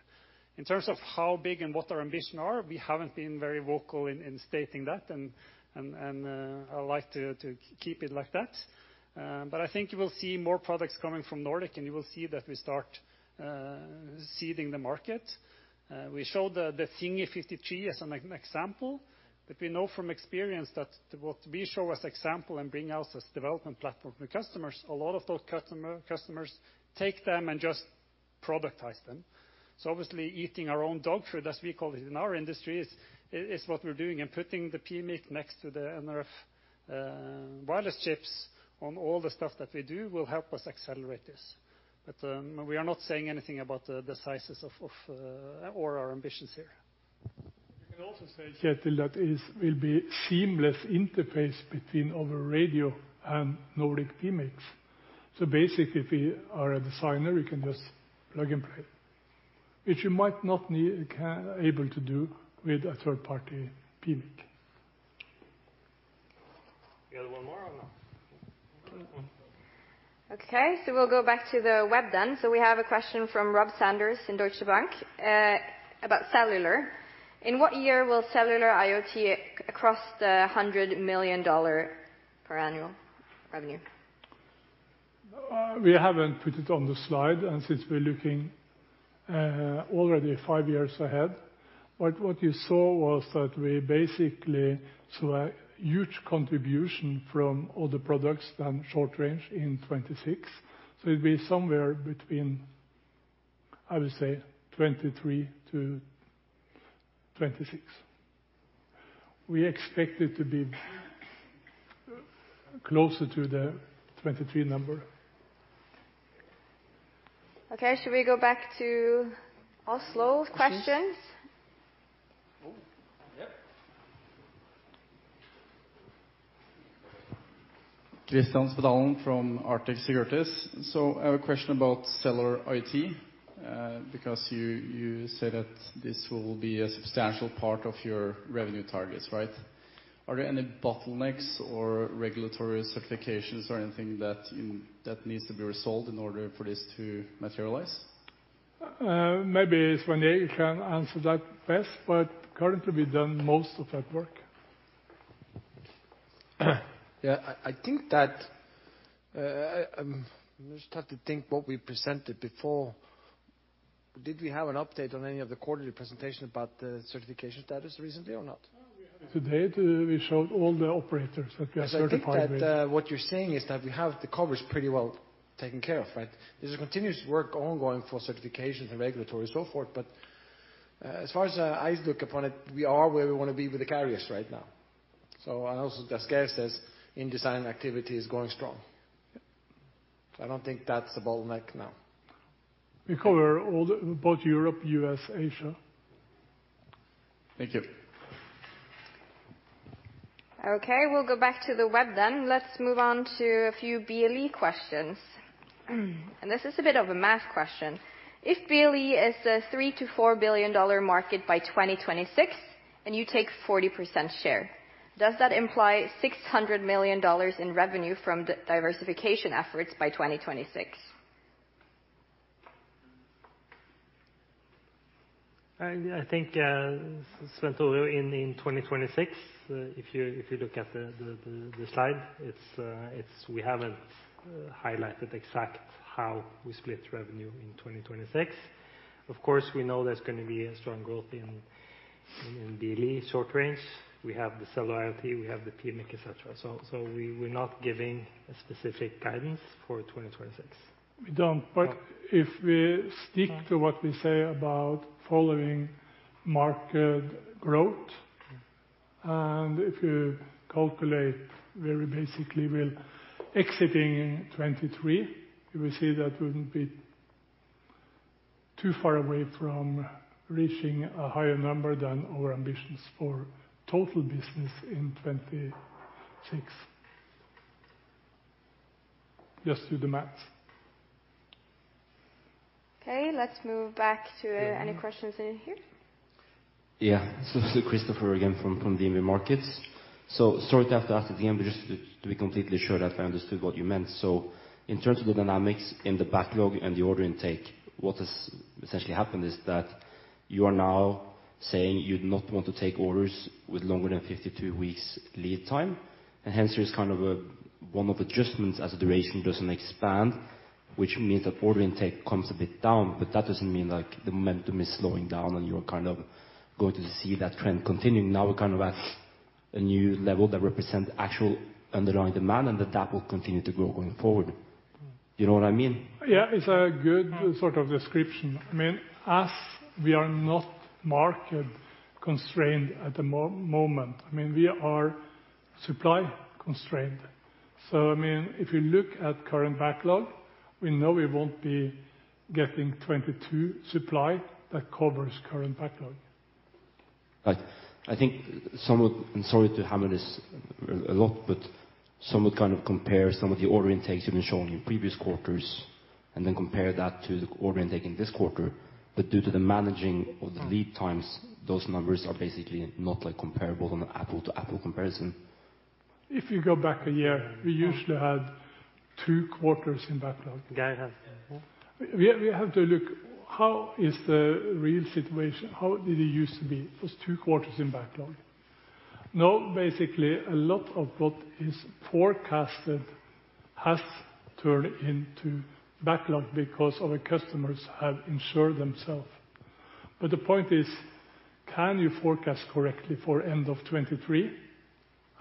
In terms of how big and what our ambitions are, we haven't been very vocal in stating that and I'd like to keep it like that. I think you will see more products coming from Nordic Semiconductor, and you will see that we start seeding the market. We showed the Thingy:53 as an example, but we know from experience that what we show as example and bring out as development platform to customers, a lot of those customers take them and just productize them. Obviously eating our own dog food, as we call it in our industry, is what we're doing. Putting the PMIC next to the nRF wireless chips on all the stuff that we do will help us accelerate this. We are not saying anything about the sizes or our ambitions here. We can also say, Kjetil, that it will be seamless interface between other radio and Nordic PMICs. Basically, if you are a designer, you can just plug and play, which you might not be able to do with a third-party PMIC. You got one more or no? Okay, we'll go back to the web then. We have a question from Robert Sanders in Deutsche Bank about cellular. In what year will cellular IoT cross the $100 million per annual revenue? We haven't put it on the slide. Since we're looking already five years ahead. What you saw was that we basically saw a huge contribution from other products than short-range in 2026. It'd be somewhere between, I would say, 2023 to 2026. We expect it to be closer to the 2023 number. Okay, should we go back to Oslo questions? Oh, yep. Kristian Spetalen from Arctic Securities. I have a question about cellular IoT, because you said that this will be a substantial part of your revenue targets, right? Are there any bottlenecks or regulatory certifications or anything that needs to be resolved in order for this to materialize? Maybe Svein-Egil can answer that best, but currently we've done most of that work. Yeah, I think that I'm just trying to think what we presented before. Did we have an update on any of the quarterly presentation about the certification status recently or not? No, we haven't. To date, we showed all the operators that we are certified with. I think that what you're saying is that we have the coverage pretty well taken care of, right? There's a continuous work ongoing for certifications and regulatory so forth. As far as I look upon it, we are where we want to be with the carriers right now. Also the scarcity in design activity is going strong. Yeah. I don't think that's a bottleneck now. We cover both Europe, U.S., Asia. Thank you. Okay. We'll go back to the web then. Let's move on to a few BLE questions. This is a bit of a math question. If BLE is a $3 billion-$4 billion market by 2026, and you take 40% share, does that imply $600 million in revenue from diversification efforts by 2026? I think, Svenn-Tore, in 2026, if you look at the slide, we haven't highlighted exactly how we split revenue in 2026. Of course, we know there's going to be a strong growth in BLE short-range. We have the cellular IoT, we have the PMIC, et cetera. We're not giving a specific guidance for 2026. We don't. If we stick to what we say about following market growth, and if you calculate where we basically will exiting 2023, you will see that wouldn't be too far away from reaching a higher number than our ambitions for total business in 2026. Just do the math. Okay, let's move back to any questions in here. Yeah. This is Christoffer again from DNB Markets. Sorry to have to ask at the end, just to be completely sure that I understood what you meant. In terms of the dynamics in the backlog and the order intake, what has essentially happened is that you are now saying you'd not want to take orders with longer than 52 weeks' lead time, hence there is one-off adjustments as the duration doesn't expand, which means that order intake comes a bit down. That doesn't mean the momentum is slowing down, you're going to see that trend continuing. Now we're at a new level that represents actual underlying demand, that will continue to grow going forward. You know what I mean? Yeah, it's a good description. As we are not market-constrained at the moment, we are supply-constrained. If you look at current backlog, we know we won't be getting 2022 supply that covers current backlog. Right. I'm sorry to hammer this a lot, but some would compare some of the order intakes you've been showing in previous quarters, and then compare that to the order intake in this quarter. Due to the managing of the lead times, those numbers are basically not comparable on an apple-to-apple comparison. If you go back a year, we usually had two quarters in backlog. Geir has- We have to look, how is the real situation? How did it used to be? It was two quarters in backlog. Basically, a lot of what is forecasted has turned into backlog because our customers have insured themselves. The point is, can you forecast correctly for end of 2023?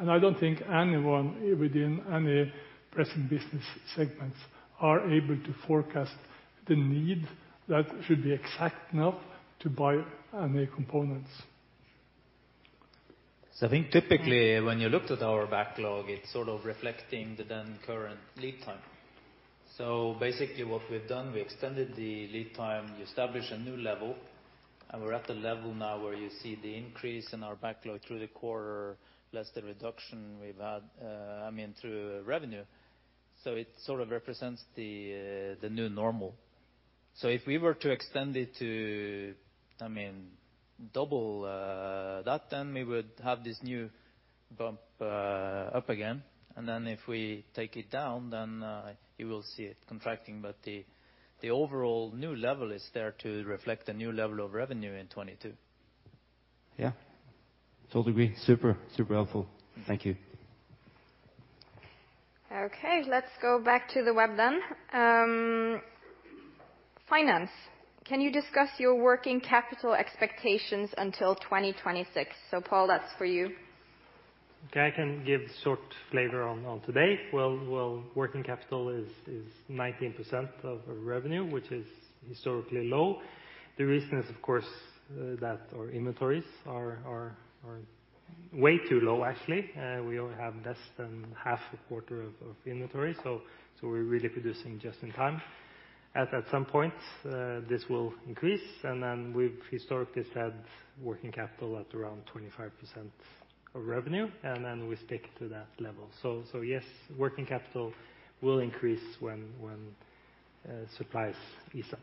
I don't think anyone within any present business segments are able to forecast the need that should be exact enough to buy any components. I think typically when you looked at our backlog, it's reflecting the then current lead time. Basically what we've done, we extended the lead time, you establish a new level, and we're at a level now where you see the increase in our backlog through the quarter, less the reduction we've had through revenue. It represents the new normal. If we were to extend it to double that, then we would have this new bump up again, and then if we take it down, then you will see it contracting. The overall new level is there to reflect a new level of revenue in 2022. Yeah. Totally. Super helpful. Thank you. Okay, let's go back to the web then. Finance, can you discuss your working capital expectations until 2026? Pål, that's for you. I can give short flavor on today. Well, working capital is 19% of our revenue, which is historically low. The reason is, of course, that our inventories are way too low, actually. We only have less than half a quarter of inventory. We're really producing just in time. At some point, this will increase, we've historically said working capital at around 25% of revenue, we stick to that level. Yes, working capital will increase when supplies ease up.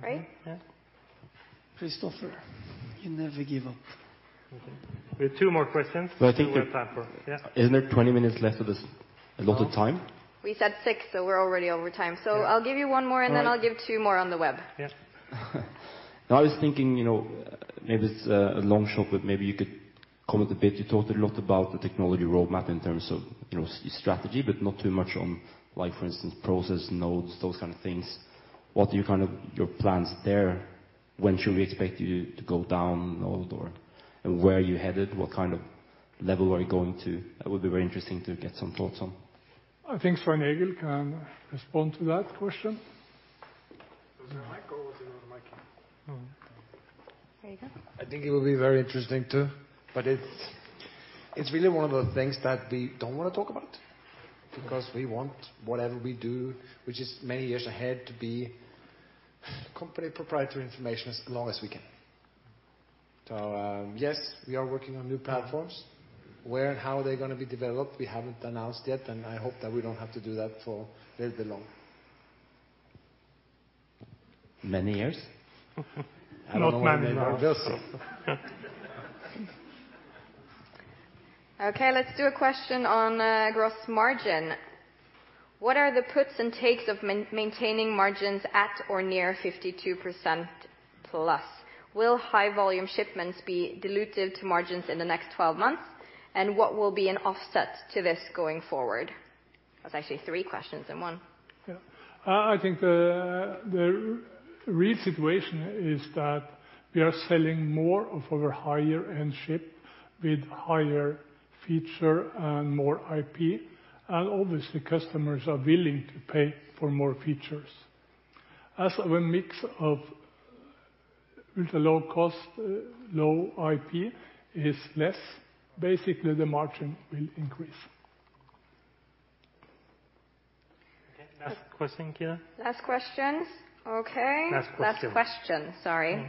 Great. Yeah. Christoffer, you never give up. We have two more questions. Well, I think. we have time for. Yeah. Isn't it 20 minutes left? That's a lot of time? We said six, we're already over time. I'll give you one more, and then I'll give two more on the web. Yeah. I was thinking, maybe it's a long shot, but maybe you could comment a bit. You talked a lot about the technology roadmap in terms of strategy, but not too much on, for instance, process, nodes, those kind of things. What are your plans there? When should we expect you to go down the road? Where are you headed? What kind of level are you going to? That would be very interesting to get some thoughts on. I think Svein-Egil can respond to that question. Is there a mic or is there no mic? There you go. I think it will be very interesting too, but it's really one of the things that we don't want to talk about because we want whatever we do, which is many years ahead, to be company proprietary information as long as we can. Yes, we are working on new platforms. Where and how they're going to be developed, we haven't announced yet. I hope that we don't have to do that for a little bit long. Many years? Not many more years. I don't know maybe we will. Okay, let's do a question on gross margin. What are the puts and takes of maintaining margins at or near 52%+? Will high volume shipments be diluted to margins in the next 12 months? What will be an offset to this going forward? That's actually three questions in one. Yeah. I think the real situation is that we are selling more of our higher-end chip with higher feature and more IP, and obviously customers are willing to pay for more features. As our mix of ultra low cost, low IP is less, basically the margin will increase. Okay, last question here. Last questions. Okay. Last question. Last question, sorry.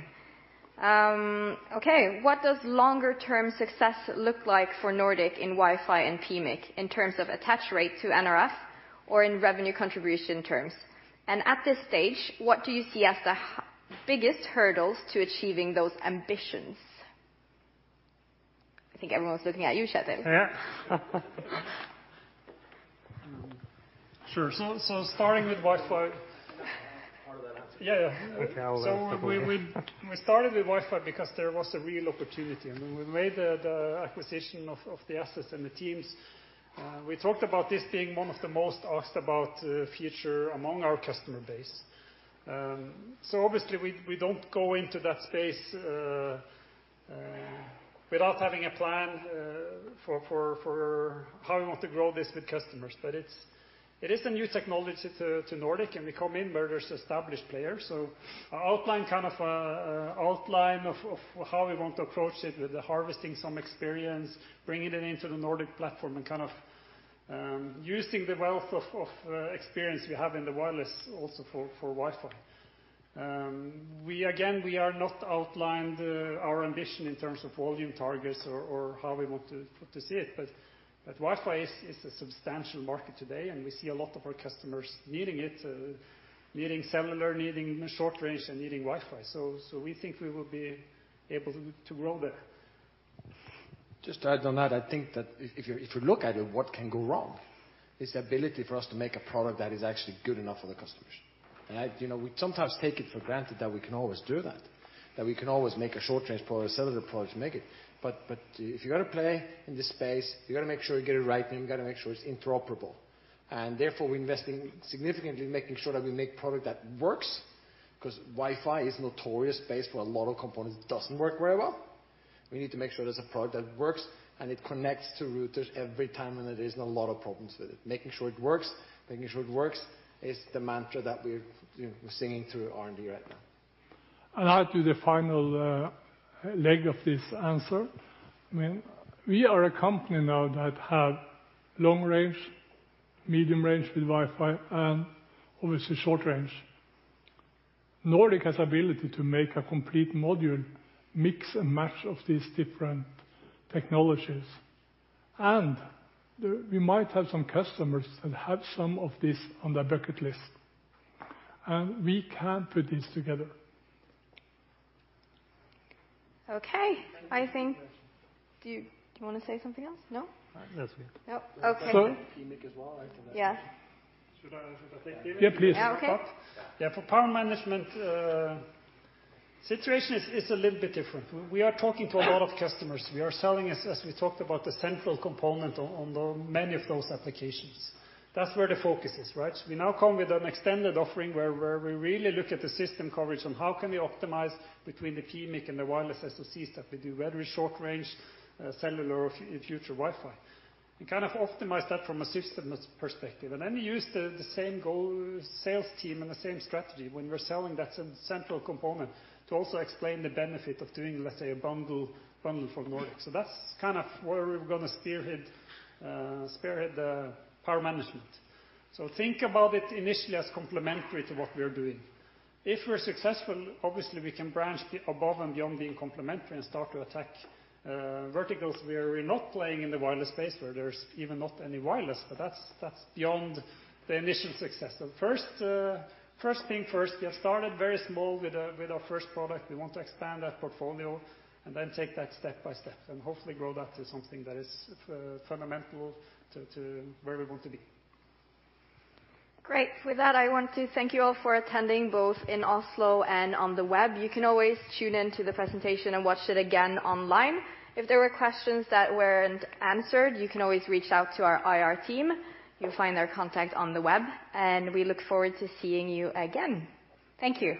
Okay, what does longer-term success look like for Nordic Semiconductor in Wi-Fi and PMIC in terms of attach rate to nRF or in revenue contribution terms? At this stage, what do you see as the biggest hurdles to achieving those ambitions? I think everyone's looking at you, Kjetil. Yeah. Sure. Starting with Wi-Fi. Part of that answer. Yeah. I can answer the question. We started with Wi-Fi because there was a real opportunity, and when we made the acquisition of the assets and the teams, we talked about this being one of the most asked about feature among our customer base. Obviously we don't go into that space without having a plan for how we want to grow this with customers. It is a new technology to Nordic Semiconductor, and we come in where there's established players. Outline kind of a outline of how we want to approach it with the harvesting some experience, bringing it into the Nordic platform, and kind of using the wealth of experience we have in the wireless also for Wi-Fi. Again, we are not outlined our ambition in terms of volume targets or how we want to see it, Wi-Fi is a substantial market today, and we see a lot of our customers needing it, needing cellular, needing short-range, and needing Wi-Fi. We think we will be able to grow there. Just to add on that, I think that if you look at it, what can go wrong is the ability for us to make a product that is actually good enough for the customers. We sometimes take it for granted that we can always do that we can always make a short-range product, a cellular product, to make it. If you're going to play in this space, you got to make sure you get it right, and you got to make sure it's interoperable. Therefore, we're investing significantly in making sure that we make product that works, because Wi-Fi is a notorious space where a lot of components doesn't work very well. We need to make sure there's a product that works, and it connects to routers every time, and there isn't a lot of problems with it. Making sure it works, is the mantra that we're singing through R&D right now. I'll do the final leg of this answer. We are a company now that have long-range, medium-range with Wi-Fi, and obviously short-range. Nordic Semiconductor has ability to make a complete module, mix and match of these different technologies. We might have some customers that have some of this on their bucket list. We can put this together. Okay. I think. Do you want to say something else? No? No, that's it. No. Okay. PMIC as well. I can add to that. Yeah. Should I take PMIC? Yeah, please. Yeah, okay. Yeah. For power management, situation is a little bit different. We are talking to a lot of customers. We are selling, as we talked about, the central component on many of those applications. That's where the focus is, right? We now come with an extended offering where we really look at the system coverage on how can we optimize between the PMIC and the wireless SoCs that we do, whether it's short-range, cellular, or future Wi-Fi. We kind of optimize that from a systems perspective, and then we use the same goal, sales team, and the same strategy when we're selling that central component to also explain the benefit of doing, let's say, a bundle for Nordic. That's kind of where we're going to spearhead power management. Think about it initially as complementary to what we're doing. If we're successful, obviously we can branch above and beyond being complementary and start to attack verticals where we're not playing in the wireless space where there's even not any wireless. That's beyond the initial success. First thing first, we have started very small with our first product. We want to expand that portfolio and then take that step by step, and hopefully grow that to something that is fundamental to where we want to be. Great. With that, I want to thank you all for attending both in Oslo and on the web. You can always tune in to the presentation and watch it again online. If there were questions that weren't answered, you can always reach out to our IR team. You'll find their contact on the web, and we look forward to seeing you again. Thank you.